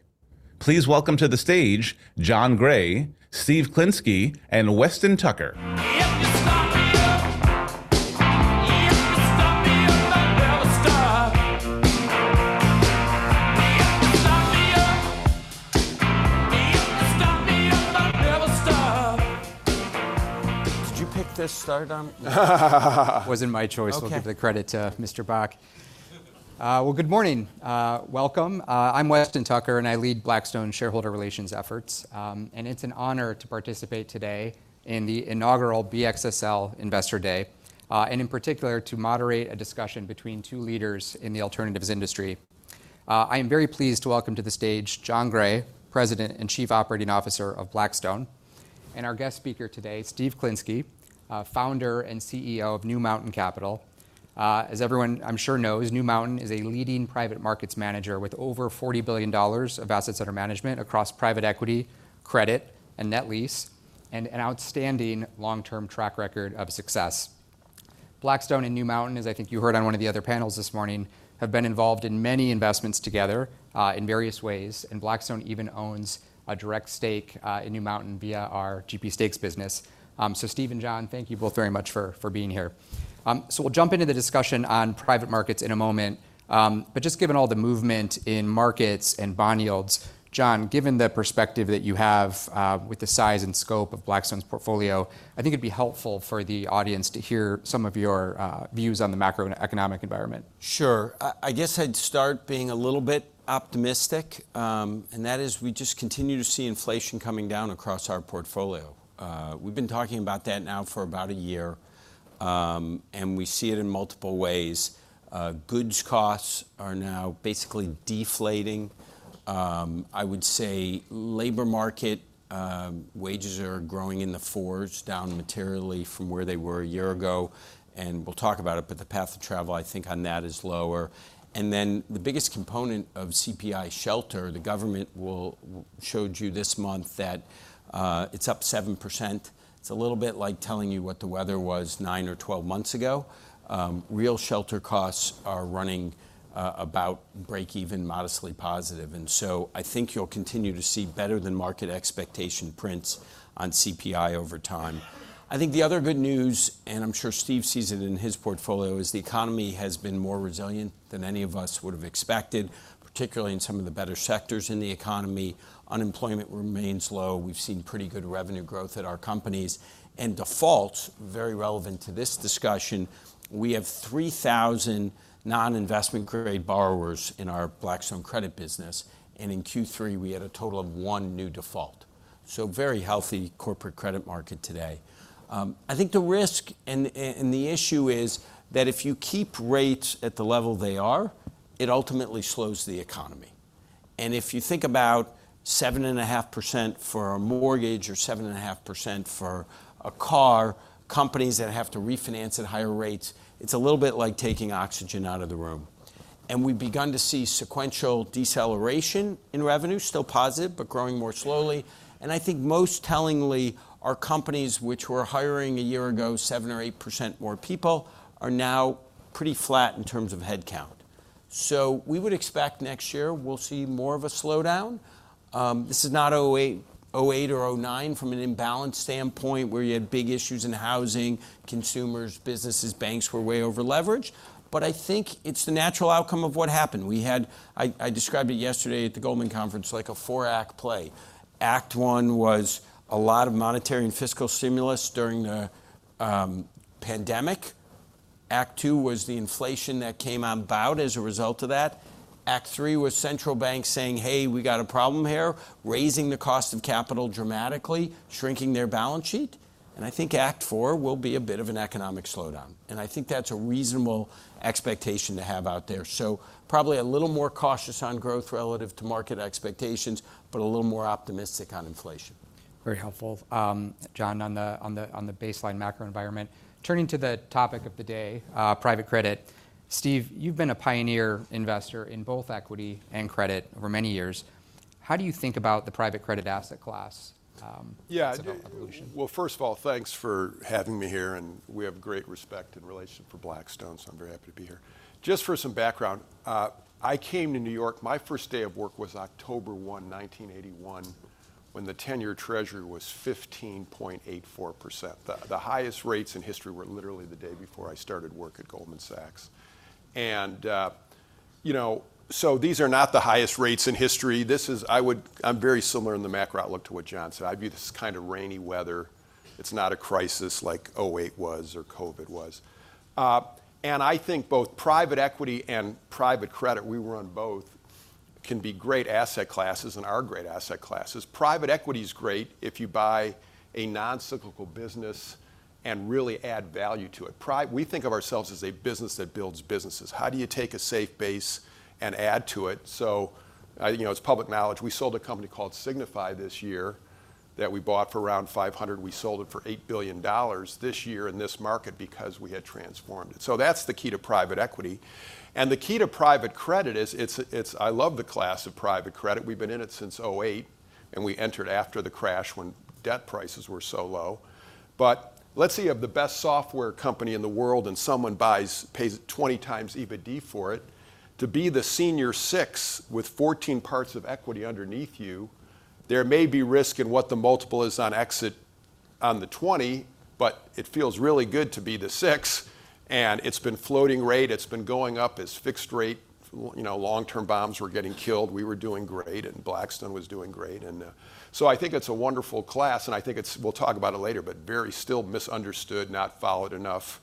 Please welcome to the stage, Jon Gray, Steve Klinsky, and Weston Tucker. If you start me up. If you start me up, I'll never stop. If you start me up, if you start me up, I'll never stop. Did you pick this stardom?... It wasn't my choice. Okay. We'll give the credit to Mr. Bock. Well, good morning. Welcome. I'm Weston Tucker, and I lead Blackstone shareholder relations efforts. And it's an honor to participate today in the inaugural BXSL Investor Day, and in particular, to moderate a discussion between two leaders in the alternatives industry. I am very pleased to welcome to the stage, Jon Gray, President and Chief Operating Officer of Blackstone, and our guest speaker today, Steve Klinsky, Founder and CEO of New Mountain Capital. As everyone, I'm sure knows, New Mountain is a leading private markets manager with over $40 billion of assets under management across private equity, credit, and net lease, and an outstanding long-term track record of success. Blackstone and New Mountain, as I think you heard on one of the other panels this morning, have been involved in many investments together in various ways, and Blackstone even owns a direct stake in New Mountain via our GP stakes business. So Steve and Jon, thank you both very much for being here. So we'll jump into the discussion on private markets in a moment, but just given all the movement in markets and bond yields, Jon, given the perspective that you have with the size and scope of Blackstone's portfolio, I think it'd be helpful for the audience to hear some of your views on the macroeconomic environment. Sure. I guess I'd start being a little bit optimistic, and that is we just continue to see inflation coming down across our portfolio. We've been talking about that now for about a year, and we see it in multiple ways. Goods costs are now basically deflating. I would say labor market wages are growing in the 4s, down materially from where they were a year ago, and we'll talk about it, but the path of travel, I think, on that is lower. And then, the biggest component of CPI shelter, the government showed you this month that it's up 7%. It's a little bit like telling you what the weather was 9 or 12 months ago. Real shelter costs are running about break even, modestly positive, and so I think you'll continue to see better-than-market expectation prints on CPI over time. I think the other good news, and I'm sure Steve sees it in his portfolio, is the economy has been more resilient than any of us would have expected, particularly in some of the better sectors in the economy. Unemployment remains low. We've seen pretty good revenue growth at our companies. And defaults, very relevant to this discussion, we have 3,000 non-investment-grade borrowers in our Blackstone credit business, and in Q3, we had a total of one new default. So very healthy corporate credit market today. I think the risk and the issue is that if you keep rates at the level they are, it ultimately slows the economy. If you think about 7.5% for a mortgage or 7.5% for a car, companies that have to refinance at higher rates, it's a little bit like taking oxygen out of the room. We've begun to see sequential deceleration in revenue, still positive, but growing more slowly. I think most tellingly, our companies, which were hiring a year ago, 7 or 8% more people, are now pretty flat in terms of headcount. So we would expect next year, we'll see more of a slowdown. This is not 2008, 2008 or 2009 from an imbalance standpoint, where you had big issues in housing, consumers, businesses, banks were way over-leveraged, but I think it's the natural outcome of what happened. We had. I described it yesterday at the Goldman Sachs conference, like a four-act play. Act one was a lot of monetary and fiscal stimulus during the pandemic. Act two was the inflation that came about as a result of that. Act three was central banks saying, "Hey, we got a problem here," raising the cost of capital dramatically, shrinking their balance sheet. I think Act four will be a bit of an economic slowdown, and I think that's a reasonable expectation to have out there. Probably a little more cautious on growth relative to market expectations, but a little more optimistic on inflation.... Very helpful, Jon, on the baseline macro environment. Turning to the topic of the day, private credit. Steve, you've been a pioneer investor in both equity and credit over many years. How do you think about the private credit asset class, as an evolution? Yeah, well, first of all, thanks for having me here, and we have great respect and relationship for Blackstone, so I'm very happy to be here. Just for some background, I came to New York, my first day of work was October 1, 1981, when the ten-year Treasury was 15.84%. The highest rates in history were literally the day before I started work at Goldman Sachs. And, you know, so these are not the highest rates in history. This is - I would - I'm very similar in the macro outlook to what Jon said. I'd be, this is kind of rainy weather. It's not a crisis like 2008 was or COVID was. And I think both private equity and private credit, we run both, can be great asset classes and are great asset classes. Private equity is great if you buy a non-cyclical business and really add value to it. We think of ourselves as a business that builds businesses. How do you take a safe base and add to it? So, you know, it's public knowledge, we sold a company called Signify this year, that we bought for around $500 million, we sold it for $8 billion this year in this market because we had transformed it. So that's the key to private equity. And the key to private credit is, I love the class of private credit. We've been in it since 2008, and we entered after the crash when debt prices were so low. But let's say you have the best software company in the world, and someone pays 20 times EBITDA for it. To be the senior 6 with 14 parts of equity underneath you, there may be risk in what the multiple is on exit on the 20, but it feels really good to be the 6, and it's been floating rate, it's been going up, its fixed rate, you know, long-term bonds were getting killed. We were doing great, and Blackstone was doing great, and, so I think it's a wonderful class, and I think it's... We'll talk about it later, but very still misunderstood, not followed enough,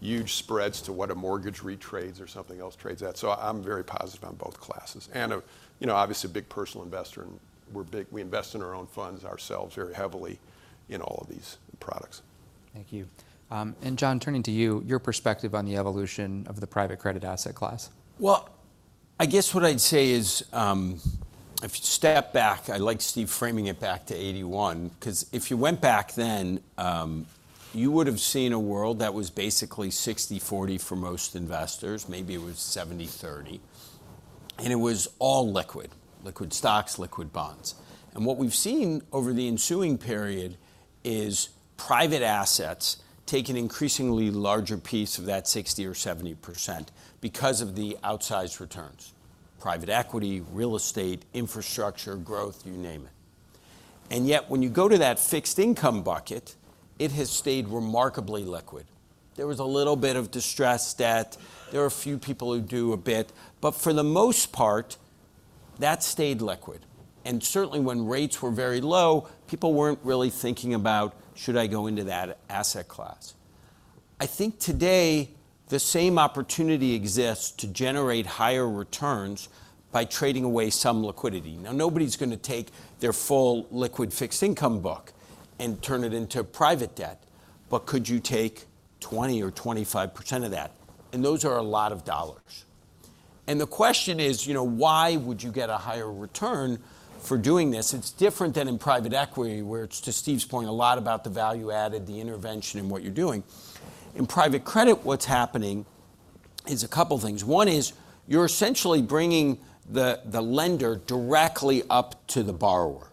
huge spreads to what a mortgage retrades or something else trades at. So I'm very positive on both classes. And, you know, obviously, a big personal investor, and we're big- we invest in our own funds ourselves very heavily in all of these products. Thank you. Jon, turning to you, your perspective on the evolution of the private credit asset class. Well, I guess what I'd say is, if you step back, I like Steve framing it back to 1981, 'cause if you went back then, you would have seen a world that was basically 60/40 for most investors, maybe it was 70/30, and it was all liquid. Liquid stocks, liquid bonds. And what we've seen over the ensuing period is private assets take an increasingly larger piece of that 60% or 70% because of the outsized returns: private equity, real estate, infrastructure, growth, you name it. And yet, when you go to that fixed income bucket, it has stayed remarkably liquid. There was a little bit of distressed debt. There are a few people who do a bit, but for the most part, that stayed liquid, and certainly when rates were very low, people weren't really thinking about, "Should I go into that asset class?" I think today, the same opportunity exists to generate higher returns by trading away some liquidity. Now, nobody's gonna take their full liquid fixed income book and turn it into private debt, but could you take 20 or 25% of that? And those are a lot of dollars. And the question is, you know, why would you get a higher return for doing this? It's different than in private equity, where it's, to Steve's point, a lot about the value added, the intervention, and what you're doing. In private credit, what's happening is a couple things. One is, you're essentially bringing the lender directly up to the borrower.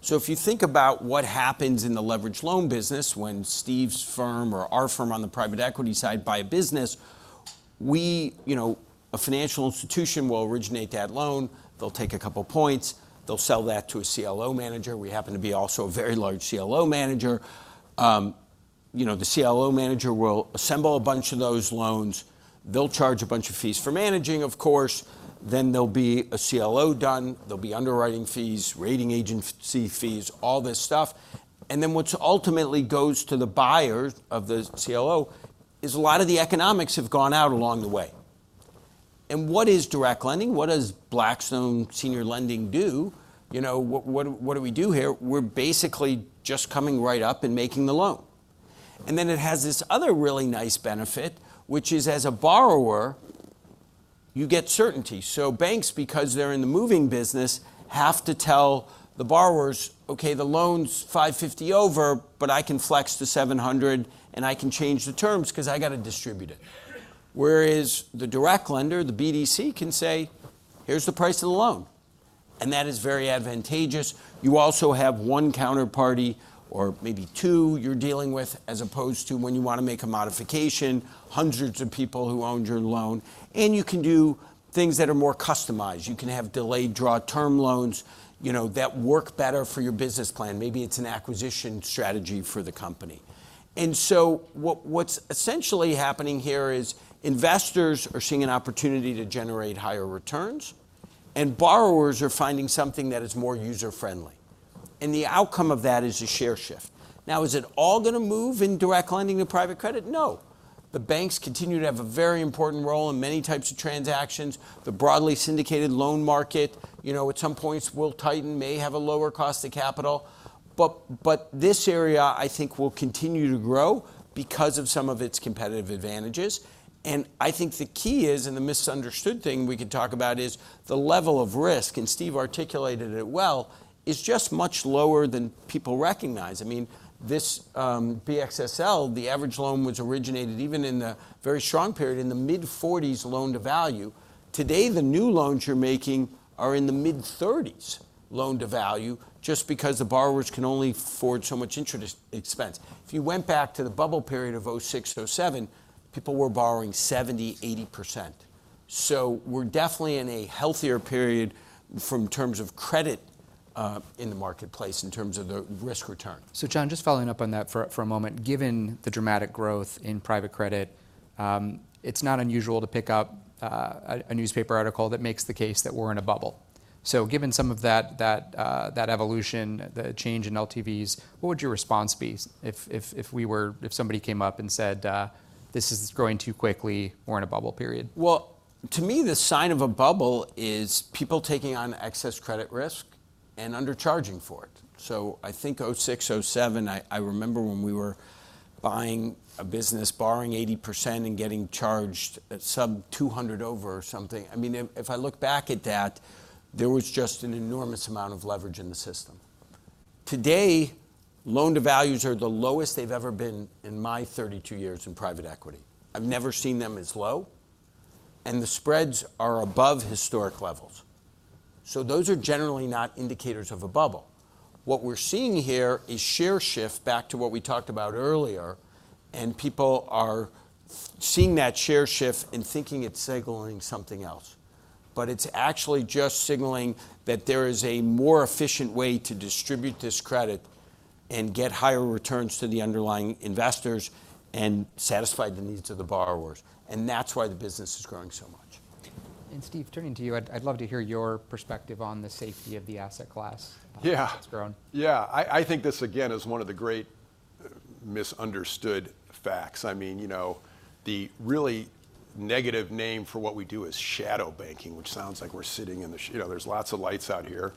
So if you think about what happens in the leveraged loan business when Steve's firm or our firm on the private equity side buy a business, we, you know, a financial institution will originate that loan, they'll take a couple points, they'll sell that to a CLO manager. We happen to be also a very large CLO manager. You know, the CLO manager will assemble a bunch of those loans. They'll charge a bunch of fees for managing, of course, then there'll be a CLO done, there'll be underwriting fees, rating agency fees, all this stuff. And then, what ultimately goes to the buyer of the CLO is a lot of the economics have gone out along the way. And what is direct lending? What does Blackstone Secured Lending do? You know, what do we do here? We're basically just coming right up and making the loan. And then it has this other really nice benefit, which is, as a borrower, you get certainty. So banks, because they're in the moving business, have to tell the borrowers, "Okay, the loan's 550 over, but I can flex to 700, and I can change the terms 'cause I got to distribute it." Whereas the direct lender, the BDC, can say, "Here's the price of the loan." And that is very advantageous. You also have one counterparty or maybe two you're dealing with, as opposed to when you want to make a modification, hundreds of people who owned your loan, and you can do things that are more customized. You can have delayed draw term loans, you know, that work better for your business plan. Maybe it's an acquisition strategy for the company. So what's essentially happening here is investors are seeing an opportunity to generate higher returns, and borrowers are finding something that is more user-friendly. The outcome of that is a share shift. Now, is it all gonna move in direct lending to private credit? No. The banks continue to have a very important role in many types of transactions. The broadly syndicated loan market, you know, at some points, will tighten, may have a lower cost of capital, but this area, I think, will continue to grow because of some of its competitive advantages. I think the key is, and the misunderstood thing we can talk about is, the level of risk, and Steve articulated it well, is just much lower than people recognize. I mean, this, BXSL, the average loan was originated, even in the very strong period, in the mid-40s loan-to-value-... Today, the new loans you're making are in the mid-30s loan-to-value, just because the borrowers can only afford so much interest expense. If you went back to the bubble period of 2006, 2007, people were borrowing 70%-80%. So we're definitely in a healthier period in terms of credit in the marketplace, in terms of the risk-return. So Jon, just following up on that for a moment. Given the dramatic growth in private credit, it's not unusual to pick up a newspaper article that makes the case that we're in a bubble. So given some of that evolution, the change in LTVs, what would your response be if somebody came up and said, "This is growing too quickly, we're in a bubble period? Well, to me, the sign of a bubble is people taking on excess credit risk and undercharging for it. So I think 2006, 2007, I, I remember when we were buying a business, borrowing 80% and getting charged at sub 200 over or something. I mean, if, if I look back at that, there was just an enormous amount of leverage in the system. Today, loan-to-values are the lowest they've ever been in my 32 years in private equity. I've never seen them as low, and the spreads are above historic levels. So those are generally not indicators of a bubble. What we're seeing here is share shift back to what we talked about earlier, and people are seeing that share shift and thinking it's signaling something else. But it's actually just signaling that there is a more efficient way to distribute this credit and get higher returns to the underlying investors and satisfy the needs of the borrowers, and that's why the business is growing so much. Steve, turning to you, I'd, I'd love to hear your perspective on the safety of the asset class- Yeah... as it's grown. Yeah, I think this, again, is one of the great misunderstood facts. I mean, you know, the really negative name for what we do is shadow banking, which sounds like we're sitting in the sh... You know, there's lots of lights out here.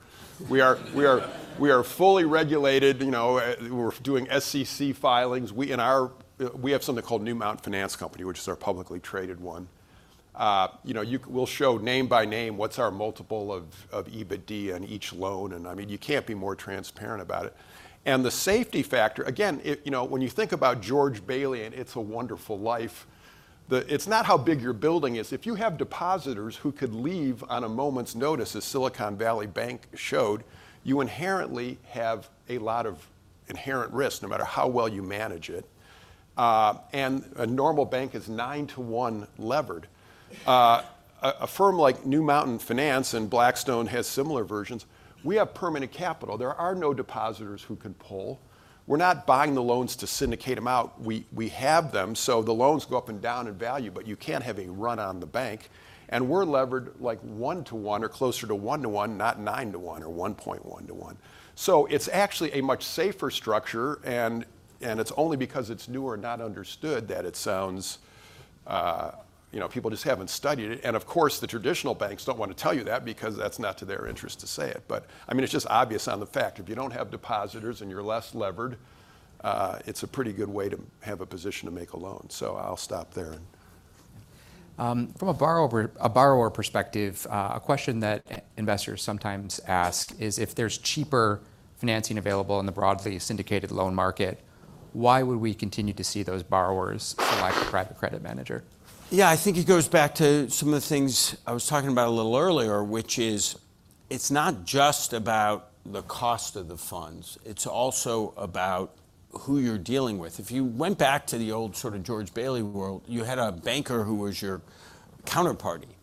We are fully regulated, you know, we're doing SEC filings. We have something called New Mountain Finance Company, which is our publicly traded one. You know, we'll show name by name what's our multiple of EBITDA on each loan, and I mean, you can't be more transparent about it. And the safety factor, again, it... You know, when you think about George Bailey in It's a Wonderful Life, it's not how big your building is. If you have depositors who could leave on a moment's notice, as Silicon Valley Bank showed, you inherently have a lot of inherent risk, no matter how well you manage it. And a normal bank is 9-to-1 levered. A firm like New Mountain Finance, and Blackstone has similar versions, we have permanent capital. There are no depositors who can pull. We're not buying the loans to syndicate them out, we have them, so the loans go up and down in value, but you can't have a run on the bank. And we're levered, like, 1-to-1 or closer to 1-to-1, not 9-to-1 or 1.1-to-1. So it's actually a much safer structure, and it's only because it's new or not understood that it sounds. You know, people just haven't studied it. Of course, the traditional banks don't want to tell you that because that's not to their interest to say it. But, I mean, it's just obvious on its face, if you don't have depositors and you're less levered, it's a pretty good way to have a position to make a loan. So I'll stop there. From a borrower perspective, a question that investors sometimes ask is, if there's cheaper financing available in the broadly syndicated loan market, why would we continue to see those borrowers select a private credit manager? Yeah, I think it goes back to some of the things I was talking about a little earlier, which is, it's not just about the cost of the funds, it's also about who you're dealing with. If you went back to the old sort of George Bailey world, you had a banker who was your counterparty.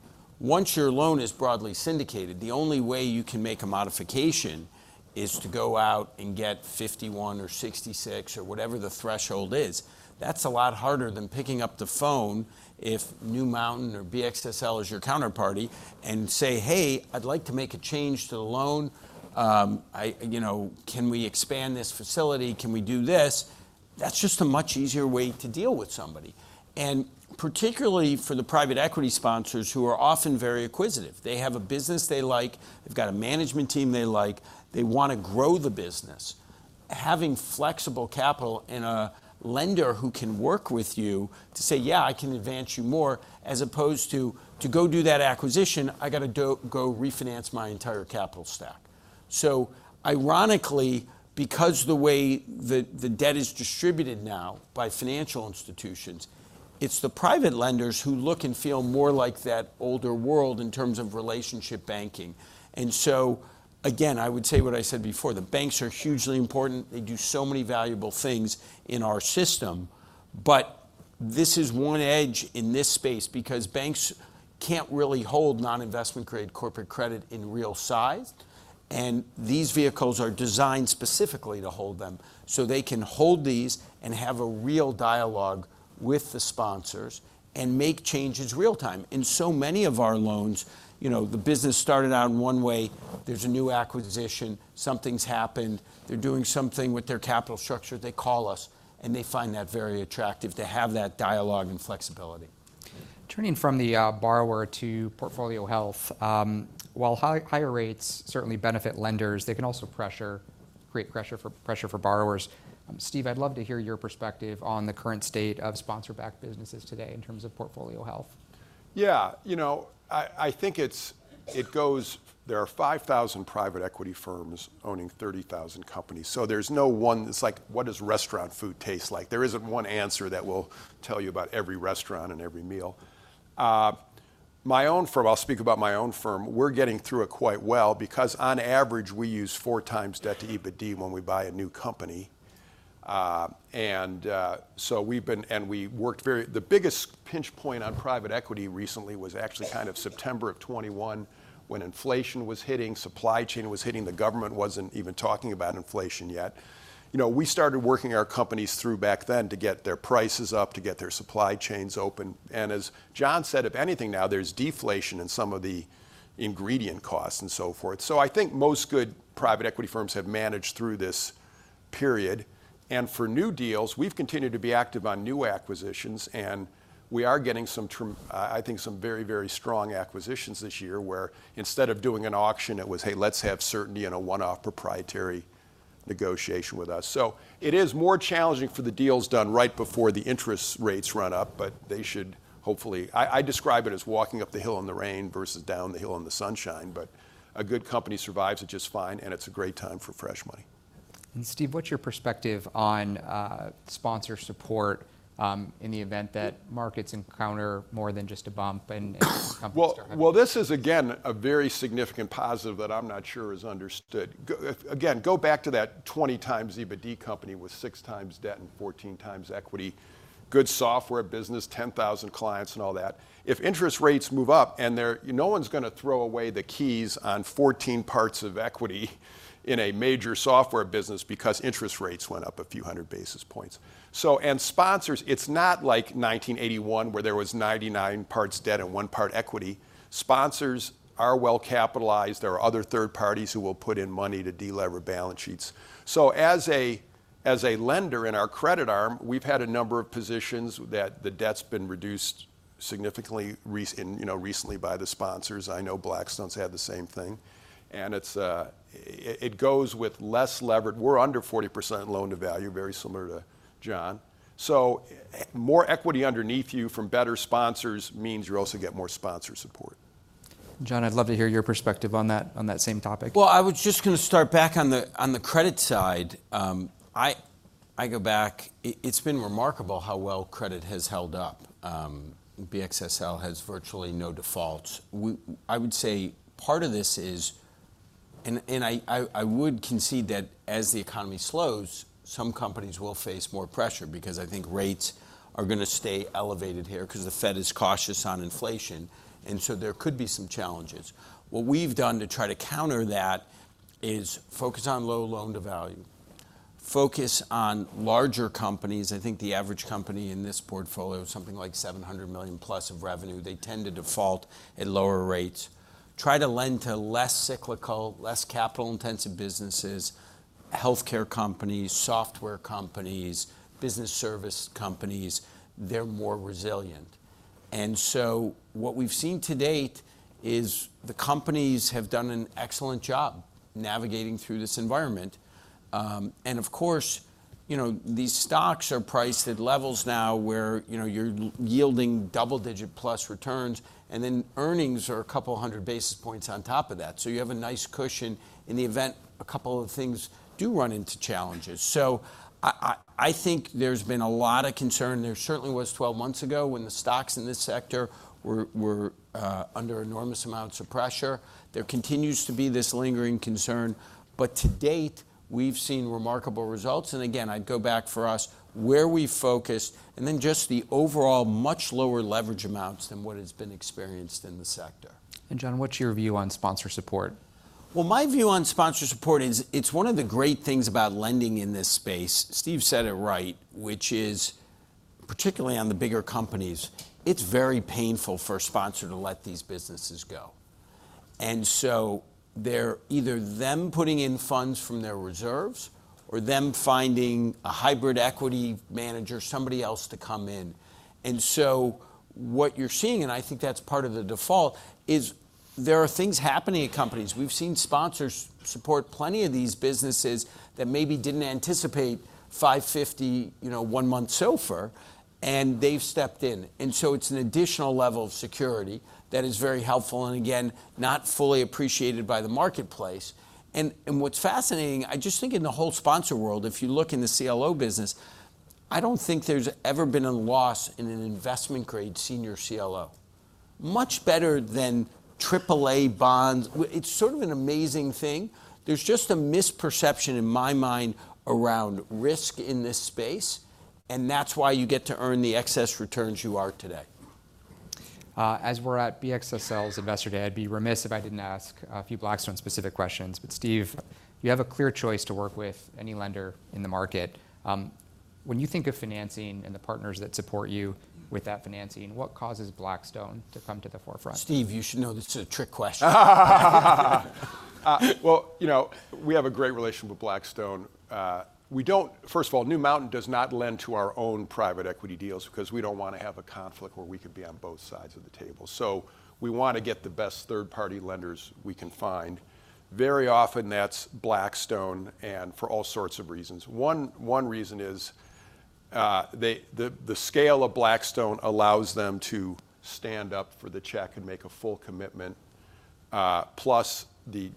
Once your loan is broadly syndicated, the only way you can make a modification is to go out and get 51 or 66 or whatever the threshold is. That's a lot harder than picking up the phone if New Mountain or BXSL is your counterparty and say, "Hey, I'd like to make a change to the loan. I, you know, can we expand this facility? Can we do this?" That's just a much easier way to deal with somebody. And particularly for the private equity sponsors, who are often very acquisitive. They have a business they like, they've got a management team they like, they want to grow the business. Having flexible capital and a lender who can work with you to say, "Yeah, I can advance you more," as opposed to, "To go do that acquisition, I've got to go refinance my entire capital stack." So ironically, because the way the debt is distributed now by financial institutions, it's the private lenders who look and feel more like that older world in terms of relationship banking. And so, again, I would say what I said before, the banks are hugely important. They do so many valuable things in our system, but this is one edge in this space, because banks can't really hold non-investment grade corporate credit in real size, and these vehicles are designed specifically to hold them, so they can hold these and have a real dialogue with the sponsors and make changes real time. In so many of our loans, you know, the business started out in one way, there's a new acquisition, something's happened, they're doing something with their capital structure, they call us, and they find that very attractive to have that dialogue and flexibility. Turning from the borrower to portfolio health, while higher rates certainly benefit lenders, they can also create pressure for borrowers. Steve, I'd love to hear your perspective on the current state of sponsor-backed businesses today in terms of portfolio health. Yeah, you know, I think it's. It goes... There are 5,000 private equity firms owning 30,000 companies, so there's no one. It's like, what does restaurant food taste like? There isn't one answer that will tell you about every restaurant and every meal. My own firm, I'll speak about my own firm, we're getting through it quite well, because on average, we use 4x debt-to-EBITDA when we buy a new company. And we worked very. The biggest pinch point on private equity recently was actually kind of September of 2021, when inflation was hitting, supply chain was hitting, the government wasn't even talking about inflation yet. You know, we started working our companies through back then to get their prices up, to get their supply chains open. As Jon said, if anything now, there's deflation in some of the ingredient costs, and so forth. So I think most good private equity firms have managed through this period. And for new deals, we've continued to be active on new acquisitions, and we are getting some, I think, some very, very strong acquisitions this year, where instead of doing an auction, it was, "Hey, let's have certainty in a one-off proprietary negotiation with us." So it is more challenging for the deals done right before the interest rates run up, but they should, hopefully... I describe it as walking up the hill in the rain versus down the hill in the sunshine, but a good company survives it just fine, and it's a great time for fresh money. And Steve, what's your perspective on sponsor support in the event that markets encounter more than just a bump, and companies start having- Well, well, this is, again, a very significant positive that I'm not sure is understood. Again, go back to that 20x EBITDA company with 6x debt and 14x equity, good software business, 10,000 clients, and all that. If interest rates move up, and they're... No one's gonna throw away the keys on 14 parts of equity in a major software business because interest rates went up a few hundred basis points. So, and sponsors, it's not like 1981, where there was 99 parts debt and one part equity. Sponsors are well-capitalized. There are other third parties who will put in money to delever balance sheets. So as a, as a lender in our credit arm, we've had a number of positions that the debt's been reduced significantly recently by the sponsors, you know. I know Blackstone's had the same thing. It goes with less levered... We're under 40% loan-to-value, very similar to Jon. So, more equity underneath you from better sponsors means you also get more sponsor support. Jon, I'd love to hear your perspective on that, on that same topic. Well, I was just gonna start back on the credit side. It's been remarkable how well credit has held up. BXSL has virtually no defaults. I would say part of this is... I would concede that as the economy slows, some companies will face more pressure, because I think rates are gonna stay elevated here, because the Fed is cautious on inflation, and so there could be some challenges. What we've done to try to counter that is focus on low loan-to-value, focus on larger companies. I think the average company in this portfolio is something like $700 million-plus of revenue. They tend to default at lower rates. Try to lend to less cyclical, less capital-intensive businesses, healthcare companies, software companies, business service companies, they're more resilient. And so what we've seen to date is, the companies have done an excellent job navigating through this environment. And of course, you know, these stocks are priced at levels now where, you know, you're yielding double-digit-plus returns, and then earnings are a couple of hundred basis points on top of that. So you have a nice cushion in the event a couple of things do run into challenges. So I think there's been a lot of concern. There certainly was 12 months ago, when the stocks in this sector were under enormous amounts of pressure. There continues to be this lingering concern. But to date, we've seen remarkable results, and again, I'd go back for us, where we focused, and then just the overall much lower leverage amounts than what has been experienced in the sector. Jon, what's your view on sponsor support? Well, my view on sponsor support is, it's one of the great things about lending in this space. Steve said it right, which is, particularly on the bigger companies, it's very painful for a sponsor to let these businesses go. And so they're either them putting in funds from their reserves or them finding a hybrid equity manager, somebody else to come in. And so what you're seeing, and I think that's part of the default, is there are things happening at companies. We've seen sponsors support plenty of these businesses that maybe didn't anticipate 550, you know, one-month SOFR, and they've stepped in. And so it's an additional level of security that is very helpful, and again, not fully appreciated by the marketplace. What's fascinating, I just think in the whole sponsor world, if you look in the CLO business, I don't think there's ever been a loss in an investment-grade senior CLO. Much better than triple-A bonds. Well, it's sort of an amazing thing. There's just a misperception in my mind around risk in this space, and that's why you get to earn the excess returns you are today. As we're at BXSL's Investor Day, I'd be remiss if I didn't ask a few Blackstone-specific questions. But Steve, you have a clear choice to work with any lender in the market. When you think of financing and the partners that support you with that financing, what causes Blackstone to come to the forefront? Steve, you should know this is a trick question. Well, you know, we have a great relationship with Blackstone. We don't... First of all, New Mountain does not lend to our own private equity deals, because we don't want to have a conflict where we could be on both sides of the table. So we want to get the best third-party lenders we can find. Very often, that's Blackstone, and for all sorts of reasons. One reason is the scale of Blackstone allows them to stand up for the check and make a full commitment, plus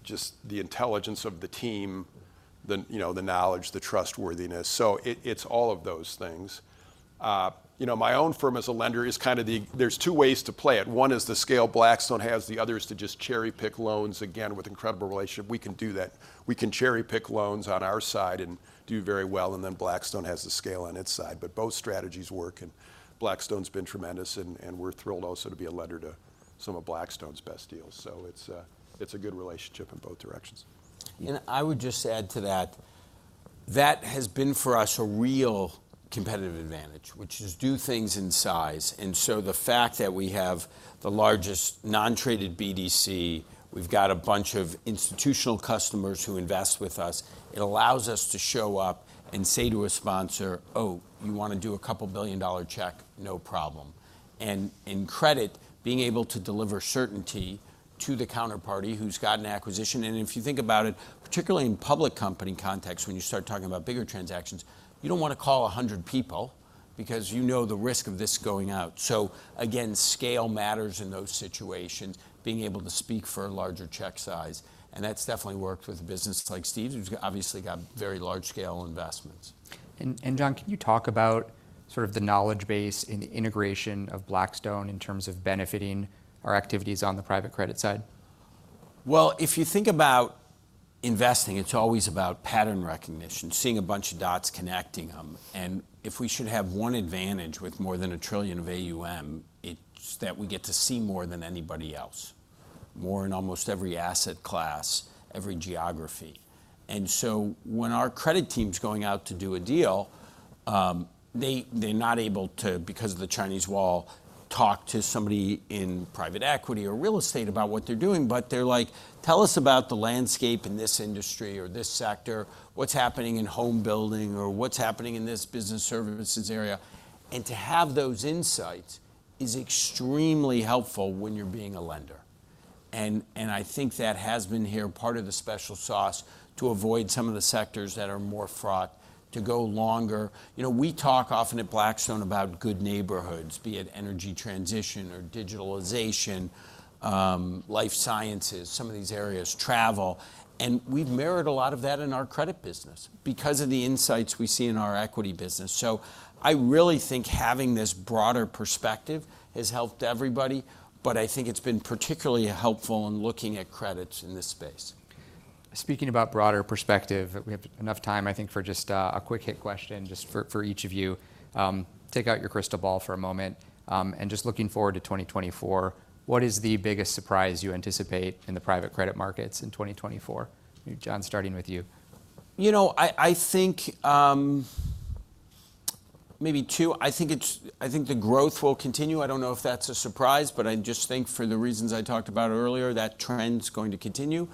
just the intelligence of the team—the, you know, the knowledge, the trustworthiness, so it's all of those things. You know, my own firm as a lender is kind of, there's two ways to play it: one is the scale Blackstone has, the other is to just cherry-pick loans, again, with incredible relationship. We can do that. We can cherry-pick loans on our side and do very well, and then Blackstone has the scale on its side. But both strategies work, and Blackstone's been tremendous, and, and we're thrilled also to be a lender to some of Blackstone's best deals. So it's a, it's a good relationship in both directions. I would just add to that, that has been, for us, a real competitive advantage, which is do things in size. And so the fact that we have the largest non-traded BDC, we've got a bunch of institutional customers who invest with us, it allows us to show up and say to a sponsor, "Oh, you want to do a couple billion-dollar check? No problem." And in credit, being able to deliver certainty to the counterparty who's got an acquisition... And if you think about it, particularly in public company context, when you start talking about bigger transactions, you don't want to call 100 people because you know the risk of this going out. So again, scale matters in those situations, being able to speak for a larger check size, and that's definitely worked with businesses like Steve's, who's obviously got very large-scale investments. Jon, can you talk about sort of the knowledge base and the integration of Blackstone in terms of benefiting our activities on the private credit side? Well, if you think about investing, it's always about pattern recognition, seeing a bunch of dots, connecting them. And if we should have one advantage with more than $1 trillion of AUM, it's that we get to see more than anybody else, more in almost every asset class, every geography. And so when our credit team's going out to do a deal, they're not able to, because of the Chinese wall, talk to somebody in private equity or real estate about what they're doing, but they're like: "Tell us about the landscape in this industry or this sector. What's happening in home building, or what's happening in this business services area?" And to have those insights is extremely helpful when you're being a lender. I think that has been a part of the special sauce to avoid some of the sectors that are more fraught to go longer. You know, we talk often at Blackstone about good neighborhoods, be it energy transition or digitalization, life sciences, some of these areas, travel, and we've mirrored a lot of that in our credit business because of the insights we see in our equity business. So I really think having this broader perspective has helped everybody, but I think it's been particularly helpful in looking at credits in this space. Speaking about broader perspective, we have enough time, I think, for just a quick-hit question, just for each of you. Take out your crystal ball for a moment, and just looking forward to 2024, what is the biggest surprise you anticipate in the private credit markets in 2024? Jon, starting with you. You know, I think maybe two. I think the growth will continue. I don't know if that's a surprise, but I just think for the reasons I talked about earlier, that trend's going to continue.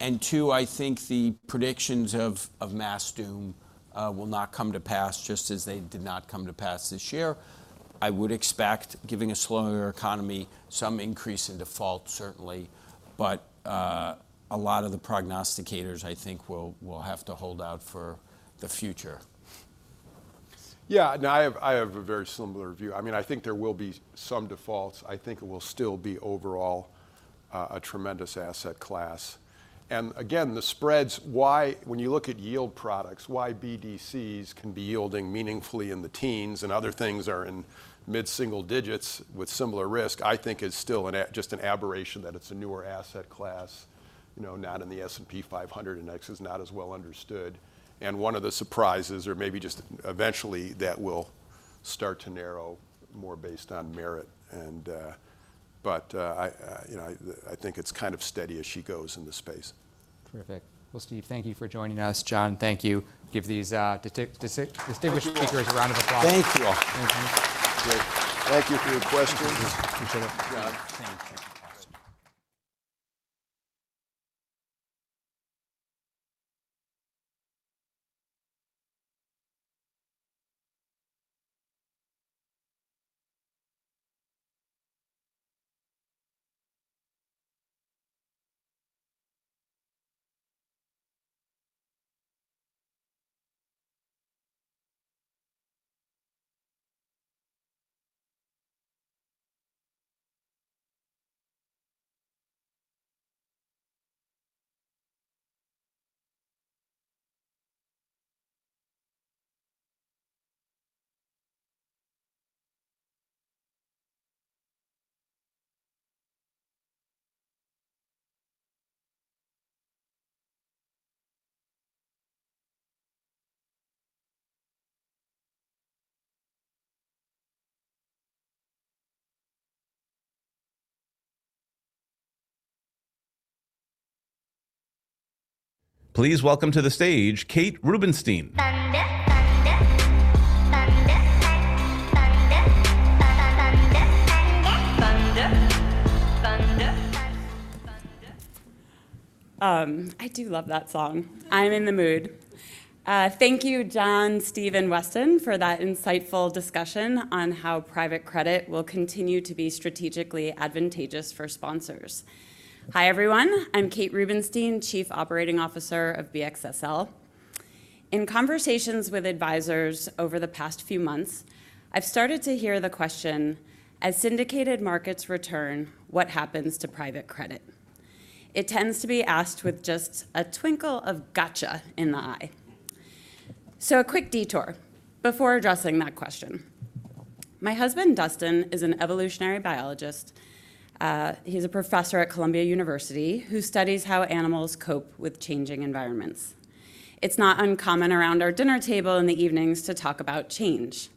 And two, I think the predictions of mass doom will not come to pass, just as they did not come to pass this year. I would expect, given a slower economy, some increase in defaults, certainly, but a lot of the prognosticators, I think, will have to hold out for the future. Yeah. No, I have, I have a very similar view. I mean, I think there will be some defaults. I think it will still be, overall, a tremendous asset class. And again, the spreads, why, when you look at yield products, why BDCs can be yielding meaningfully in the teens and other things are in mid-single digits with similar risk, I think is still just an aberration, that it's a newer asset class, you know, not in the S&P 500 index. It's not as well understood. And one of the surprises, or maybe just eventually, that will start to narrow more based on merit. But, you know, I think it's kind of steady as she goes in the space. Terrific. Well, Steve, thank you for joining us. Jon, thank you. Give these distinguished speakers a round of applause. Thank you all. Thank you. Great. Thank you for your questions. Thank you, gentlemen. Jon, thank you. Please welcome to the stage, Kate Rubenstein. I do love that song. I'm in the mood. Thank you, Jon, Steve, and Weston, for that insightful discussion on how private credit will continue to be strategically advantageous for sponsors. Hi, everyone. I'm Kate Rubenstein, Chief Operating Officer of BXSL. In conversations with advisors over the past few months, I've started to hear the question, "As syndicated markets return, what happens to private credit?" It tends to be asked with just a twinkle of gotcha in the eye. So a quick detour before addressing that question. My husband, Dustin, is an evolutionary biologist, he's a professor at Columbia University, who studies how animals cope with changing environments. It's not uncommon around our dinner table in the evenings to talk about change,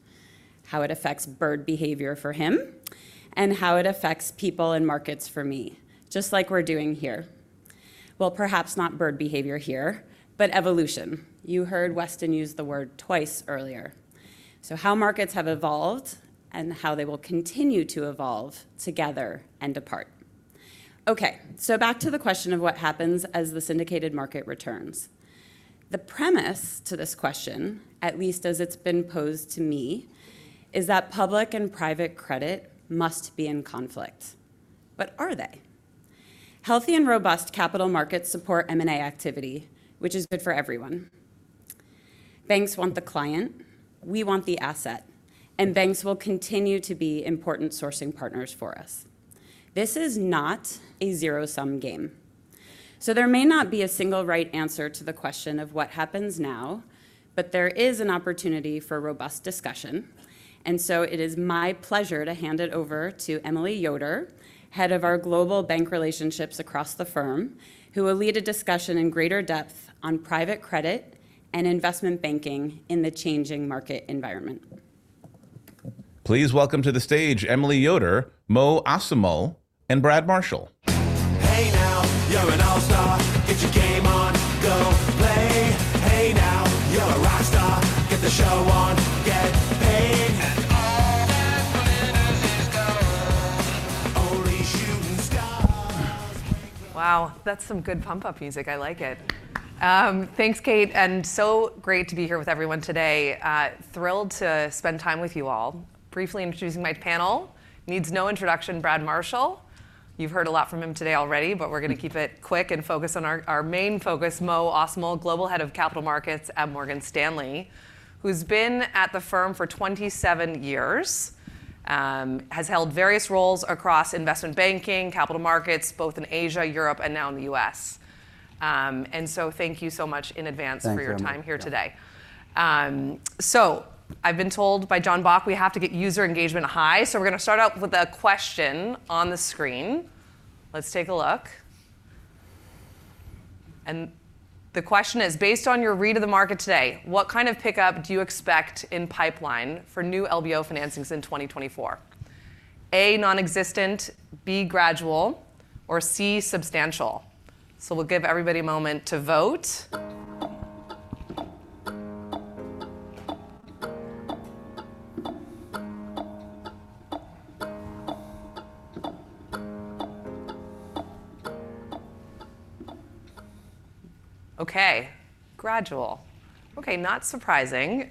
how it affects bird behavior for him, and how it affects people and markets for me, just like we're doing here. Well, perhaps not bird behavior here, but evolution. You heard Weston use the word twice earlier. So how markets have evolved and how they will continue to evolve together and apart. Okay, so back to the question of what happens as the syndicated market returns. The premise to this question, at least as it's been posed to me, is that public and private credit must be in conflict. But are they? Healthy and robust capital markets support M&A activity, which is good for everyone. Banks want the client, we want the asset, and banks will continue to be important sourcing partners for us. This is not a zero-sum game. There may not be a single right answer to the question of what happens now, but there is an opportunity for a robust discussion, and so it is my pleasure to hand it over to Emily Yoder, Head of our Global Bank Relationships across the firm, who will lead a discussion in greater depth on private credit and investment banking in the changing market environment. Please welcome to the stage Emily Yoder, Mohit Assomull, and Brad Marshall. Wow, that's some good pump-up music. I like it. Thanks, Kate, and so great to be here with everyone today. Thrilled to spend time with you all. Briefly introducing my panel, needs no introduction, Brad Marshall. You've heard a lot from him today already, but we're gonna keep it quick and focus on our, our main focus, Mohit Assomull, Global Head of Capital Markets at Morgan Stanley, who's been at the firm for 27 years, has held various roles across investment banking, capital markets, both in Asia, Europe, and now in the US. And so thank you so much in advance- Thank you, Emily.... for your time here today. So I've been told by Jonathan Bock, we have to get user engagement high, so we're gonna start out with a question on the screen. Let's take a look. The question is, "Based on your read of the market today, what kind of pickup do you expect in pipeline for new LBO financings in 2024? A, nonexistent, B, gradual, or C, substantial." So we'll give everybody a moment to vote. Okay, gradual. Okay, not surprising.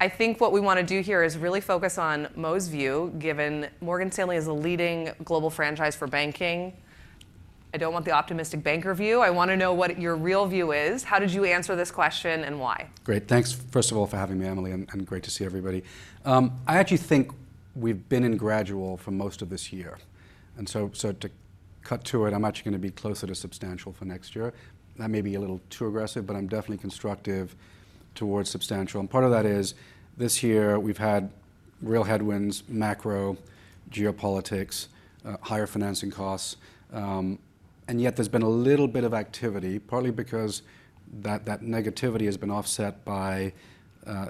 I think what we want to do here is really focus on Mo's view, given Morgan Stanley is a leading global franchise for banking. I don't want the optimistic banker view. I want to know what your real view is. How did you answer this question, and why? Great. Thanks, first of all, for having me, Emily, and great to see everybody. I actually think we've been in gradual for most of this year, and so to cut to it, I'm actually gonna be closer to substantial for next year. That may be a little too aggressive, but I'm definitely constructive towards substantial. And part of that is, this year we've had real headwinds, macro, geopolitics, higher financing costs, and yet there's been a little bit of activity, partly because that negativity has been offset by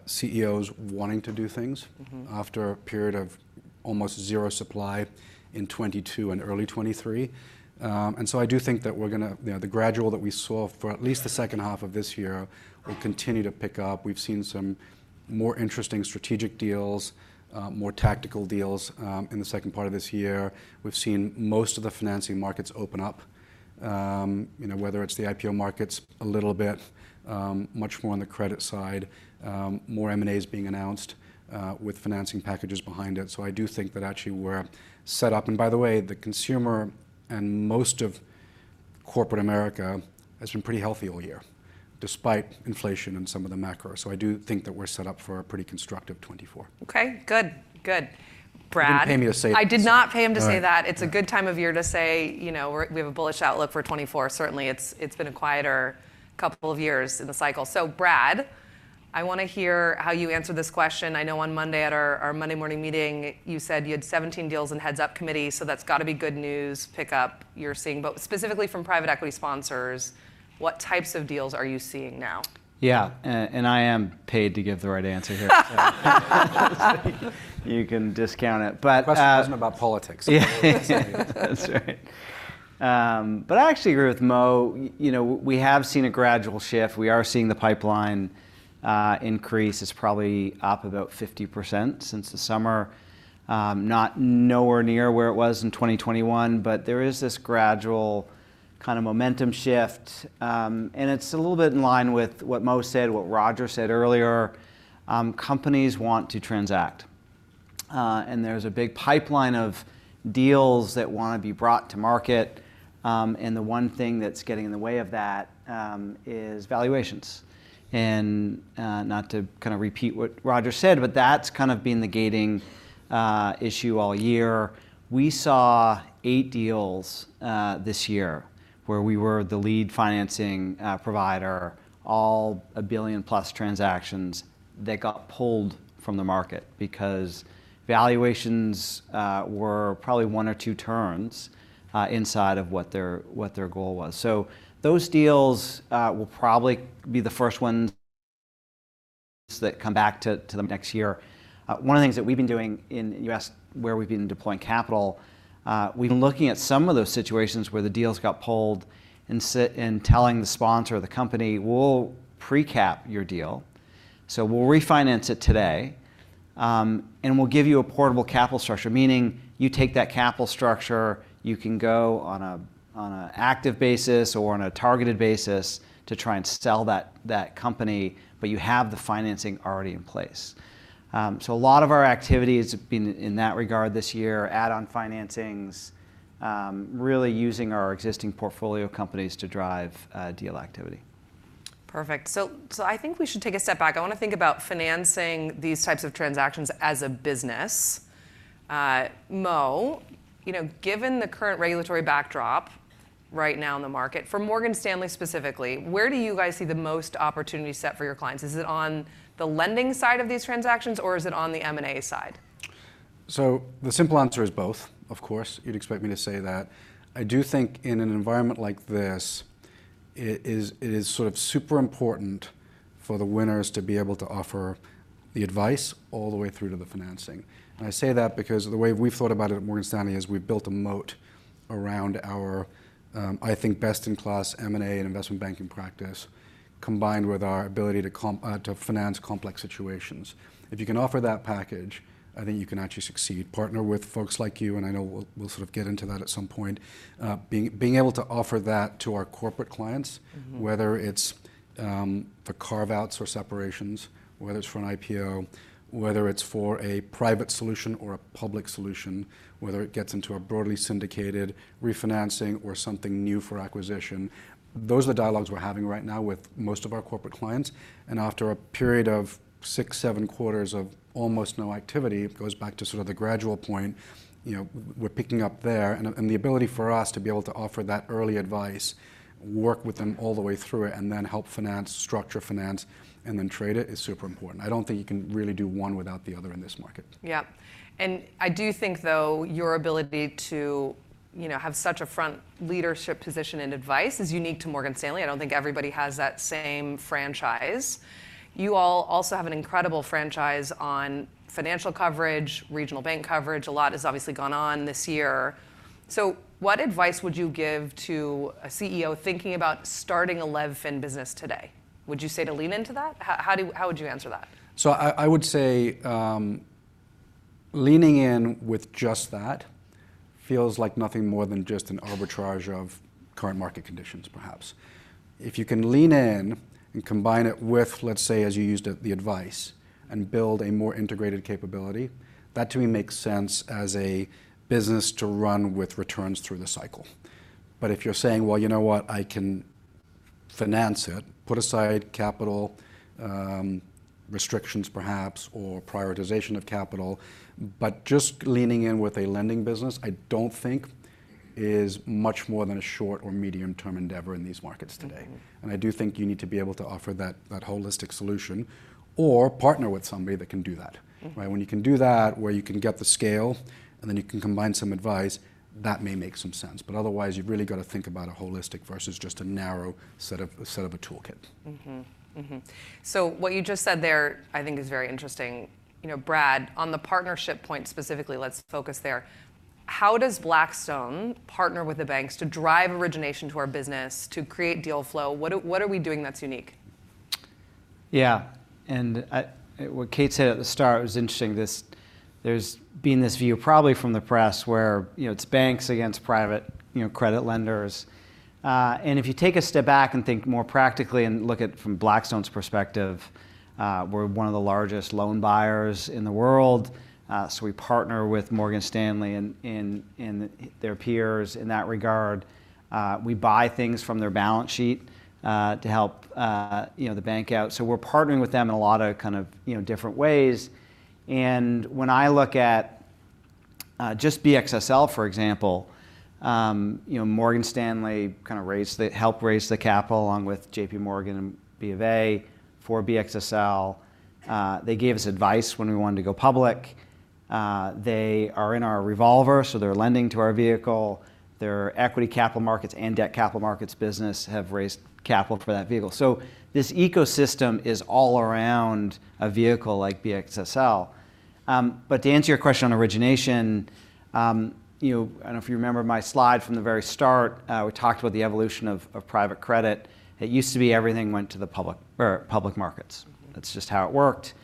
CEOs wanting to do things- Mm-hmm... after a period of almost zero supply in 2022 and early 2023. And so I do think that we're gonna... You know, the gradual that we saw for at least the second half of this year will continue to pick up. We've seen some more interesting strategic deals, more tactical deals, in the second part of this year. We've seen most of the financing markets open up, you know, whether it's the IPO markets a little bit, much more on the credit side, more M&As being announced, with financing packages behind it. So I do think that actually we're set up... And by the way, the consumer and most of corporate America has been pretty healthy all year, despite inflation and some of the macro. So I do think that we're set up for a pretty constructive 2024. Okay, good, good. Brad- You didn't pay me to say that. I did not pay him to say that. All right. It's a good time of year to say, you know, we have a bullish outlook for 2024. Certainly, it's been a quieter couple of years in the cycle. So Brad, I want to hear how you answer this question. I know on Monday at our Monday Morning Meeting, you said you had 17 deals in Heads Up Committee, so that's got to be good news, pickup you're seeing. But specifically from private equity sponsors, what types of deals are you seeing now? Yeah, and I am paid to give the right answer here. So you can discount it, but- Question wasn't about politics. Yeah. That's right. But I actually agree with Mo. You know, we have seen a gradual shift. We are seeing the pipeline increase. It's probably up about 50% since the summer. Not nowhere near where it was in 2021, but there is this gradual kind of momentum shift, and it's a little bit in line with what Mo said, what Roger said earlier, companies want to transact.... and there's a big pipeline of deals that wanna be brought to market, and the one thing that's getting in the way of that, is valuations. And, not to kinda repeat what Roger said, but that's kind of been the gating, issue all year. We saw 8 deals, this year where we were the lead financing, provider, all $1 billion-plus transactions that got pulled from the market because valuations, were probably one or two turns, inside of what their, what their goal was. So those deals, will probably be the first ones that come back to, to the next year. One of the things that we've been doing in U.S. where we've been deploying capital, we've been looking at some of those situations where the deals got pulled, and telling the sponsor of the company, "We'll recap your deal, so we'll refinance it today, and we'll give you a portable capital structure," meaning you take that capital structure, you can go on active basis or on a targeted basis to try and sell that company, but you have the financing already in place. So a lot of our activity has been in that regard this year, add-on financings, really using our existing portfolio companies to drive deal activity. Perfect. So I think we should take a step back. I wanna think about financing these types of transactions as a business. Mo, you know, given the current regulatory backdrop right now in the market, for Morgan Stanley specifically, where do you guys see the most opportunity set for your clients? Is it on the lending side of these transactions, or is it on the M&A side? So the simple answer is both. Of course, you'd expect me to say that. I do think in an environment like this, it is sort of super important for the winners to be able to offer the advice all the way through to the financing. And I say that because the way we've thought about it at Morgan Stanley is we've built a moat around our, I think, best-in-class M&A and investment banking practice, combined with our ability to finance complex situations. If you can offer that package, I think you can actually succeed. Partner with folks like you, and I know we'll sort of get into that at some point. Being able to offer that to our corporate clients- Mm-hmm... whether it's for carve-outs or separations, whether it's for an IPO, whether it's for a private solution or a public solution, whether it gets into a broadly syndicated refinancing or something new for acquisition, those are the dialogues we're having right now with most of our corporate clients. And after a period of six, seven quarters of almost no activity, it goes back to sort of the gradual point, you know, we're picking up there. And the ability for us to be able to offer that early advice, work with them all the way through it, and then help finance, structure finance, and then trade it, is super important. I don't think you can really do one without the other in this market. Yeah. And I do think, though, your ability to, you know, have such a front leadership position and advice is unique to Morgan Stanley. I don't think everybody has that same franchise. You all also have an incredible franchise on financial coverage, regional bank coverage. A lot has obviously gone on this year. So what advice would you give to a CEO thinking about starting a LevFin business today? Would you say to lean into that? How would you answer that? I would say leaning in with just that feels like nothing more than just an arbitrage of current market conditions, perhaps. If you can lean in and combine it with, let's say, as you used it, the advice, and build a more integrated capability, that to me makes sense as a business to run with returns through the cycle. But if you're saying, "Well, you know what? I can finance it," put aside capital, restrictions perhaps, or prioritization of capital, but just leaning in with a lending business, I don't think is much more than a short or medium-term endeavor in these markets today. Mm-hmm. I do think you need to be able to offer that, that holistic solution, or partner with somebody that can do that. Mm. Right, when you can do that, where you can get the scale, and then you can combine some advice, that may make some sense. But otherwise, you've really got to think about a holistic versus just a narrow set of a toolkit. Mm-hmm. Mm-hmm. So what you just said there I think is very interesting. You know, Brad, on the partnership point specifically, let's focus there. How does Blackstone partner with the banks to drive origination to our business, to create deal flow? What are we doing that's unique? Yeah. What Kate said at the start was interesting. There's been this view, probably from the press, where, you know, it's banks against private, you know, credit lenders. And if you take a step back and think more practically, and look at it from Blackstone's perspective, we're one of the largest loan buyers in the world, so we partner with Morgan Stanley and their peers in that regard. We buy things from their balance sheet, to help, you know, the bank out. So we're partnering with them in a lot of kind of, you know, different ways. And when I look at just BXSL, for example, you know, Morgan Stanley helped raise the capital, along with JP Morgan and Bof A for BXSL. They gave us advice when we wanted to go public. They are in our revolver, so they're lending to our vehicle. Their equity capital markets and debt capital markets business have raised capital for that vehicle. So this ecosystem is all around a vehicle like BXSL. But to answer your question on origination, you know, I don't know if you remember my slide from the very start, we talked about the evolution of private credit. It used to be everything went to the public or public markets. That's just how it worked.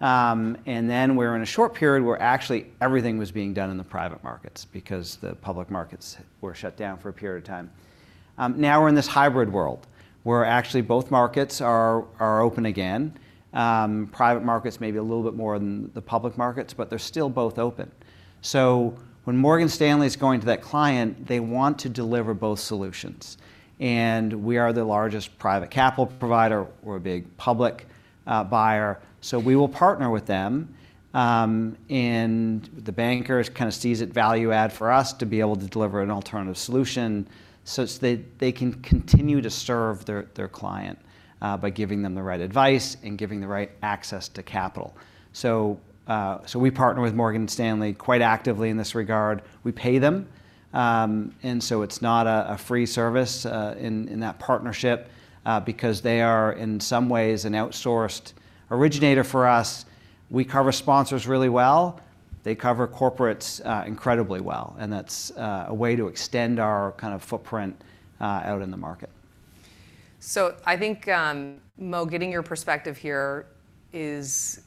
And then we were in a short period where actually everything was being done in the private markets because the public markets were shut down for a period of time. Now we're in this hybrid world, where actually both markets are open again. Private markets may be a little bit more than the public markets, but they're still both open. So when Morgan Stanley's going to that client, they want to deliver both solutions, and we are the largest private capital provider. We're a big public buyer, so we will partner with them. And the bankers kind of sees it value add for us to be able to deliver an alternative solution, such that they can continue to serve their client by giving them the right advice and giving the right access to capital. So we partner with Morgan Stanley quite actively in this regard. We pay them, and so it's not a free service in that partnership, because they are, in some ways, an outsourced originator for us. We cover sponsors really well. They cover corporates, incredibly well, and that's a way to extend our kind of footprint out in the market. So I think, Mo, getting your perspective here is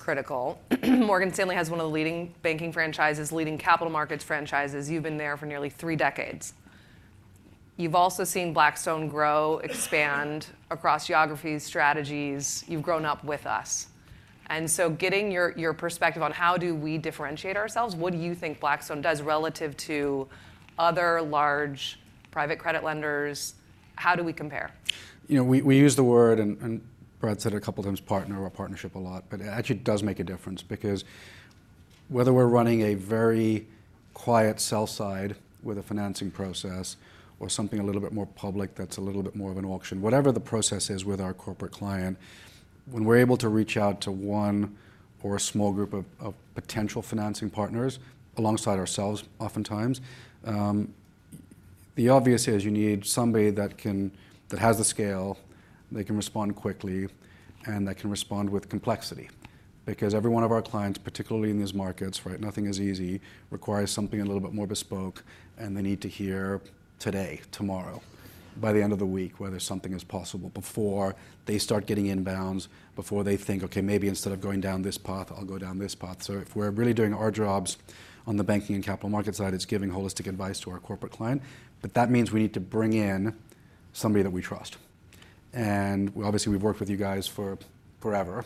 critical. Morgan Stanley has one of the leading banking franchises, leading capital markets franchises. You've been there for nearly three decades. You've also seen Blackstone grow, expand across geographies, strategies. You've grown up with us. And so getting your perspective on how do we differentiate ourselves, what do you think Blackstone does relative to other large private credit lenders? How do we compare? You know, we use the word, and Brad said it a couple times, partner or partnership a lot, but it actually does make a difference because whether we're running a very quiet sell side with a financing process or something a little bit more public that's a little bit more of an auction, whatever the process is with our corporate client, when we're able to reach out to one or a small group of potential financing partners, alongside ourselves oftentimes, the obvious is you need somebody that has the scale, they can respond quickly, and that can respond with complexity. Because every one of our clients, particularly in these markets, right, nothing is easy, requires something a little bit more bespoke, and they need to hear today, tomorrow, by the end of the week, whether something is possible before they start getting inbounds, before they think, "Okay, maybe instead of going down this path, I'll go down this path." So if we're really doing our jobs on the banking and capital market side, it's giving holistic advice to our corporate client, but that means we need to bring in somebody that we trust. And obviously, we've worked with you guys for forever.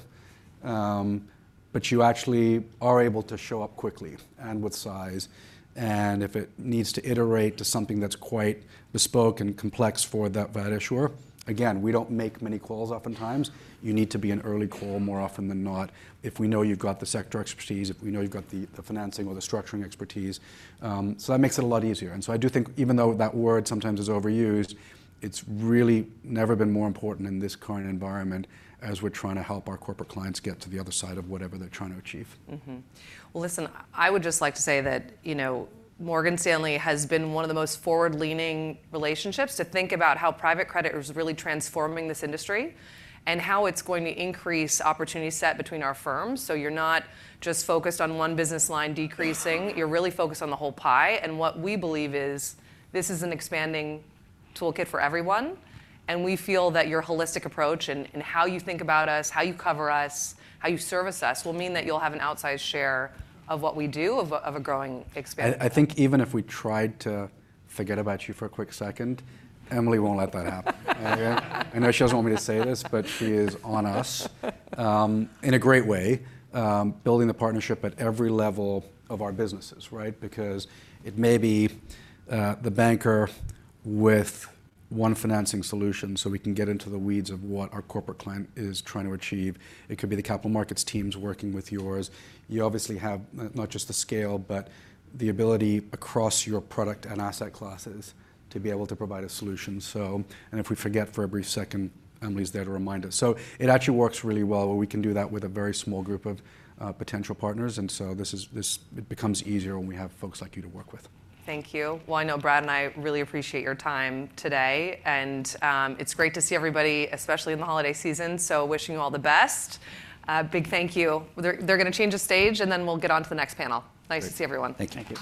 But you actually are able to show up quickly and with size, and if it needs to iterate to something that's quite bespoke and complex for that issuer... Again, we don't make many calls oftentimes. You need to be an early call more often than not. If we know you've got the sector expertise, if we know you've got the financing or the structuring expertise, so that makes it a lot easier. And so I do think even though that word sometimes is overused, it's really never been more important in this current environment as we're trying to help our corporate clients get to the other side of whatever they're trying to achieve. Mm-hmm. Well, listen, I would just like to say that, you know, Morgan Stanley has been one of the most forward-leaning relationships to think about how private credit is really transforming this industry and how it's going to increase opportunity set between our firms. So you're not just focused on one business line decreasing, you're really focused on the whole pie. And what we believe is, this is an expanding toolkit for everyone, and we feel that your holistic approach and, and how you think about us, how you cover us, how you service us, will mean that you'll have an outsized share of what we do, of a, of a growing, expanding- I think even if we tried to forget about you for a quick second, Emily won't let that happen. I know she doesn't want me to say this, but she is on us in a great way building the partnership at every level of our businesses, right? Because it may be the banker with one financing solution, so we can get into the weeds of what our corporate client is trying to achieve. It could be the capital markets teams working with yours. You obviously have not just the scale, but the ability across your product and asset classes to be able to provide a solution, so... If we forget for a brief second, Emily's there to remind us. So it actually works really well, where we can do that with a very small group of potential partners, and so this is it becomes easier when we have folks like you to work with. Thank you. Well, I know Brad and I really appreciate your time today, and it's great to see everybody, especially in the holiday season. So wishing you all the best. Big thank you. They're gonna change the stage, and then we'll get on to the next panel. Great. Nice to see everyone. Thank you. Thank you.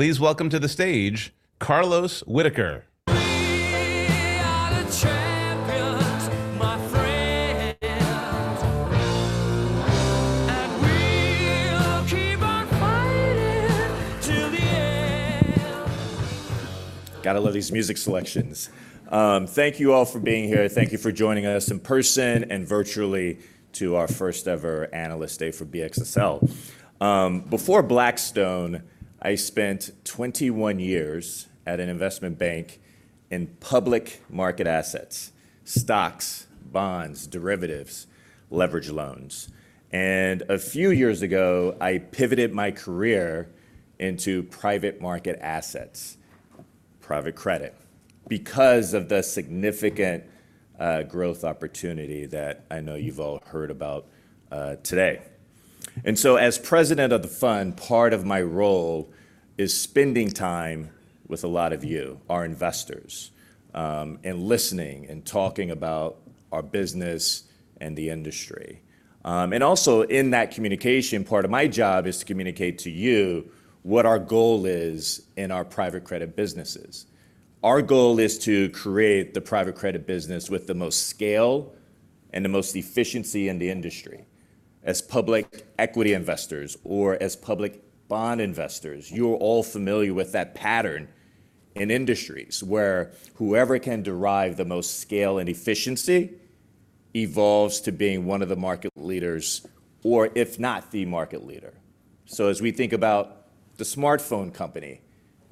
Please welcome to the stage, Carlos Whitaker. Gotta love these music selections. Thank you all for being here. Thank you for joining us in person and virtually to our first-ever Analyst Day for BXSL. Before Blackstone, I spent 21 years at an investment bank in public market assets: stocks, bonds, derivatives, leveraged loans. A few years ago, I pivoted my career into private market assets, private credit, because of the significant growth opportunity that I know you've all heard about today. So as President of the fund, part of my role is spending time with a lot of you, our investors, and listening and talking about our business and the industry. And also in that communication, part of my job is to communicate to you what our goal is in our private credit businesses. Our goal is to create the private credit business with the most scale and the most efficiency in the industry. As public equity investors or as public bond investors, you're all familiar with that pattern in industries where whoever can derive the most scale and efficiency evolves to being one of the market leaders or, if not, the market leader. So as we think about the smartphone company,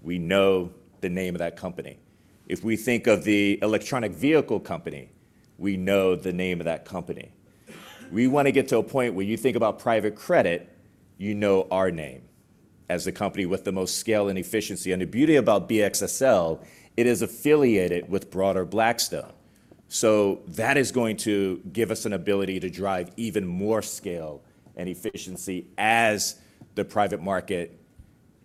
we know the name of that company. If we think of the electric vehicle company, we know the name of that company. We wanna get to a point where you think about private credit, you know our name as the company with the most scale and efficiency. The beauty about BXSL, it is affiliated with broader Blackstone, so that is going to give us an ability to drive even more scale and efficiency as the private market,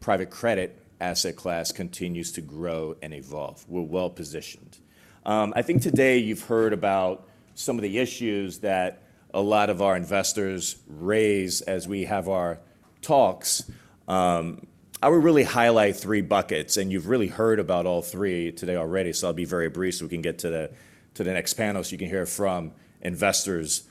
private credit asset class continues to grow and evolve. We're well-positioned. I think today you've heard about some of the issues that a lot of our investors raise as we have our talks. I would really highlight three buckets, and you've really heard about all three today already, so I'll be very brief so we can get to the next panel so you can hear from investors,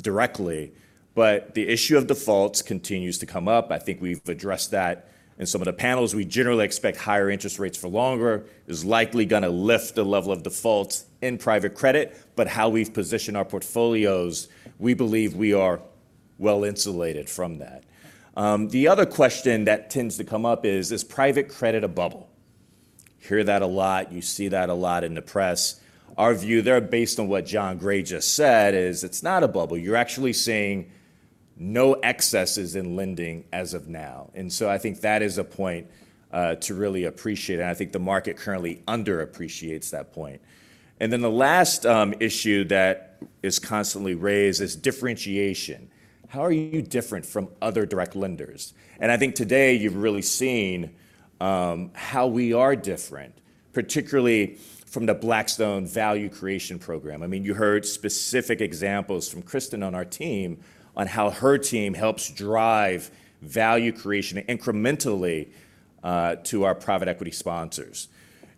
directly. But the issue of defaults continues to come up. I think we've addressed that in some of the panels. We generally expect higher interest rates for longer. It's likely gonna lift the level of defaults in private credit, but how we've positioned our portfolios, we believe we are well-insulated from that. The other question that tends to come up is: Is private credit a bubble? Hear that a lot. You see that a lot in the press. Our view there, based on what Jon Gray just said, is it's not a bubble. You're actually seeing no excesses in lending as of now, and so I think that is a point to really appreciate, and I think the market currently underappreciates that point. And then the last issue that is constantly raised is differentiation. How are you different from other direct lenders? And I think today you've really seen how we are different, particularly from the Blackstone Value Creation Program. I mean, you heard specific examples from Kristen on our team on how her team helps drive value creation incrementally to our private equity sponsors.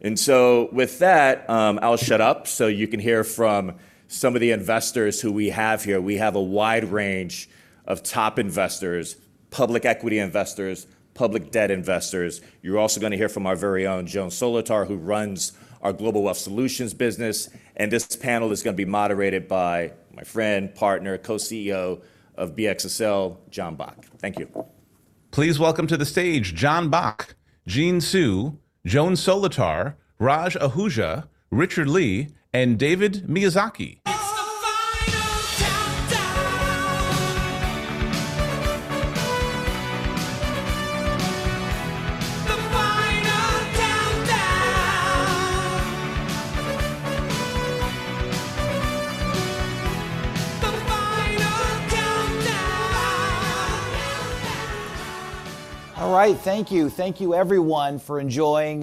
And so with that, I'll shut up so you can hear from some of the investors who we have here. We have a wide range of top investors, public equity investors, public debt investors. You're also gonna hear from our very own Joan Solotar, who runs our Global Wealth Solutions business, and this panel is gonna be moderated by my friend, partner, co-CEO of BXSL, Jon Bock. Thank you.... Please welcome to the stage Jonathan Bock, Jean Hsu, Joan Solotar, Raj Ahuja, Richard Lee, and David Miyazaki. All right, thank you. Thank you everyone for enjoying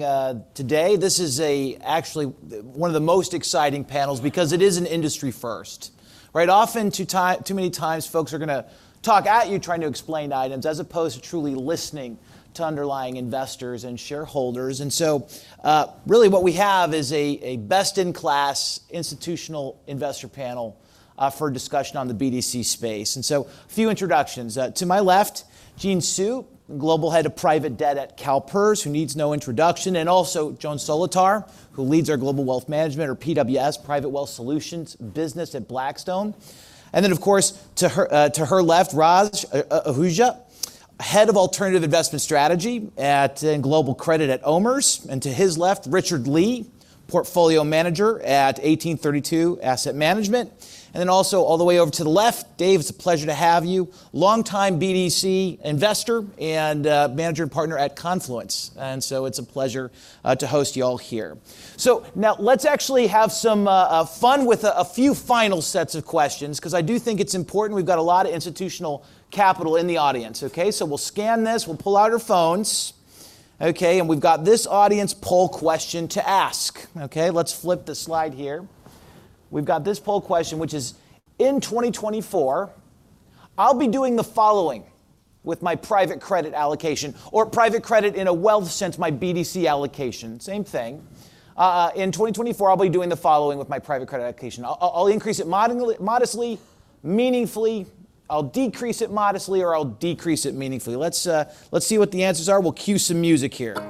today. This is actually one of the most exciting panels because it is an industry first, right? Often, too many times folks are gonna talk at you trying to explain items, as opposed to truly listening to underlying investors and shareholders. And so, really what we have is a best-in-class institutional investor panel for a discussion on the BDC space. And so a few introductions. To my left, Jean Hsu, Global Head of Private Debt at CalPERS, who needs no introduction, and also Joan Solotar, who leads our Global Wealth Management or PWS, Private Wealth Solutions business at Blackstone. And then, of course, to her left, Raj Ahuja, Head of Alternative Investment Strategy at Global Credit at OMERS, and to his left, Richard Lee, Portfolio Manager at 1832 Asset Management, and then also all the way over to the left, Dave, it's a pleasure to have you. Longtime BDC investor and Managing Partner at Confluence, and so it's a pleasure to host you all here. So now let's actually have some fun with a few final sets of questions, 'cause I do think it's important. We've got a lot of institutional capital in the audience, okay? So we'll scan this, we'll pull out our phones, okay, and we've got this audience poll question to ask, okay? Let's flip the slide here. We've got this poll question, which is, "In 2024, I'll be doing the following with my private credit allocation or private credit in a wealth sense, my BDC allocation," same thing. "In 2024, I'll be doing the following with my private credit allocation. I'll increase it modestly, meaningfully, I'll decrease it modestly, or I'll decrease it meaningfully." Let's see what the answers are. We'll cue some music here.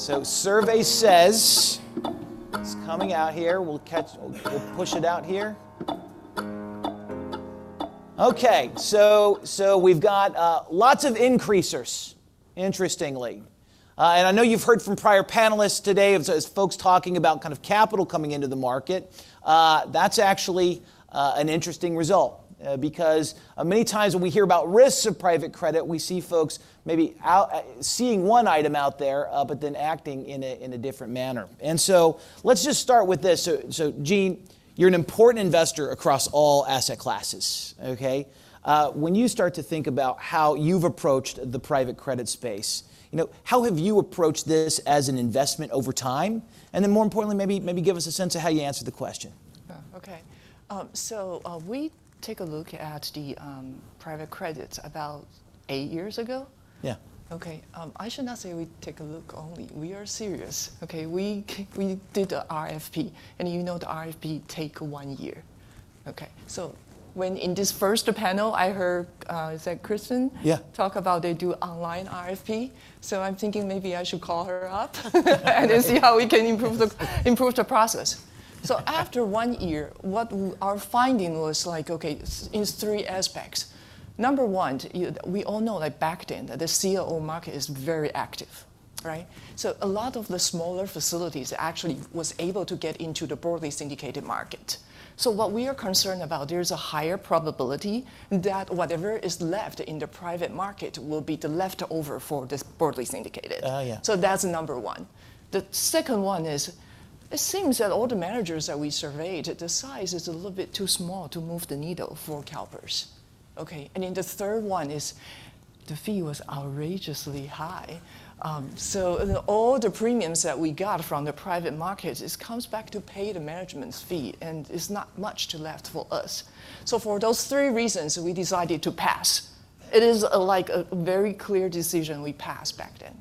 Okay. Okay, so survey says... It's coming out here. We'll push it out here. Okay, so we've got lots of increasers, interestingly. And I know you've heard from prior panelists today, as folks talking about kind of capital coming into the market, that's actually an interesting result. Because, many times when we hear about risks of private credit, we see folks maybe out there seeing one item out there, but then acting in a different manner. And so let's just start with this. So, Jean, you're an important investor across all asset classes, okay? When you start to think about how you've approached the private credit space, you know, how have you approached this as an investment over time? And then more importantly, maybe give us a sense of how you answer the question. Oh, okay. So, we take a look at the private credits about 8 years ago? Yeah. Okay. I should not say we take a look only. We are serious, okay? We did the RFP, and you know, the RFP take one year. Okay, so when in this first panel, I heard, is that Kristen? Yeah. Talk about they do online RFP, so I'm thinking maybe I should call her up and see how we can improve the, improve the process. So after one year, what our finding was like, okay, in three aspects. Number one, we all know that back then, that the CLO market is very active, right? So a lot of the smaller facilities actually was able to get into the broadly syndicated market. So what we are concerned about, there is a higher probability that whatever is left in the private market will be the left over for this broadly syndicated. Oh, yeah. So that's number 1. The second one is, it seems that all the managers that we surveyed, the size is a little bit too small to move the needle for CalPERS, okay? And then the third one is the fee was outrageously high. So all the premiums that we got from the private markets, it comes back to pay the management's fee, and it's not much left for us. So for those three reasons, we decided to pass. It is, like, a very clear decision we passed back then.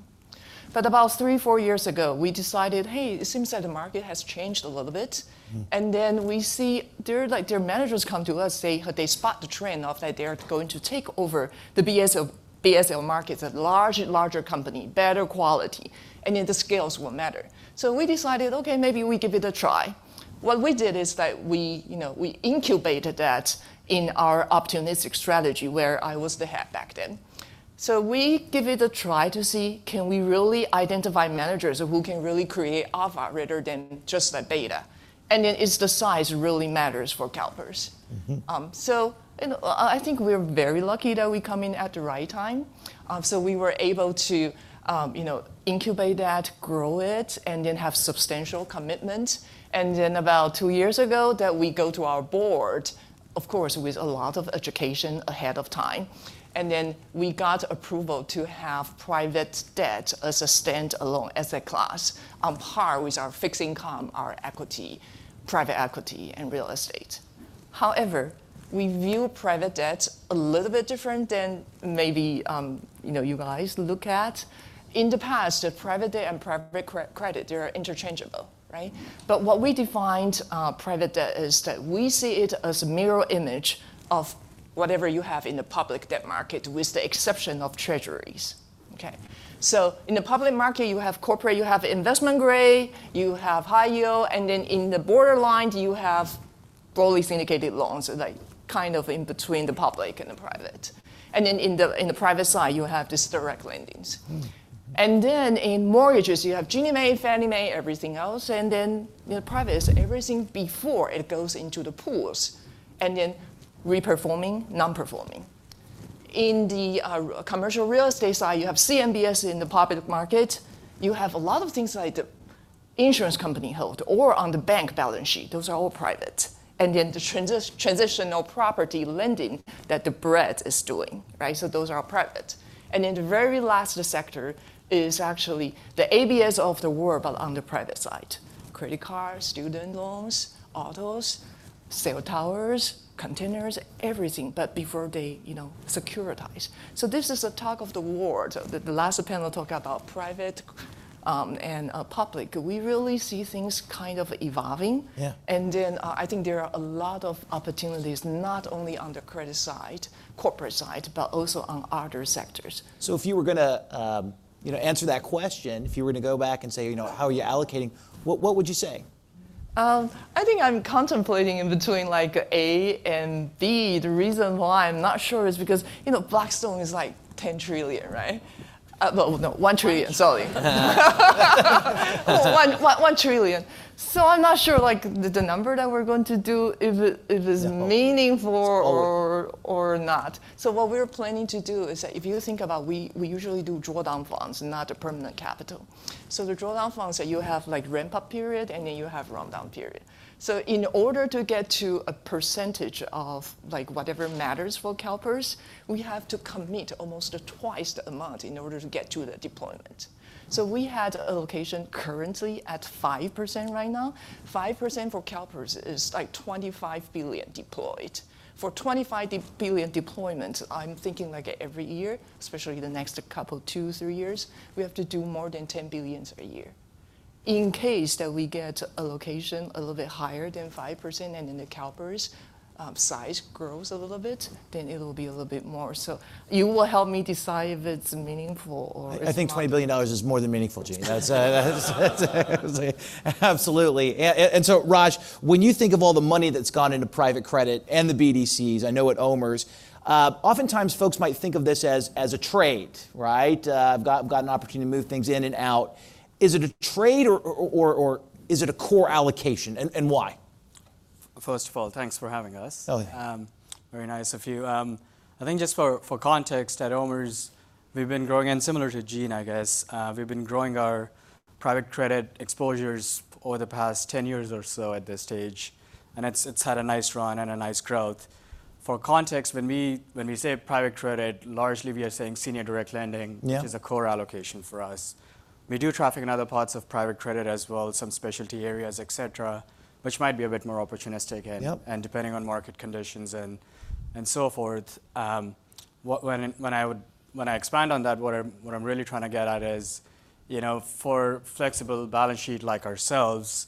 But about 3 or 4 years ago, we decided, "Hey, it seems that the market has changed a little bit. Mm. And then we see their, like, their managers come to us, say they spot the trend of that they're going to take over the BSL, BSL markets, a larger company, better quality, and then the scales will matter. So we decided, okay, maybe we give it a try. What we did is that we, you know, we incubated that in our optimistic strategy, where I was the head back then. So we give it a try to see, can we really identify managers who can really create alpha rather than just the beta, and then is the size really matters for CalPERS? Mm-hmm. I think we're very lucky that we come in at the right time. So we were able to, you know, incubate that, grow it, and then have substantial commitment. And then about two years ago, that we go to our board, of course, with a lot of education ahead of time, and then we got approval to have private debt as a standalone asset class on par with our fixed income, our equity, private equity, and real estate. However, we view private debt a little bit different than maybe, you know, you guys look at. In the past, the private debt and private credit, they are interchangeable, right? But what we defined private debt is that we see it as a mirror image of whatever you have in the public debt market, with the exception of treasuries. Okay, so in the public market, you have corporate, you have investment grade, you have high yield, and then in the borderline, you have broadly syndicated loans, like, kind of in between the public and the private. And then in the private side, you have just direct lending. Hmm. And then in mortgages, you have Ginnie Mae, Fannie Mae, everything else, and then, you know, private is everything before it goes into the pools, and then re-performing, non-performing. In the commercial real estate side, you have CMBS in the public market. You have a lot of things like the insurance company held or on the bank balance sheet. Those are all private. And then the transitional property lending that the BDC is doing, right? So those are private. And then the very last sector is actually the ABS of the world, but on the private side: credit cards, student loans, autos, cell towers, containers, everything, but before they, you know, securitize. So this is a talk of the town. The last panel talked about private and public. We really see things kind of evolving. Yeah. And then, I think there are a lot of opportunities, not only on the credit side, corporate side, but also on other sectors. If you were gonna, you know, answer that question, if you were to go back and say, you know, "How are you allocating?" What, what would you say? I think I'm contemplating in between, like, A and B. The reason why I'm not sure is because, you know, Blackstone is, like, $10 trillion, right? No, no, $1 trillion, sorry. 1, 1, 1 trillion. So I'm not sure, like, the, the number that we're going to do, if it, if it's meaningful- It's old... or, or not. So what we're planning to do is that if you think about we, we usually do drawdown funds and not a permanent capital. So the drawdown funds are you have, like, ramp-up period, and then you have rundown period. So in order to get to a percentage of, like, whatever matters for CalPERS, we have to commit almost twice the amount in order to get to the deployment. So we had allocation currently at 5% right now. 5% for CalPERS is, like, $25 billion deployed. For $25 billion deployment, I'm thinking, like, every year, especially the next couple, 2, 3 years, we have to do more than $10 billions a year. In case that we get allocation a little bit higher than 5% and then the CalPERS size grows a little bit, then it'll be a little bit more. You will help me decide if it's meaningful or it's not. I think $20 billion is more than meaningful, Jean. That's absolutely. And so, Raj, when you think of all the money that's gone into private credit and the BDCs, I know at OMERS, oftentimes folks might think of this as a trade, right? I've got an opportunity to move things in and out. Is it a trade or is it a core allocation, and why? First of all, thanks for having us. Oh, yeah. Very nice of you. I think just for context, at OMERS, we've been growing, and similar to Jean, I guess, we've been growing our private credit exposures over the past 10 years or so at this stage, and it's had a nice run and a nice growth. For context, when we say private credit, largely, we are saying senior direct lending- Yeah... which is a core allocation for us. We do traffic in other parts of private credit as well, some specialty areas, et cetera, which might be a bit more opportunistic and- Yep... and depending on market conditions and so forth. When I expand on that, what I'm really trying to get at is, you know, for flexible balance sheet like ourselves,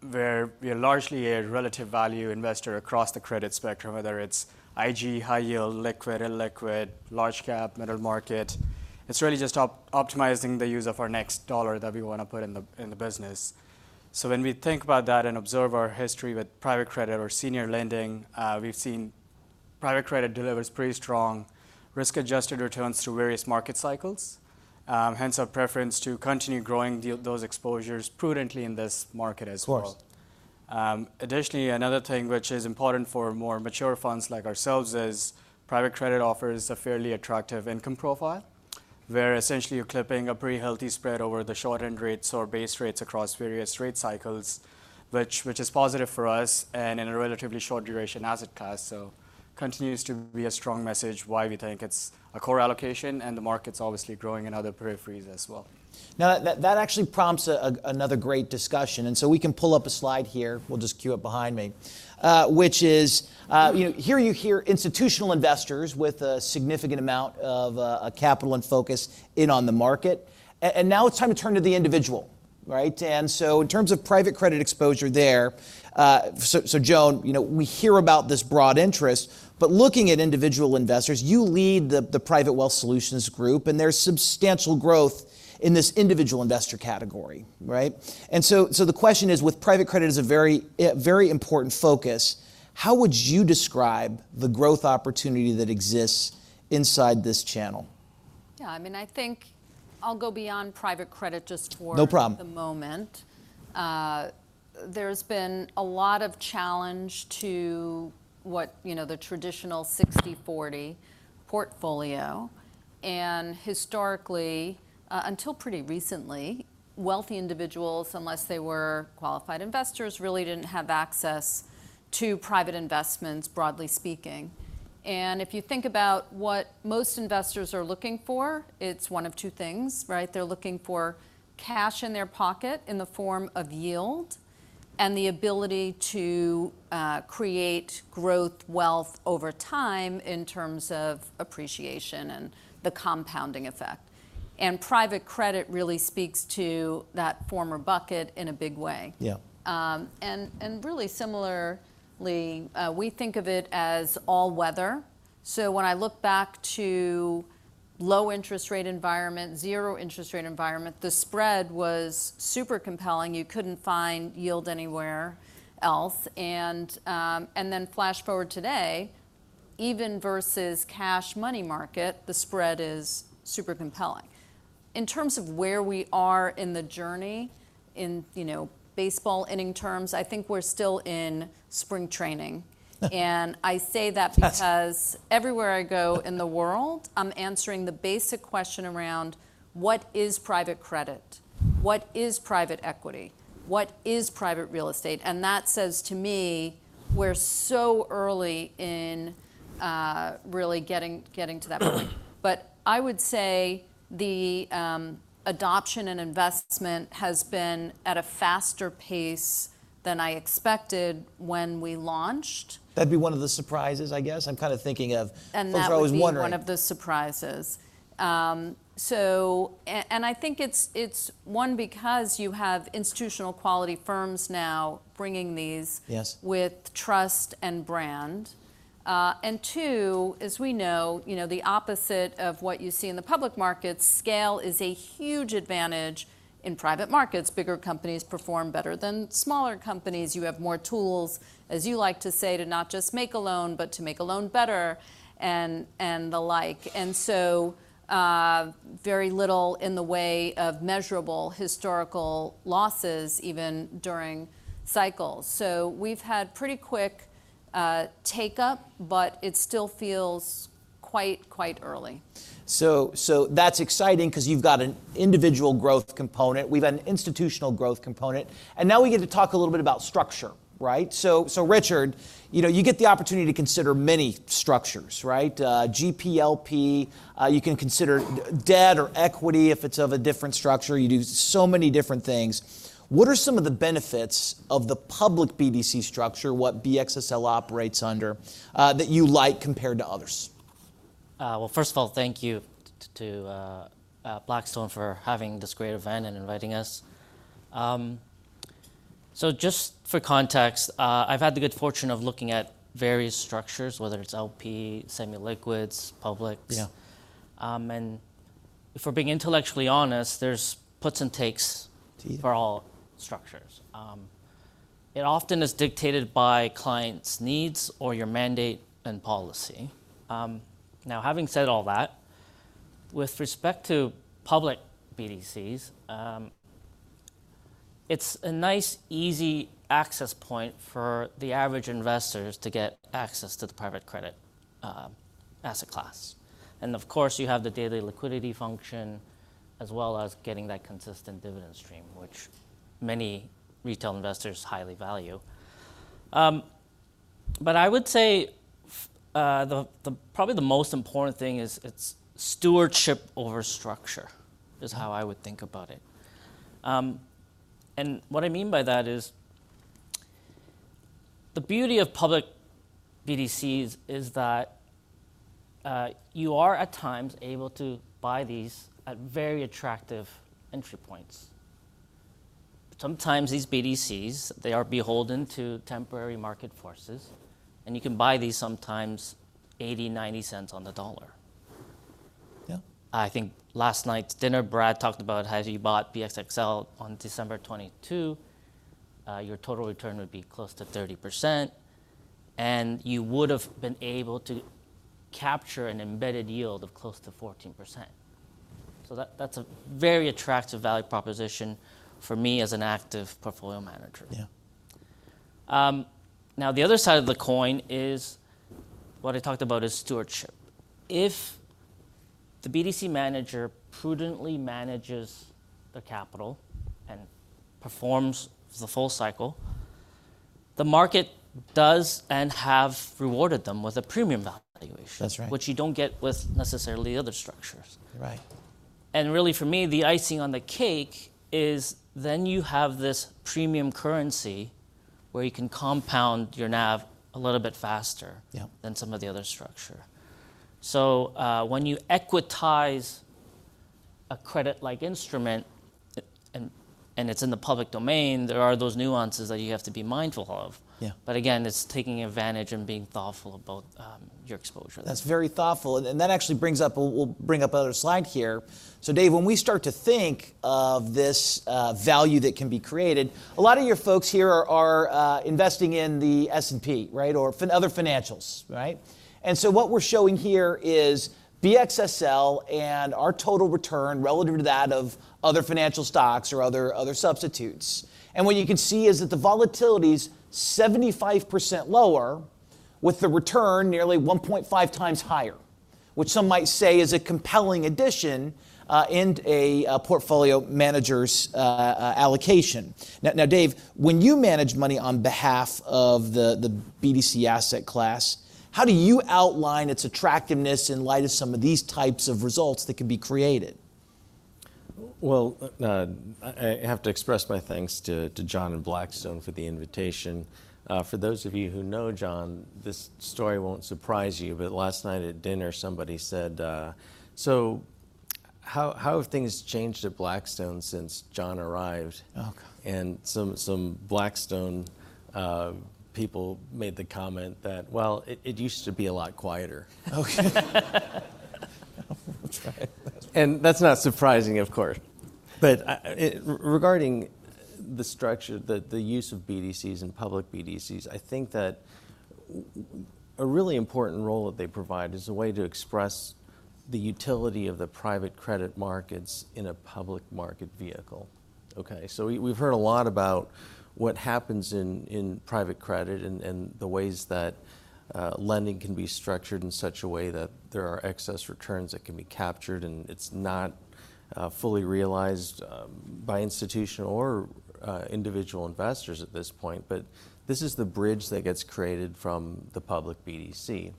where we are largely a relative value investor across the credit spectrum, whether it's IG, high yield, liquid, illiquid, large-cap, middle market, it's really just optimizing the use of our next dollar that we want to put in the business. So when we think about that and observe our history with private credit or senior lending, we've seen private credit delivers pretty strong risk-adjusted returns through various market cycles, hence our preference to continue growing those exposures prudently in this market as well. Of course. Additionally, another thing which is important for more mature funds like ourselves is private credit offers a fairly attractive income profile, where essentially you're clipping a pretty healthy spread over the short-end rates or base rates across various rate cycles, which is positive for us and in a relatively short duration asset class. So continues to be a strong message why we think it's a core allocation, and the market's obviously growing in other peripheries as well. Now, that actually prompts another great discussion, and so we can pull up a slide here. We'll just queue it behind me. Which is, you know, here you hear institutional investors with a significant amount of capital and focus in on the market, and now it's time to turn to the individual, right? And so in terms of private credit exposure there, so, Joan, you know, we hear about this broad interest, but looking at individual investors, you lead the Private Wealth Solutions group, and there's substantial growth in this individual investor category, right? And so the question is, with private credit as a very important focus, how would you describe the growth opportunity that exists inside this channel? Yeah, I mean, I think I'll go beyond private credit just for- No problem... the moment. There's been a lot of challenge to what, you know, the traditional 60/40 portfolio, and historically, until pretty recently, wealthy individuals, unless they were qualified investors, really didn't have access to private investments, broadly speaking. And if you think about what most investors are looking for, it's one of two things, right? They're looking for cash in their pocket in the form of yield, and the ability to create growth, wealth over time in terms of appreciation and the compounding effect. And private credit really speaks to that former bucket in a big way. Yeah. Really similarly, we think of it as all weather. So when I look back to low interest rate environment, zero interest rate environment, the spread was super compelling. You couldn't find yield anywhere else. Then flash forward today, even versus cash money market, the spread is super compelling. In terms of where we are in the journey, in, you know, baseball inning terms, I think we're still in spring training. And I say that- Yes... because everywhere I go in the world, I'm answering the basic question around: What is private credit? What is private equity? What is private real estate? And that says to me, we're so early in really getting to that point. But I would say the adoption and investment has been at a faster pace than I expected when we launched. That'd be one of the surprises, I guess. I'm kind of thinking of- That would be- So I was wondering-... one of the surprises. So, and I think it's one, because you have institutional quality firms now bringing these- Yes... with trust and brand. And two, as we know, you know, the opposite of what you see in the public markets, scale is a huge advantage in private markets. Bigger companies perform better than smaller companies. You have more tools, as you like to say, to not just make a loan, but to make a loan better and the like. And so, very little in the way of measurable historical losses, even during cycles. So we've had pretty quick take-up, but it still feels quite early. So, so that's exciting 'cause you've got an individual growth component, we've an institutional growth component, and now we get to talk a little bit about structure, right? So, so, Richard, you know, you get the opportunity to consider many structures, right? GP, LP, you can consider debt or equity if it's of a different structure. You do so many different things. What are some of the benefits of the public BDC structure, what BXSL operates under, that you like compared to others? Well, first of all, thank you to Blackstone for having this great event and inviting us. So just for context, I've had the good fortune of looking at various structures, whether it's LP, semi-liquids, publics. Yeah. If we're being intellectually honest, there's puts and takes- Indeed... for all structures. It often is dictated by clients' needs or your mandate and policy. Now, having said all that, with respect to public BDCs, it's a nice, easy access point for the average investors to get access to the private credit asset class. And of course, you have the daily liquidity function, as well as getting that consistent dividend stream, which many retail investors highly value. But I would say, probably the most important thing is, it's stewardship over structure, is how I would think about it. And what I mean by that is, the beauty of public BDCs is that, you are, at times, able to buy these at very attractive entry points. Sometimes these BDCs, they are beholden to temporary market forces, and you can buy these sometimes 80-90 cents on the dollar. Yeah. I think last night's dinner, Brad talked about how you bought BXSL on December 2022, your total return would be close to 30%, and you would've been able to capture an embedded yield of close to 14%. So that, that's a very attractive value proposition for me as an active portfolio manager. Yeah. Now, the other side of the coin is, what I talked about is stewardship. If the BDC manager prudently manages the capital and performs the full cycle, the market does and have rewarded them with a premium valuation- That's right... which you don't get with necessarily the other structures. Right. And really, for me, the icing on the cake is, then you have this premium currency where you can compound your NAV a little bit faster- Yeah... than some of the other structure. So, when you equitize a credit-like instrument, and it's in the public domain, there are those nuances that you have to be mindful of. Yeah. But again, it's taking advantage and being thoughtful about, your exposure. That's very thoughtful, and that actually brings up a... We'll bring up another slide here. So Dave, when we start to think of this value that can be created, a lot of your folks here are investing in the S&P, right? Or other financials, right? And so what we're showing here is BXSL and our total return relative to that of other financial stocks or other substitutes. And what you can see is that the volatility's 75% lower, with the return nearly 1.5 times higher, which some might say is a compelling addition in a portfolio manager's allocation. Now, Dave, when you manage money on behalf of the BDC asset class, how do you outline its attractiveness in light of some of these types of results that can be created? Well, I have to express my thanks to Jon and Blackstone for the invitation. For those of you who know Jon, this story won't surprise you, but last night at dinner, somebody said, "So-... how have things changed at Blackstone since Jon arrived? Okay. Some Blackstone people made the comment that, "Well, it used to be a lot quieter. Okay. That's right. And that's not surprising, of course, but regarding the structure, the use of BDCs and public BDCs, I think that a really important role that they provide is a way to express the utility of the private credit markets in a public market vehicle. Okay, so we've heard a lot about what happens in private credit, and the ways that lending can be structured in such a way that there are excess returns that can be captured, and it's not fully realized by institution or individual investors at this point, but this is the bridge that gets created from the public BDC,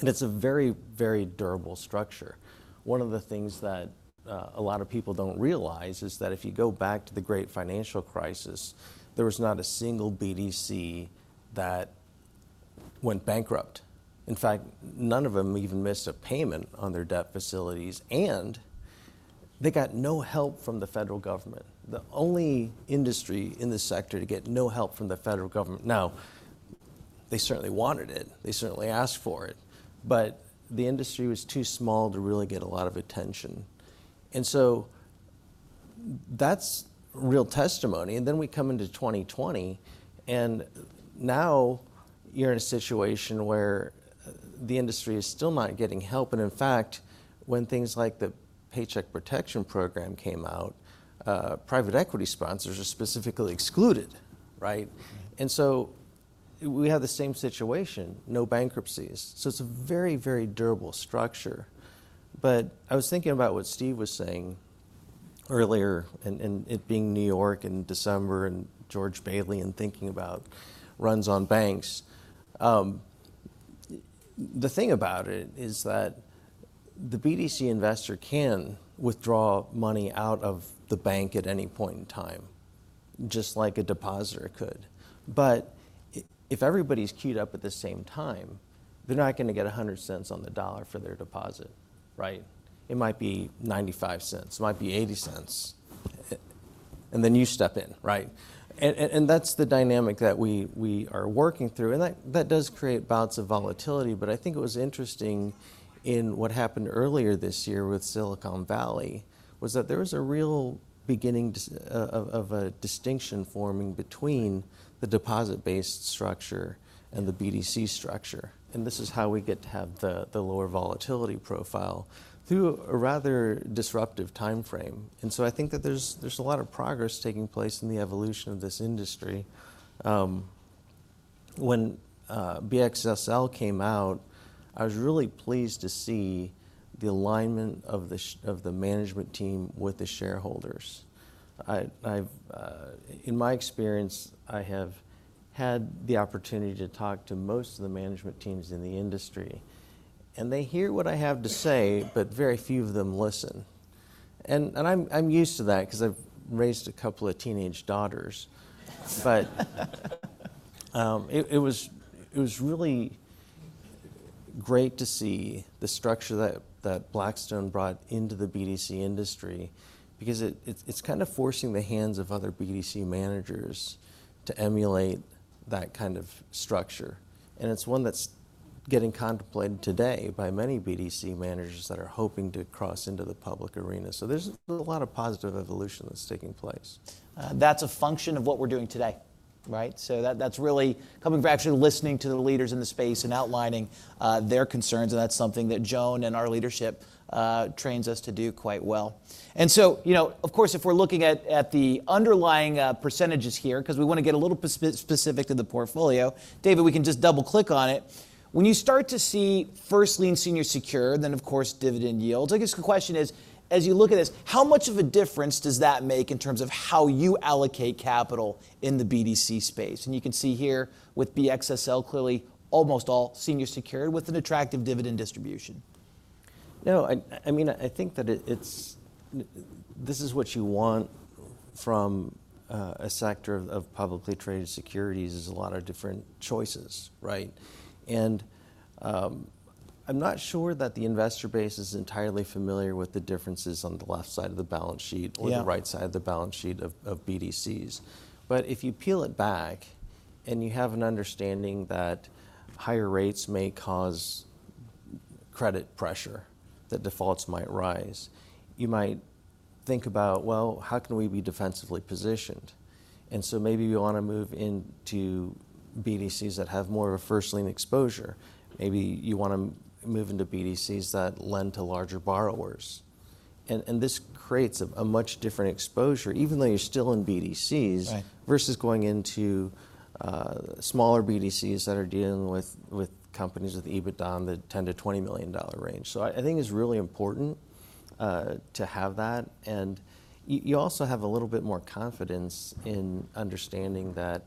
and it's a very, very durable structure. One of the things that a lot of people don't realize is that if you go back to the great financial crisis, there was not a single BDC that went bankrupt. In fact, none of them even missed a payment on their debt facilities, and they got no help from the federal government. The only industry in this sector to get no help from the federal government. Now, they certainly wanted it, they certainly asked for it, but the industry was too small to really get a lot of attention. And so that's real testimony. And then we come into 2020, and now you're in a situation where the industry is still not getting help, and in fact, when things like the Paycheck Protection Program came out, private equity sponsors are specifically excluded, right? Mm. We have the same situation, no bankruptcies. It's a very, very durable structure. But I was thinking about what Steve was saying earlier, and it being New York in December, and George Bailey, and thinking about runs on banks. The thing about it is that the BDC investor can withdraw money out of the bank at any point in time, just like a depositor could, but if everybody's queued up at the same time, they're not gonna get 100 cents on the dollar for their deposit, right? It might be 95 cents, it might be 80 cents. And then you step in. Right. And that's the dynamic that we are working through, and that does create bouts of volatility. But I think it was interesting in what happened earlier this year with Silicon Valley, was that there was a real beginning of a distinction forming between the deposit-based structure and the BDC structure, and this is how we get to have the lower volatility profile through a rather disruptive timeframe. And so I think that there's a lot of progress taking place in the evolution of this industry. When BXSL came out, I was really pleased to see the alignment of the management team with the shareholders. I've... In my experience, I have had the opportunity to talk to most of the management teams in the industry, and they hear what I have to say, but very few of them listen. And I'm used to that, 'cause I've raised a couple of teenage daughters. But it was really great to see the structure that Blackstone brought into the BDC industry, because it's kind of forcing the hands of other BDC managers to emulate that kind of structure, and it's one that's getting contemplated today by many BDC managers that are hoping to cross into the public arena. So there's a lot of positive evolution that's taking place. That's a function of what we're doing today, right? So that, that's really coming from actually listening to the leaders in the space and outlining their concerns, and that's something that Joan and our leadership trains us to do quite well. And so, you know, of course, if we're looking at the underlying percentages here, 'cause we wanna get a little specific to the portfolio. David, we can just double-click on it. When you start to see first lien, senior secured, then, of course, dividend yields, I guess the question is, as you look at this, how much of a difference does that make in terms of how you allocate capital in the BDC space? And you can see here with BXSL, clearly, almost all senior secured with an attractive dividend distribution. No, I mean, I think that this is what you want from a sector of publicly traded securities, is a lot of different choices, right? And, I'm not sure that the investor base is entirely familiar with the differences on the left side of the balance sheet. Yeah... or the right side of the balance sheet of BDCs. But if you peel it back, and you have an understanding that higher rates may cause credit pressure, that defaults might rise, you might think about, "Well, how can we be defensively positioned?" And so maybe we wanna move into BDCs that have more of a first lien exposure. Maybe you wanna move into BDCs that lend to larger borrowers. And this creates a much different exposure, even though you're still in BDCs- Right... versus going into smaller BDCs that are dealing with companies with EBITDA in the $10 million-$20 million range. So I think it's really important to have that. And you also have a little bit more confidence in understanding that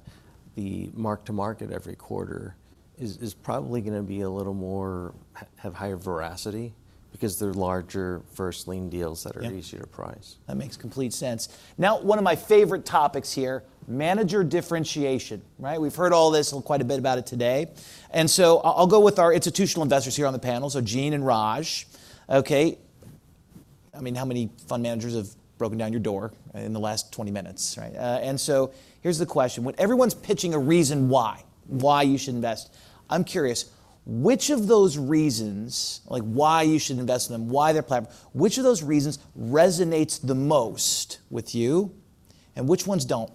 the mark to market every quarter is probably gonna be a little more have higher veracity, because they're larger first lien deals that are- Yeah... easier to price. That makes complete sense. Now, one of my favorite topics here, manager differentiation, right? We've heard all this, well, quite a bit about it today. And so I, I'll go with our institutional investors here on the panel, so Jean and Raj. Okay.... I mean, how many fund managers have broken down your door in the last 20 minutes, right? And so here's the question: When everyone's pitching a reason why, why you should invest, I'm curious, which of those reasons, like, why you should invest in them, why their platform, which of those reasons resonates the most with you, and which ones don't?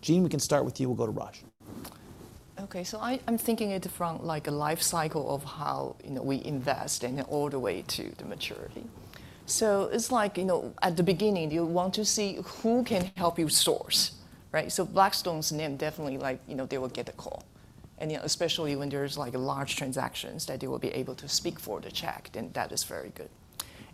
Jean, we can start with you, we'll go to Raj. Okay, so I'm thinking it from, like, a life cycle of how, you know, we invest and all the way to the maturity. So it's like, you know, at the beginning, you want to see who can help you source, right? So Blackstone's name definitely like, you know, they will get a call. And, you know, especially when there's, like, large transactions, that they will be able to speak for the check, then that is very good.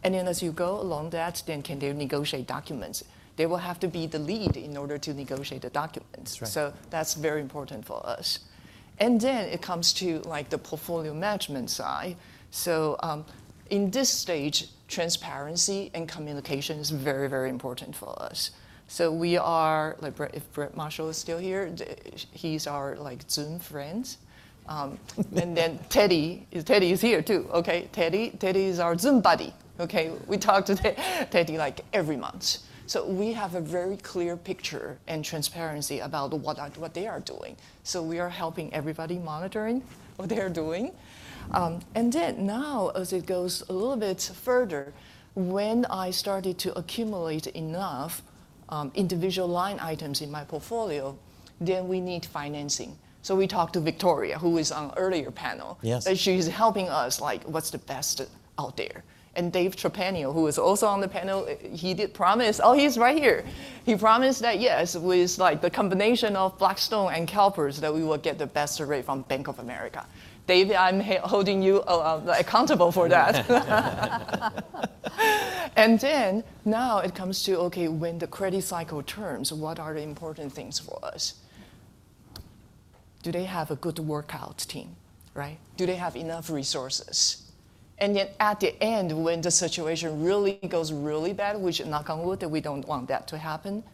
And then as you go along that, then can they negotiate documents? They will have to be the lead in order to negotiate the documents. Right. So that's very important for us. And then it comes to, like, the portfolio management side. So, in this stage, transparency and communication is very, very important for us. So we are. Like, if Brad Marshall is still here, he's our, like, Zoom friend. And then Teddy, Teddy is here, too. Okay, Teddy, Teddy is our Zoom buddy. Okay, we talk to Teddy, like, every month. So we have a very clear picture and transparency about what they are doing, so we are helping everybody monitoring what they are doing. And then now, as it goes a little bit further, when I started to accumulate enough, individual line items in my portfolio, then we need financing. So we talked to Victoria, who was on earlier panel. Yes. She's helping us, like, what's the best out there? And David Trepanier, who was also on the panel, he did promise. Oh, he's right here! He promised that, yes, with, like, the combination of Blackstone and CalPERS, that we would get the best rate from Bank of America. Dave, I'm holding you accountable for that. And then, now it comes to, okay, when the credit cycle turns, what are the important things for us? Do they have a good workout team, right? Do they have enough resources? And yet, at the end, when the situation really goes really bad, which, knock on wood, we don't want that to happen,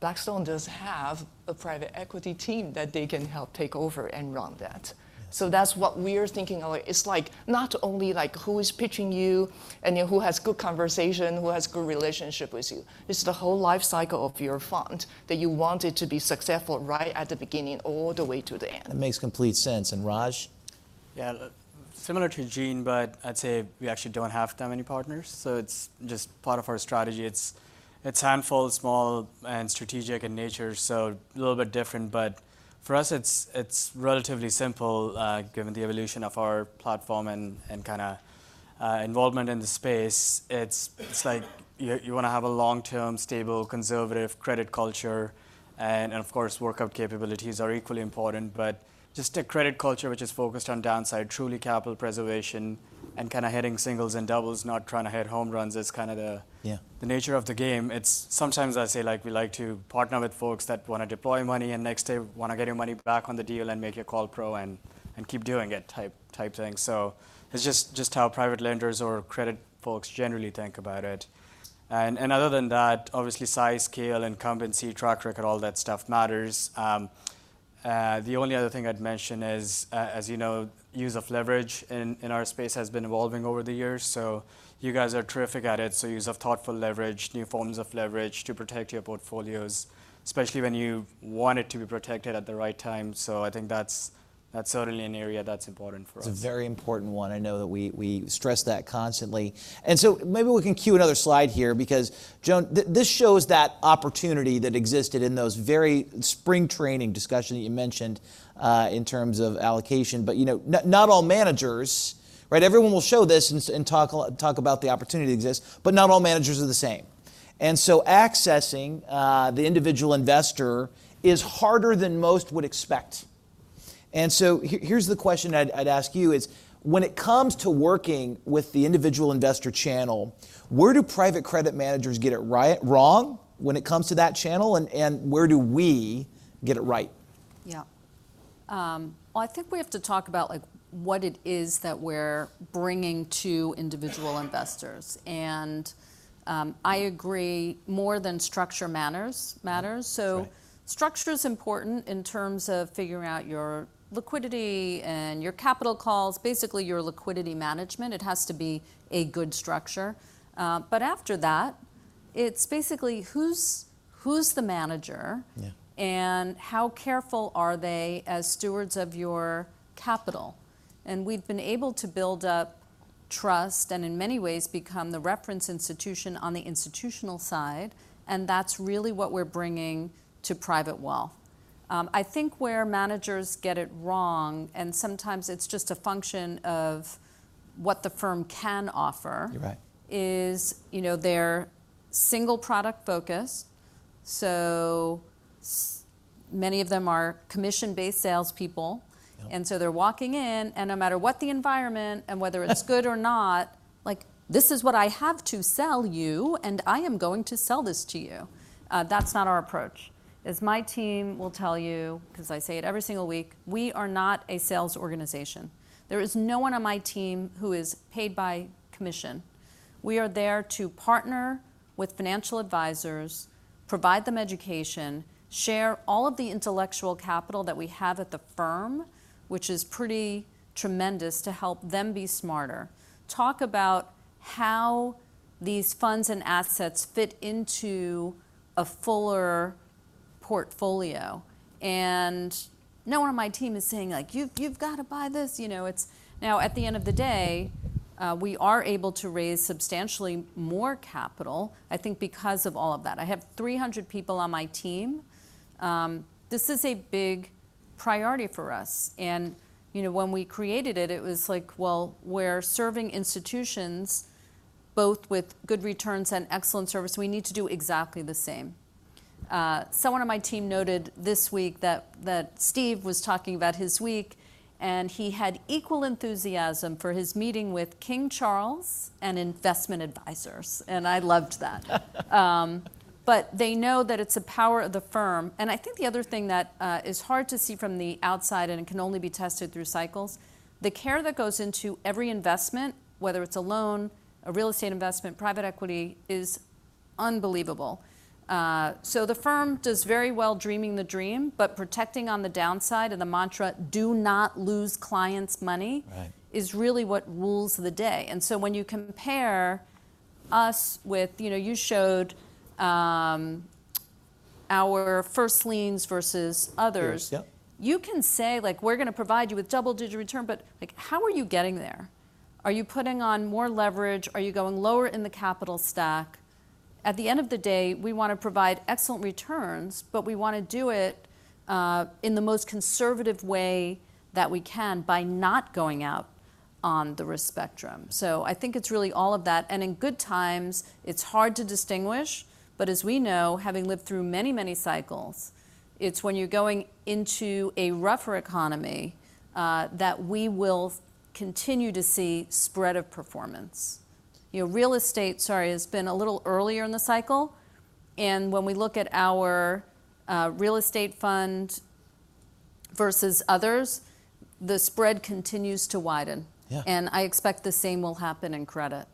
Blackstone does have a private equity team that they can help take over and run that. So that's what we are thinking of. It's like, not only like who is pitching you, and then who has good conversation, who has good relationship with you, it's the whole life cycle of your fund, that you want it to be successful right at the beginning, all the way to the end. That makes complete sense. And Raj? Yeah, similar to Jean, but I'd say we actually don't have that many partners, so it's just part of our strategy. It's handful, small, and strategic in nature, so a little bit different. But for us, it's relatively simple, given the evolution of our platform and kinda involvement in the space. It's like you wanna have a long-term, stable, conservative credit culture, and of course, workout capabilities are equally important. But just a credit culture which is focused on downside, truly capital preservation, and kinda hitting singles and doubles, not trying to hit home runs, is kinda the- Yeah... the nature of the game. It's sometimes I say, like, we like to partner with folks that wanna deploy money, and next day wanna get their money back on the deal and make a call pro and keep doing it, type, type thing. So it's just how private lenders or credit folks generally think about it. And other than that, obviously, size, scale, incumbency, track record, all that stuff matters. The only other thing I'd mention is, as you know, use of leverage in our space has been evolving over the years. So you guys are terrific at it, so use of thoughtful leverage, new forms of leverage to protect your portfolios, especially when you want it to be protected at the right time. So I think that's certainly an area that's important for us. It's a very important one. I know that we stress that constantly. And so maybe we can cue another slide here, because Joan, this shows that opportunity that existed in those very spring training discussion that you mentioned, in terms of allocation. But, you know, not all managers, right? Everyone will show this and talk about the opportunity that exists, but not all managers are the same. And so accessing the individual investor is harder than most would expect. And so here's the question I'd ask you is: When it comes to working with the individual investor channel, where do private credit managers get it wrong when it comes to that channel, and where do we get it right? Yeah. Well, I think we have to talk about, like, what it is that we're bringing to individual investors. And, I agree, more than structure manners, matters. Right. So structure is important in terms of figuring out your liquidity and your capital calls, basically your liquidity management. It has to be a good structure. But after that, it's basically who's the manager? Yeah. How careful are they as stewards of your capital? We've been able to build up trust, and in many ways, become the reference institution on the institutional side, and that's really what we're bringing to private wealth. I think where managers get it wrong, and sometimes it's just a function of what the firm can offer- You're right... is, you know, they're single product focus. So many of them are commission-based salespeople. Yeah. They're walking in, and no matter what the environment, and whether it's good or not, like, "This is what I have to sell you, and I am going to sell this to you." That's not our approach. As my team will tell you, 'cause I say it every single week, "We are not a sales organization." There is no one on my team who is paid by commission. We are there to partner with financial advisors, provide them education, share all of the intellectual capital that we have at the firm, which is pretty tremendous, to help them be smarter. Talk about how these funds and assets fit into a fuller portfolio. No one on my team is saying, like, "You've gotta buy this!" You know, it's now, at the end of the day, we are able to raise substantially more capital, I think because of all of that. I have 300 people on my team. This is a big priority for us, and, you know, when we created it, it was like, well, we're serving institutions both with good returns and excellent service, we need to do exactly the same. Someone on my team noted this week that Steve was talking about his week, and he had equal enthusiasm for his meeting with King Charles and investment advisors, and I loved that. But they know that it's a power of the firm. And I think the other thing that is hard to see from the outside, and it can only be tested through cycles, the care that goes into every investment, whether it's a loan, a real estate investment, private equity, is unbelievable. So the firm does very well dreaming the dream, but protecting on the downside, and the mantra, "Do not lose clients' money"- Right... is really what rules the day. And so when you compare us with, you know, you showed, our first liens versus others. Yours, yep. You can say, like, "We're gonna provide you with double-digit return," but, like, how are you getting there? Are you putting on more leverage? Are you going lower in the capital stack? At the end of the day, we wanna provide excellent returns, but we wanna do it in the most conservative way that we can by not going out on the risk spectrum. So I think it's really all of that. And in good times, it's hard to distinguish, but as we know, having lived through many, many cycles, it's when you're going into a rougher economy that we will continue to see spread of performance. You know, real estate, sorry, has been a little earlier in the cycle, and when we look at our real estate fund versus others, the spread continues to widen. Yeah. I expect the same will happen in credit.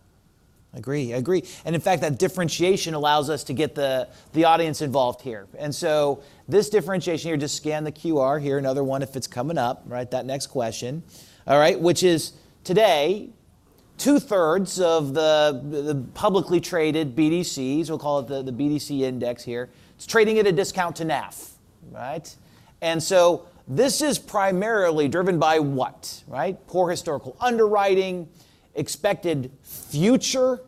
Agree. I agree. And in fact, that differentiation allows us to get the audience involved here. And so this differentiation, here, just scan the QR here, another one, if it's coming up, right, that next question. All right, which is, today, two-thirds of the publicly traded BDCs, we'll call it the BDC index here, it's trading at a discount to NAV, right? And so this is primarily driven by what, right? Poor historical underwriting, expected future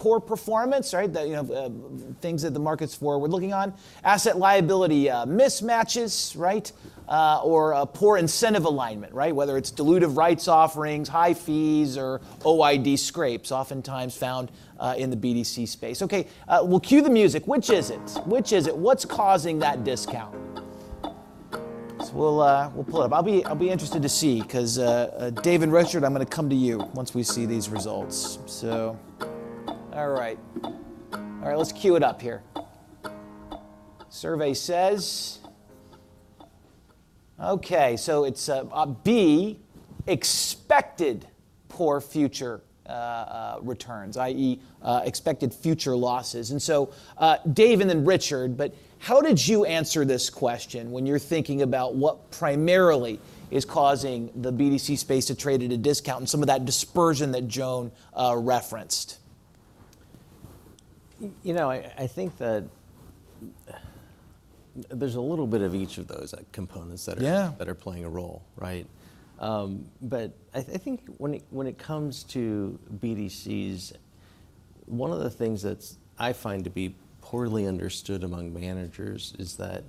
poor performance, right? The, you know, things that the markets forward looking on, asset liability mismatches, right? Or a poor incentive alignment, right? Whether it's dilutive rights offerings, high fees, or OID scrapes, oftentimes found in the BDC space. Okay, we'll cue the music. Which is it? Which is it? What's causing that discount? So we'll pull it up. I'll be interested to see, 'cause, Dave and Richard, I'm gonna come to you once we see these results. All right. All right, let's cue it up here. Survey says... Okay, so it's B, expected poor future returns, i.e., expected future losses. And so, Dave, and then Richard, but how did you answer this question when you're thinking about what primarily is causing the BDC space to trade at a discount, and some of that dispersion that Joan referenced? You know, I, I think that there's a little bit of each of those, like, components that are- Yeah... that are playing a role, right? But I think when it comes to BDCs, one of the things that I find to be poorly understood among managers is that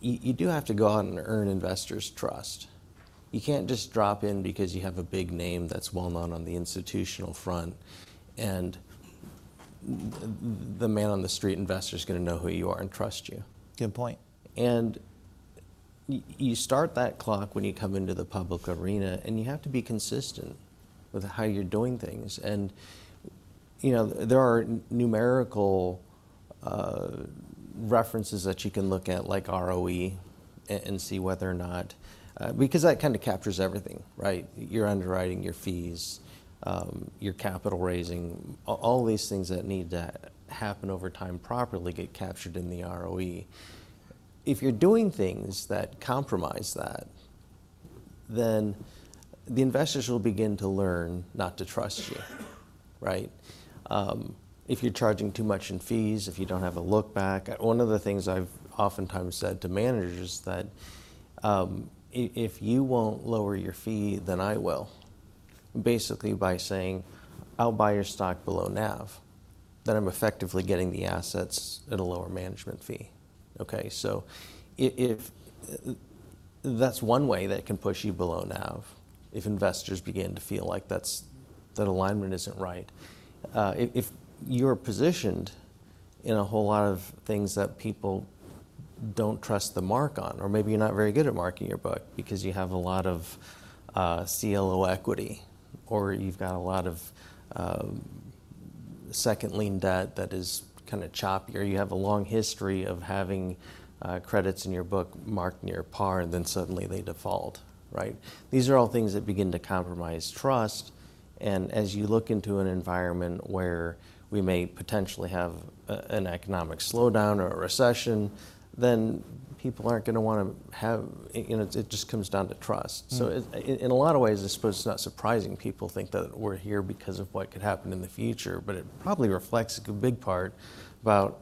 you do have to go out and earn investors' trust. You can't just drop in because you have a big name that's well-known on the institutional front, and the man on the street investor's gonna know who you are and trust you. Good point. You start that clock when you come into the public arena, and you have to be consistent with how you're doing things. You know, there are numerical references that you can look at, like ROE, and see whether or not... Because that kind of captures everything, right? Your underwriting, your fees, your capital raising, all these things that need to happen over time properly get captured in the ROE. If you're doing things that compromise that, then the investors will begin to learn not to trust you, right? If you're charging too much in fees, if you don't have a look back. One of the things I've oftentimes said to managers is that, "if you won't lower your fee, then I will," basically by saying, "I'll buy your stock below NAV," then I'm effectively getting the assets at a lower management fee. Okay, so that's one way that it can push you below NAV, if investors begin to feel like that's, that alignment isn't right. If, if you're positioned in a whole lot of things that people don't trust the mark on, or maybe you're not very good at marking your book because you have a lot of CLO equity, or you've got a lot of second lien debt that is kind of choppier. You have a long history of having credits in your book marked near par, and then suddenly they default, right? These are all things that begin to compromise trust, and as you look into an environment where we may potentially have an economic slowdown or a recession, then people aren't gonna wanna have... You know, it just comes down to trust. Mm. So in a lot of ways, I suppose it's not surprising people think that we're here because of what could happen in the future, but it probably reflects a big part about,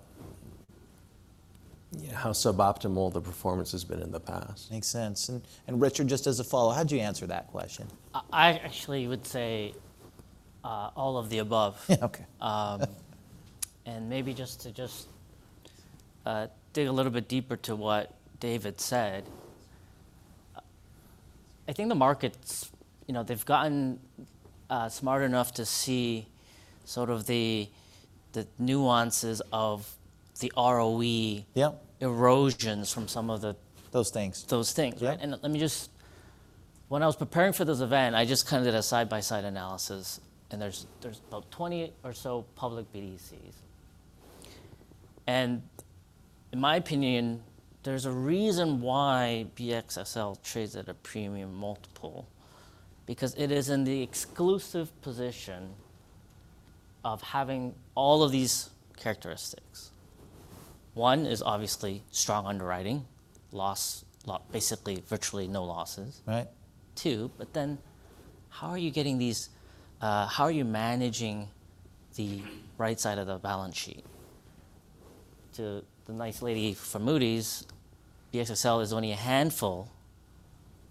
yeah, how suboptimal the performance has been in the past. Makes sense. And, Richard, just as a follow-up, how'd you answer that question? I actually would say all of the above. Okay. Maybe just to dig a little bit deeper to what David said, I think the markets, you know, they've gotten smart enough to see sort of the nuances of the ROE. Yeah... erosions from some of the- Those things. Those things. Right. Let me just... When I was preparing for this event, I just kind of did a side-by-side analysis, and there's about 20 or so public BDCs. In my opinion, there's a reason why BXSL trades at a premium multiple, because it is in the exclusive position of having all of these characteristics. One is obviously strong underwriting, losses, basically virtually no losses. Right. 2, but then how are you getting these? How are you managing the right side of the balance sheet? To the nice lady from Moody's, BXSL is only a handful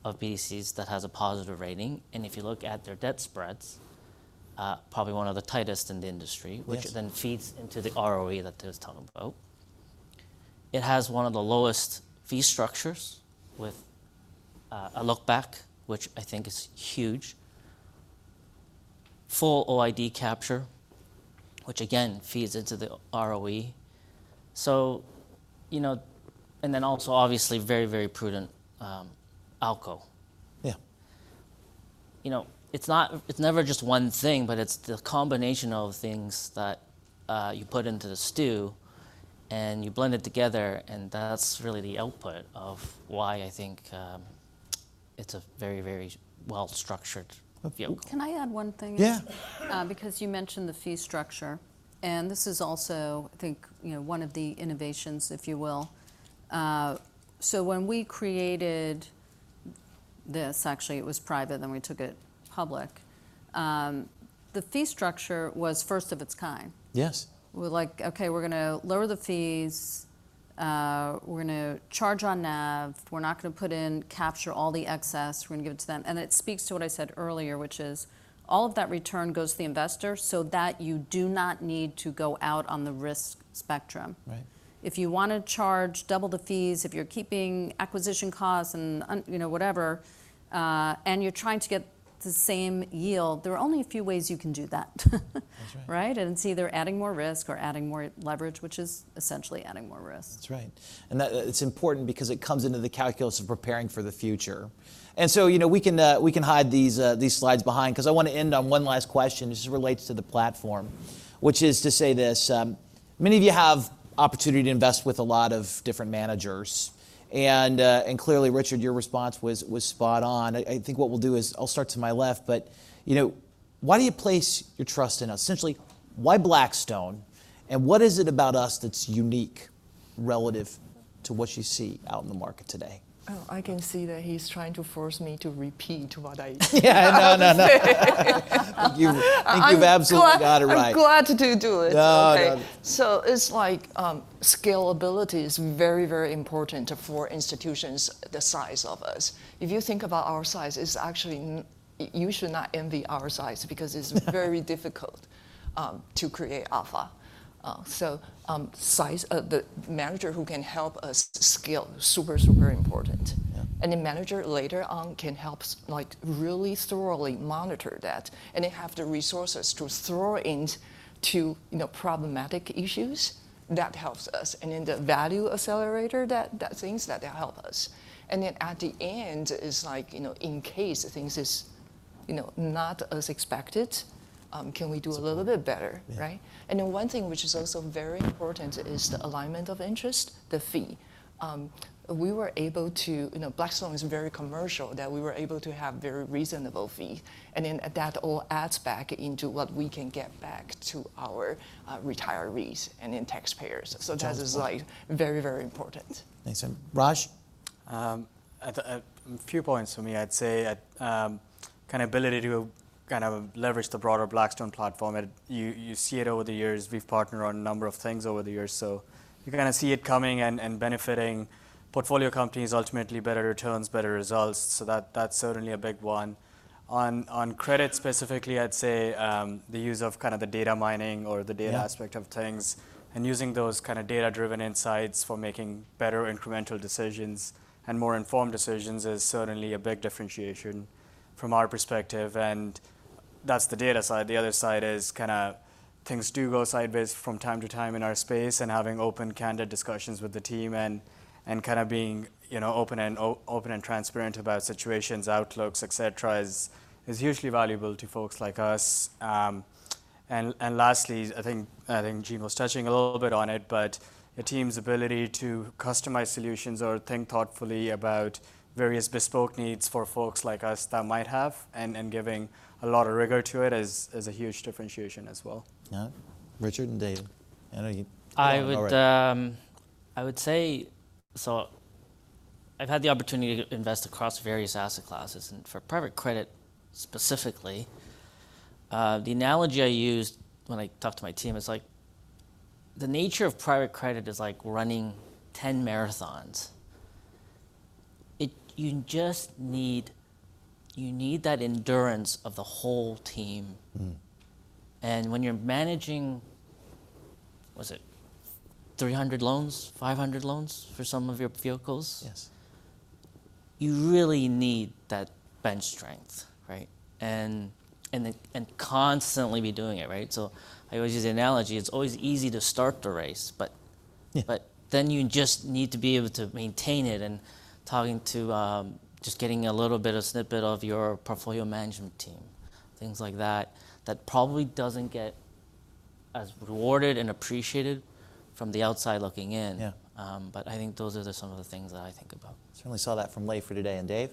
of BDCs that has a positive rating, and if you look at their debt spreads, probably one of the tightest in the industry- Which-... which then feeds into the ROE that I was talking about. It has one of the lowest fee structures with a look-back, which I think is huge. Full OID capture, which again feeds into the ROE. So, you know, and then also obviously very, very prudent ALCO. Yeah. You know, it's not, it's never just one thing, but it's the combination of things that you put into the stew, and you blend it together, and that's really the output of why I think it's a very, very well-structured vehicle. Can I add one thing? Yeah. Because you mentioned the fee structure, and this is also, I think, you know, one of the innovations, if you will. So when we created this, actually it was private, then we took it public, the fee structure was first of its kind. Yes. We're like: "Okay, we're gonna lower the fees, we're gonna charge on NAV. We're not gonna put in, capture all the excess. We're gonna give it to them." And it speaks to what I said earlier, which is, all of that return goes to the investor, so that you do not need to go out on the risk spectrum. Right. If you wanna charge double the fees, if you're keeping acquisition costs and, you know, whatever, and you're trying to get the same yield, there are only a few ways you can do that. That's right. Right? It's either adding more risk or adding more leverage, which is essentially adding more risk. That's right. And that, it's important because it comes into the calculus of preparing for the future. And so, you know, we can, we can hide these, these slides behind, 'cause I want to end on one last question. This relates to the platform, which is to say this: Many of you have opportunity to invest with a lot of different managers, and, and clearly, Richard, your response was, was spot on. I, I think what we'll do is, I'll start to my left, but, you know, why do you place your trust in us? Essentially, why Blackstone, and what is it about us that's unique relative to what you see out in the market today? Oh, I can see that he's trying to force me to repeat what I said. Yeah. No, no, no. I think you've absolutely got it right. I'm glad to do it. No, no. Okay. So it's like, scalability is very, very important for institutions the size of us. If you think about our size, it's actually you should not envy our size because it's very difficult to create alpha. So size, the manager who can help us scale, super, super important. Yeah. The manager, later on, can help like, really thoroughly monitor that, and they have the resources to throw into, you know, problematic issues. That helps us. In the value accelerator, that, that things, that help us. Then at the end, it's like, you know, in case things is, you know, not as expected, can we do a little bit better? Yeah. Right? Yeah. And then one thing, which is also very important, is the alignment of interest, the fee. We were able to... You know, Blackstone is very commercial, that we were able to have very reasonable fee, and then that all adds back into what we can get back to our retirees and then taxpayers. That's right. That is, like, very, very important. Thanks. And Raj? A few points for me. I'd say, kind of ability to kind of leverage the broader Blackstone platform, and you see it over the years. We've partnered on a number of things over the years, so you kind of see it coming and benefiting portfolio companies, ultimately better returns, better results, so that, that's certainly a big one. On credit specifically, I'd say, the use of kind of the data mining or the data- Yeah... aspect of things, and using those kind of data-driven insights for making better incremental decisions and more informed decisions is certainly a big differentiation from our perspective, and that's the data side. The other side is kind of, things do go sideways from time to time in our space, and having open, candid discussions with the team and kind of being, you know, open and transparent about situations, outlooks, et cetera, is hugely valuable to folks like us. And lastly, I think Gene was touching a little bit on it, but the team's ability to customize solutions or think thoughtfully about various bespoke needs for folks like us that might have, and giving a lot of rigor to it is a huge differentiation as well. Yeah. Richard and Dave, I know you- I would, All right. I would say... So I've had the opportunity to invest across various asset classes, and for private credit specifically, the analogy I use when I talk to my team is, like, the nature of private credit is like running 10 marathons. You just need, you need that endurance of the whole team. Mm. When you're managing, what is it? 300 loans, 500 loans for some of your vehicles- Yes... you really need that bench strength, right? And constantly be doing it, right? So I always use the analogy, it's always easy to start the race, but- Yeah... but then you just need to be able to maintain it. Talking to, just getting a little bit of snippet of your portfolio management team, things like that, that probably doesn't get as rewarded and appreciated from the outside looking in. Yeah. I think those are just some of the things that I think about. Certainly saw that from Lafe today. Dave?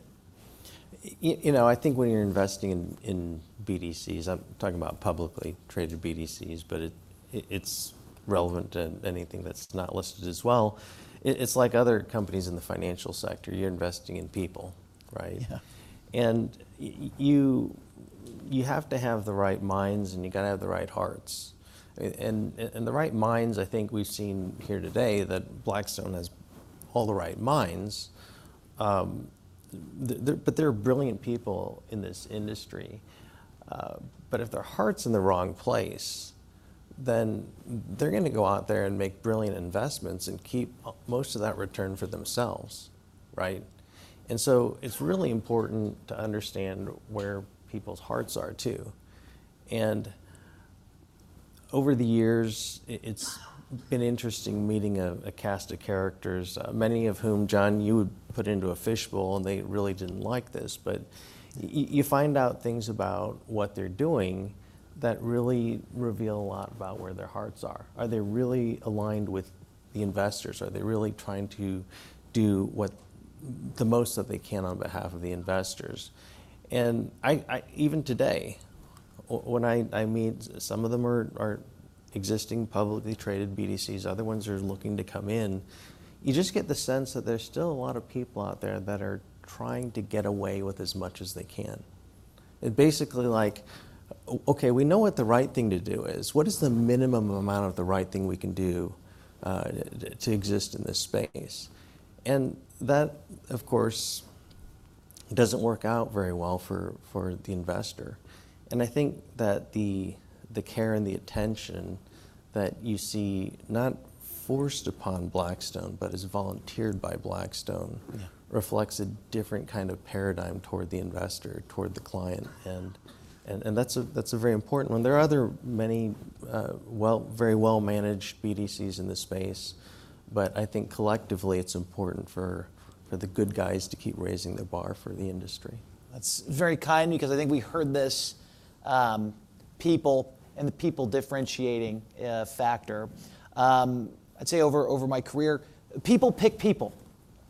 You know, I think when you're investing in BDCs, I'm talking about publicly traded BDCs, but it's relevant to anything that's not listed as well. It's like other companies in the financial sector. You're investing in people, right? Yeah. And you have to have the right minds, and you gotta have the right hearts. And the right minds, I think we've seen here today, that Blackstone has all the right minds. But there are brilliant people in this industry, but if their heart's in the wrong place, then they're gonna go out there and make brilliant investments and keep most of that return for themselves, right? And so it's really important to understand where people's hearts are, too. And over the years, it's been interesting meeting a cast of characters, many of whom, Jon, you would put into a fishbowl, and they really didn't like this. But you find out things about what they're doing that really reveal a lot about where their hearts are. Are they really aligned with the investors? Are they really trying to do what, the most that they can on behalf of the investors? And even today, when I meet, some of them are existing publicly traded BDCs, other ones are looking to come in, you just get the sense that there's still a lot of people out there that are trying to get away with as much as they can. They're basically like, "Okay, we know what the right thing to do is. What is the minimum amount of the right thing we can do to exist in this space?" And that, of course, doesn't work out very well for the investor. And I think that the care and the attention that you see, not forced upon Blackstone, but is volunteered by Blackstone- Yeah... reflects a different kind of paradigm toward the investor, toward the client. And that's a very important one. There are other many, well, very well-managed BDCs in this space, but I think collectively it's important for the good guys to keep raising the bar for the industry. That's very kind because I think we heard this, people, and the people-differentiating factor. I'd say over my career, people pick people,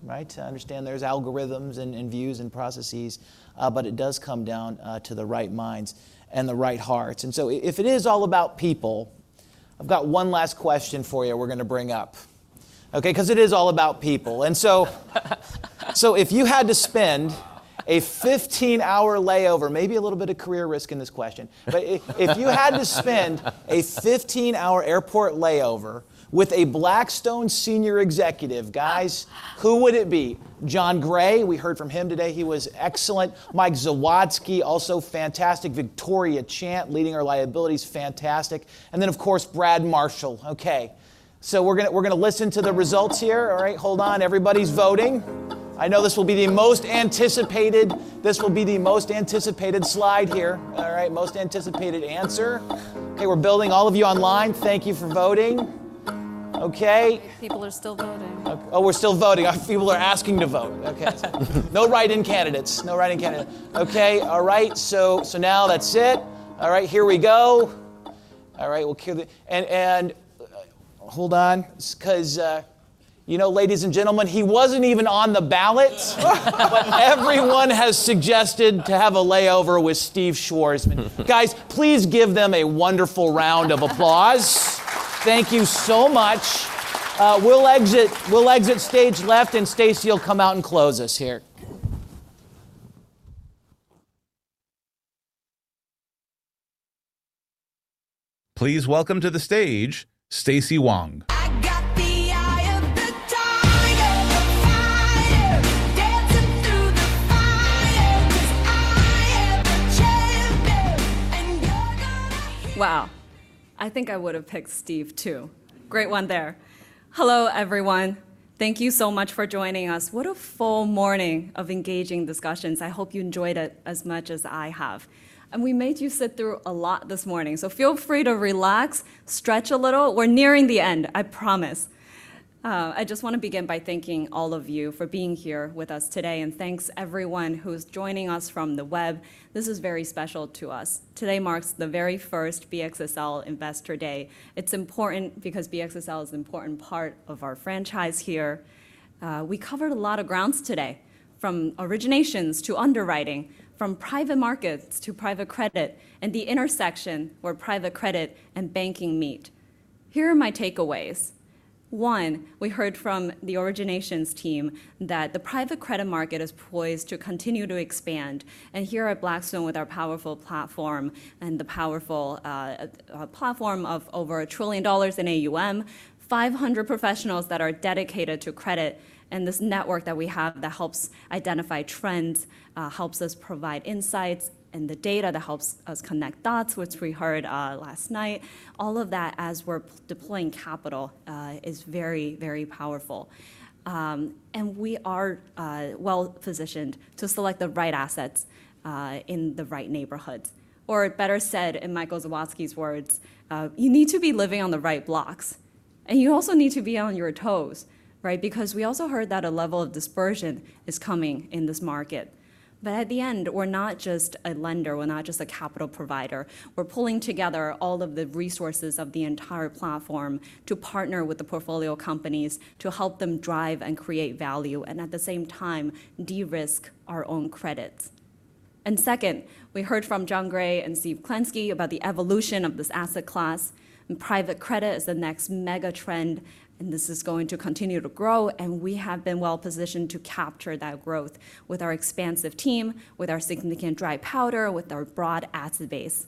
right? I understand there's algorithms and views and processes, but it does come down to the right minds and the right hearts. And so if it is all about people, I've got one last question for you we're gonna bring up. Okay, 'cause it is all about people, and so if you had to spend- Wow... a 15-hour layover, maybe a little bit of career risk in this question. But if you had to spend a 15-hour airport layover with a Blackstone senior executive, guys, who would it be? Jon Gray, we heard from him today. He was excellent. Mike Zawadzki, also fantastic. Victoria Chant, leading our liabilities, fantastic. And then, of course, Brad Marshall. Okay, so we're gonna, we're gonna listen to the results here. All right, hold on. Everybody's voting. I know this will be the most anticipated... This will be the most anticipated slide here. All right, most anticipated answer. Okay, we're building. All of you online, thank you for voting. Okay. People are still voting. Oh, we're still voting. People are asking to vote. Okay. No write-in candidates. No write-in candidates. Okay, all right. So, so now that's it. All right, here we go. All right, we'll kill the... And, and hold on, 'cause, you know, ladies and gentlemen, he wasn't even on the ballot... but everyone has suggested to have a layover with Steve Schwarzman. Guys, please give them a wonderful round of applause. Thank you so much. We'll exit, we'll exit stage left, and Stacy will come out and close us here. Please welcome to the stage Stacy Wang. Wow, I think I would've picked Steve, too. Great one there. Hello, everyone. Thank you so much for joining us. What a full morning of engaging discussions. I hope you enjoyed it as much as I have... We made you sit through a lot this morning, so feel free to relax, stretch a little. We're nearing the end, I promise. I just wanna begin by thanking all of you for being here with us today, and thanks everyone who's joining us from the web. This is very special to us. Today marks the very first BXSL Investor Day. It's important because BXSL is an important part of our franchise here. We covered a lot of ground today, from originations to underwriting, from private markets to private credit, and the intersection where private credit and banking meet. Here are my takeaways. One, we heard from the originations team that the private credit market is poised to continue to expand, and here at Blackstone, with our powerful platform and the powerful, a platform of over $1 trillion in AUM, 500 professionals that are dedicated to credit, and this network that we have that helps identify trends, helps us provide insights, and the data that helps us connect dots, which we heard, last night, all of that as we're deploying capital, is very, very powerful. And we are, well-positioned to select the right assets, in the right neighborhoods. Or better said, in Michael Zawadzki's words, "You need to be living on the right blocks." And you also need to be on your toes, right? Because we also heard that a level of dispersion is coming in this market. But at the end, we're not just a lender, we're not just a capital provider. We're pulling together all of the resources of the entire platform to partner with the portfolio companies to help them drive and create value, and at the same time, de-risk our own credits. And second, we heard from Jon Gray and Steve Klinsky about the evolution of this asset class, and private credit is the next megatrend, and this is going to continue to grow, and we have been well-positioned to capture that growth with our expansive team, with our significant dry powder, with our broad asset base.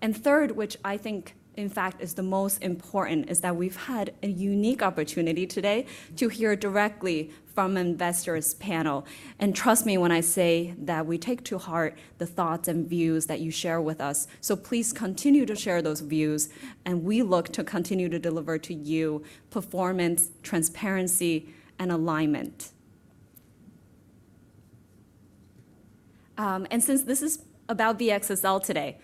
And third, which I think, in fact, is the most important, is that we've had a unique opportunity today to hear directly from investors' panel. And trust me when I say that we take to heart the thoughts and views that you share with us. So please continue to share those views, and we look to continue to deliver to you performance, transparency, and alignment. Since this is about BXSL today,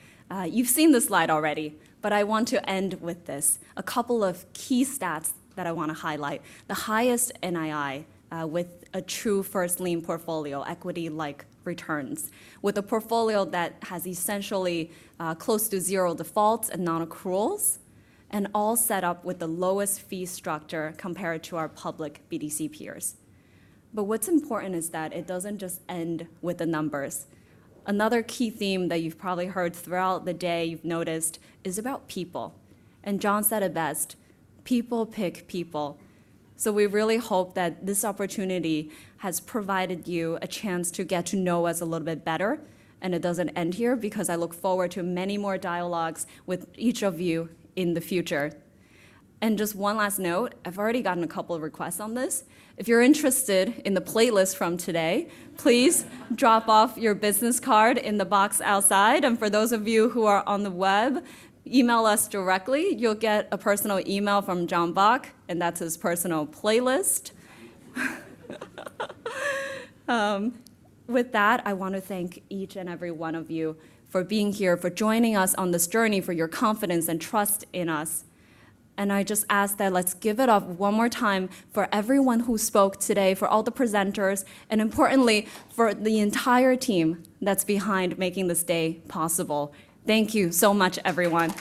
you've seen this slide already, but I want to end with this. A couple of key stats that I wanna highlight. The highest NII, with a true first lien portfolio, equity-like returns, with a portfolio that has essentially, close to zero defaults and non-accruals, and all set up with the lowest fee structure compared to our public BDC peers. But what's important is that it doesn't just end with the numbers. Another key theme that you've probably heard throughout the day, you've noticed, is about people. Jon said it best: "People pick people." So we really hope that this opportunity has provided you a chance to get to know us a little bit better, and it doesn't end here, because I look forward to many more dialogues with each of you in the future. Just one last note, I've already gotten a couple of requests on this. If you're interested in the playlist from today, please drop off your business card in the box outside. For those of you who are on the web, email us directly. You'll get a personal email from Jonathan Bock, and that's his personal playlist. With that, I wanna thank each and every one of you for being here, for joining us on this journey, for your confidence and trust in us. I just ask that let's give it up one more time for everyone who spoke today, for all the presenters, and importantly, for the entire team that's behind making this day possible. Thank you so much, everyone.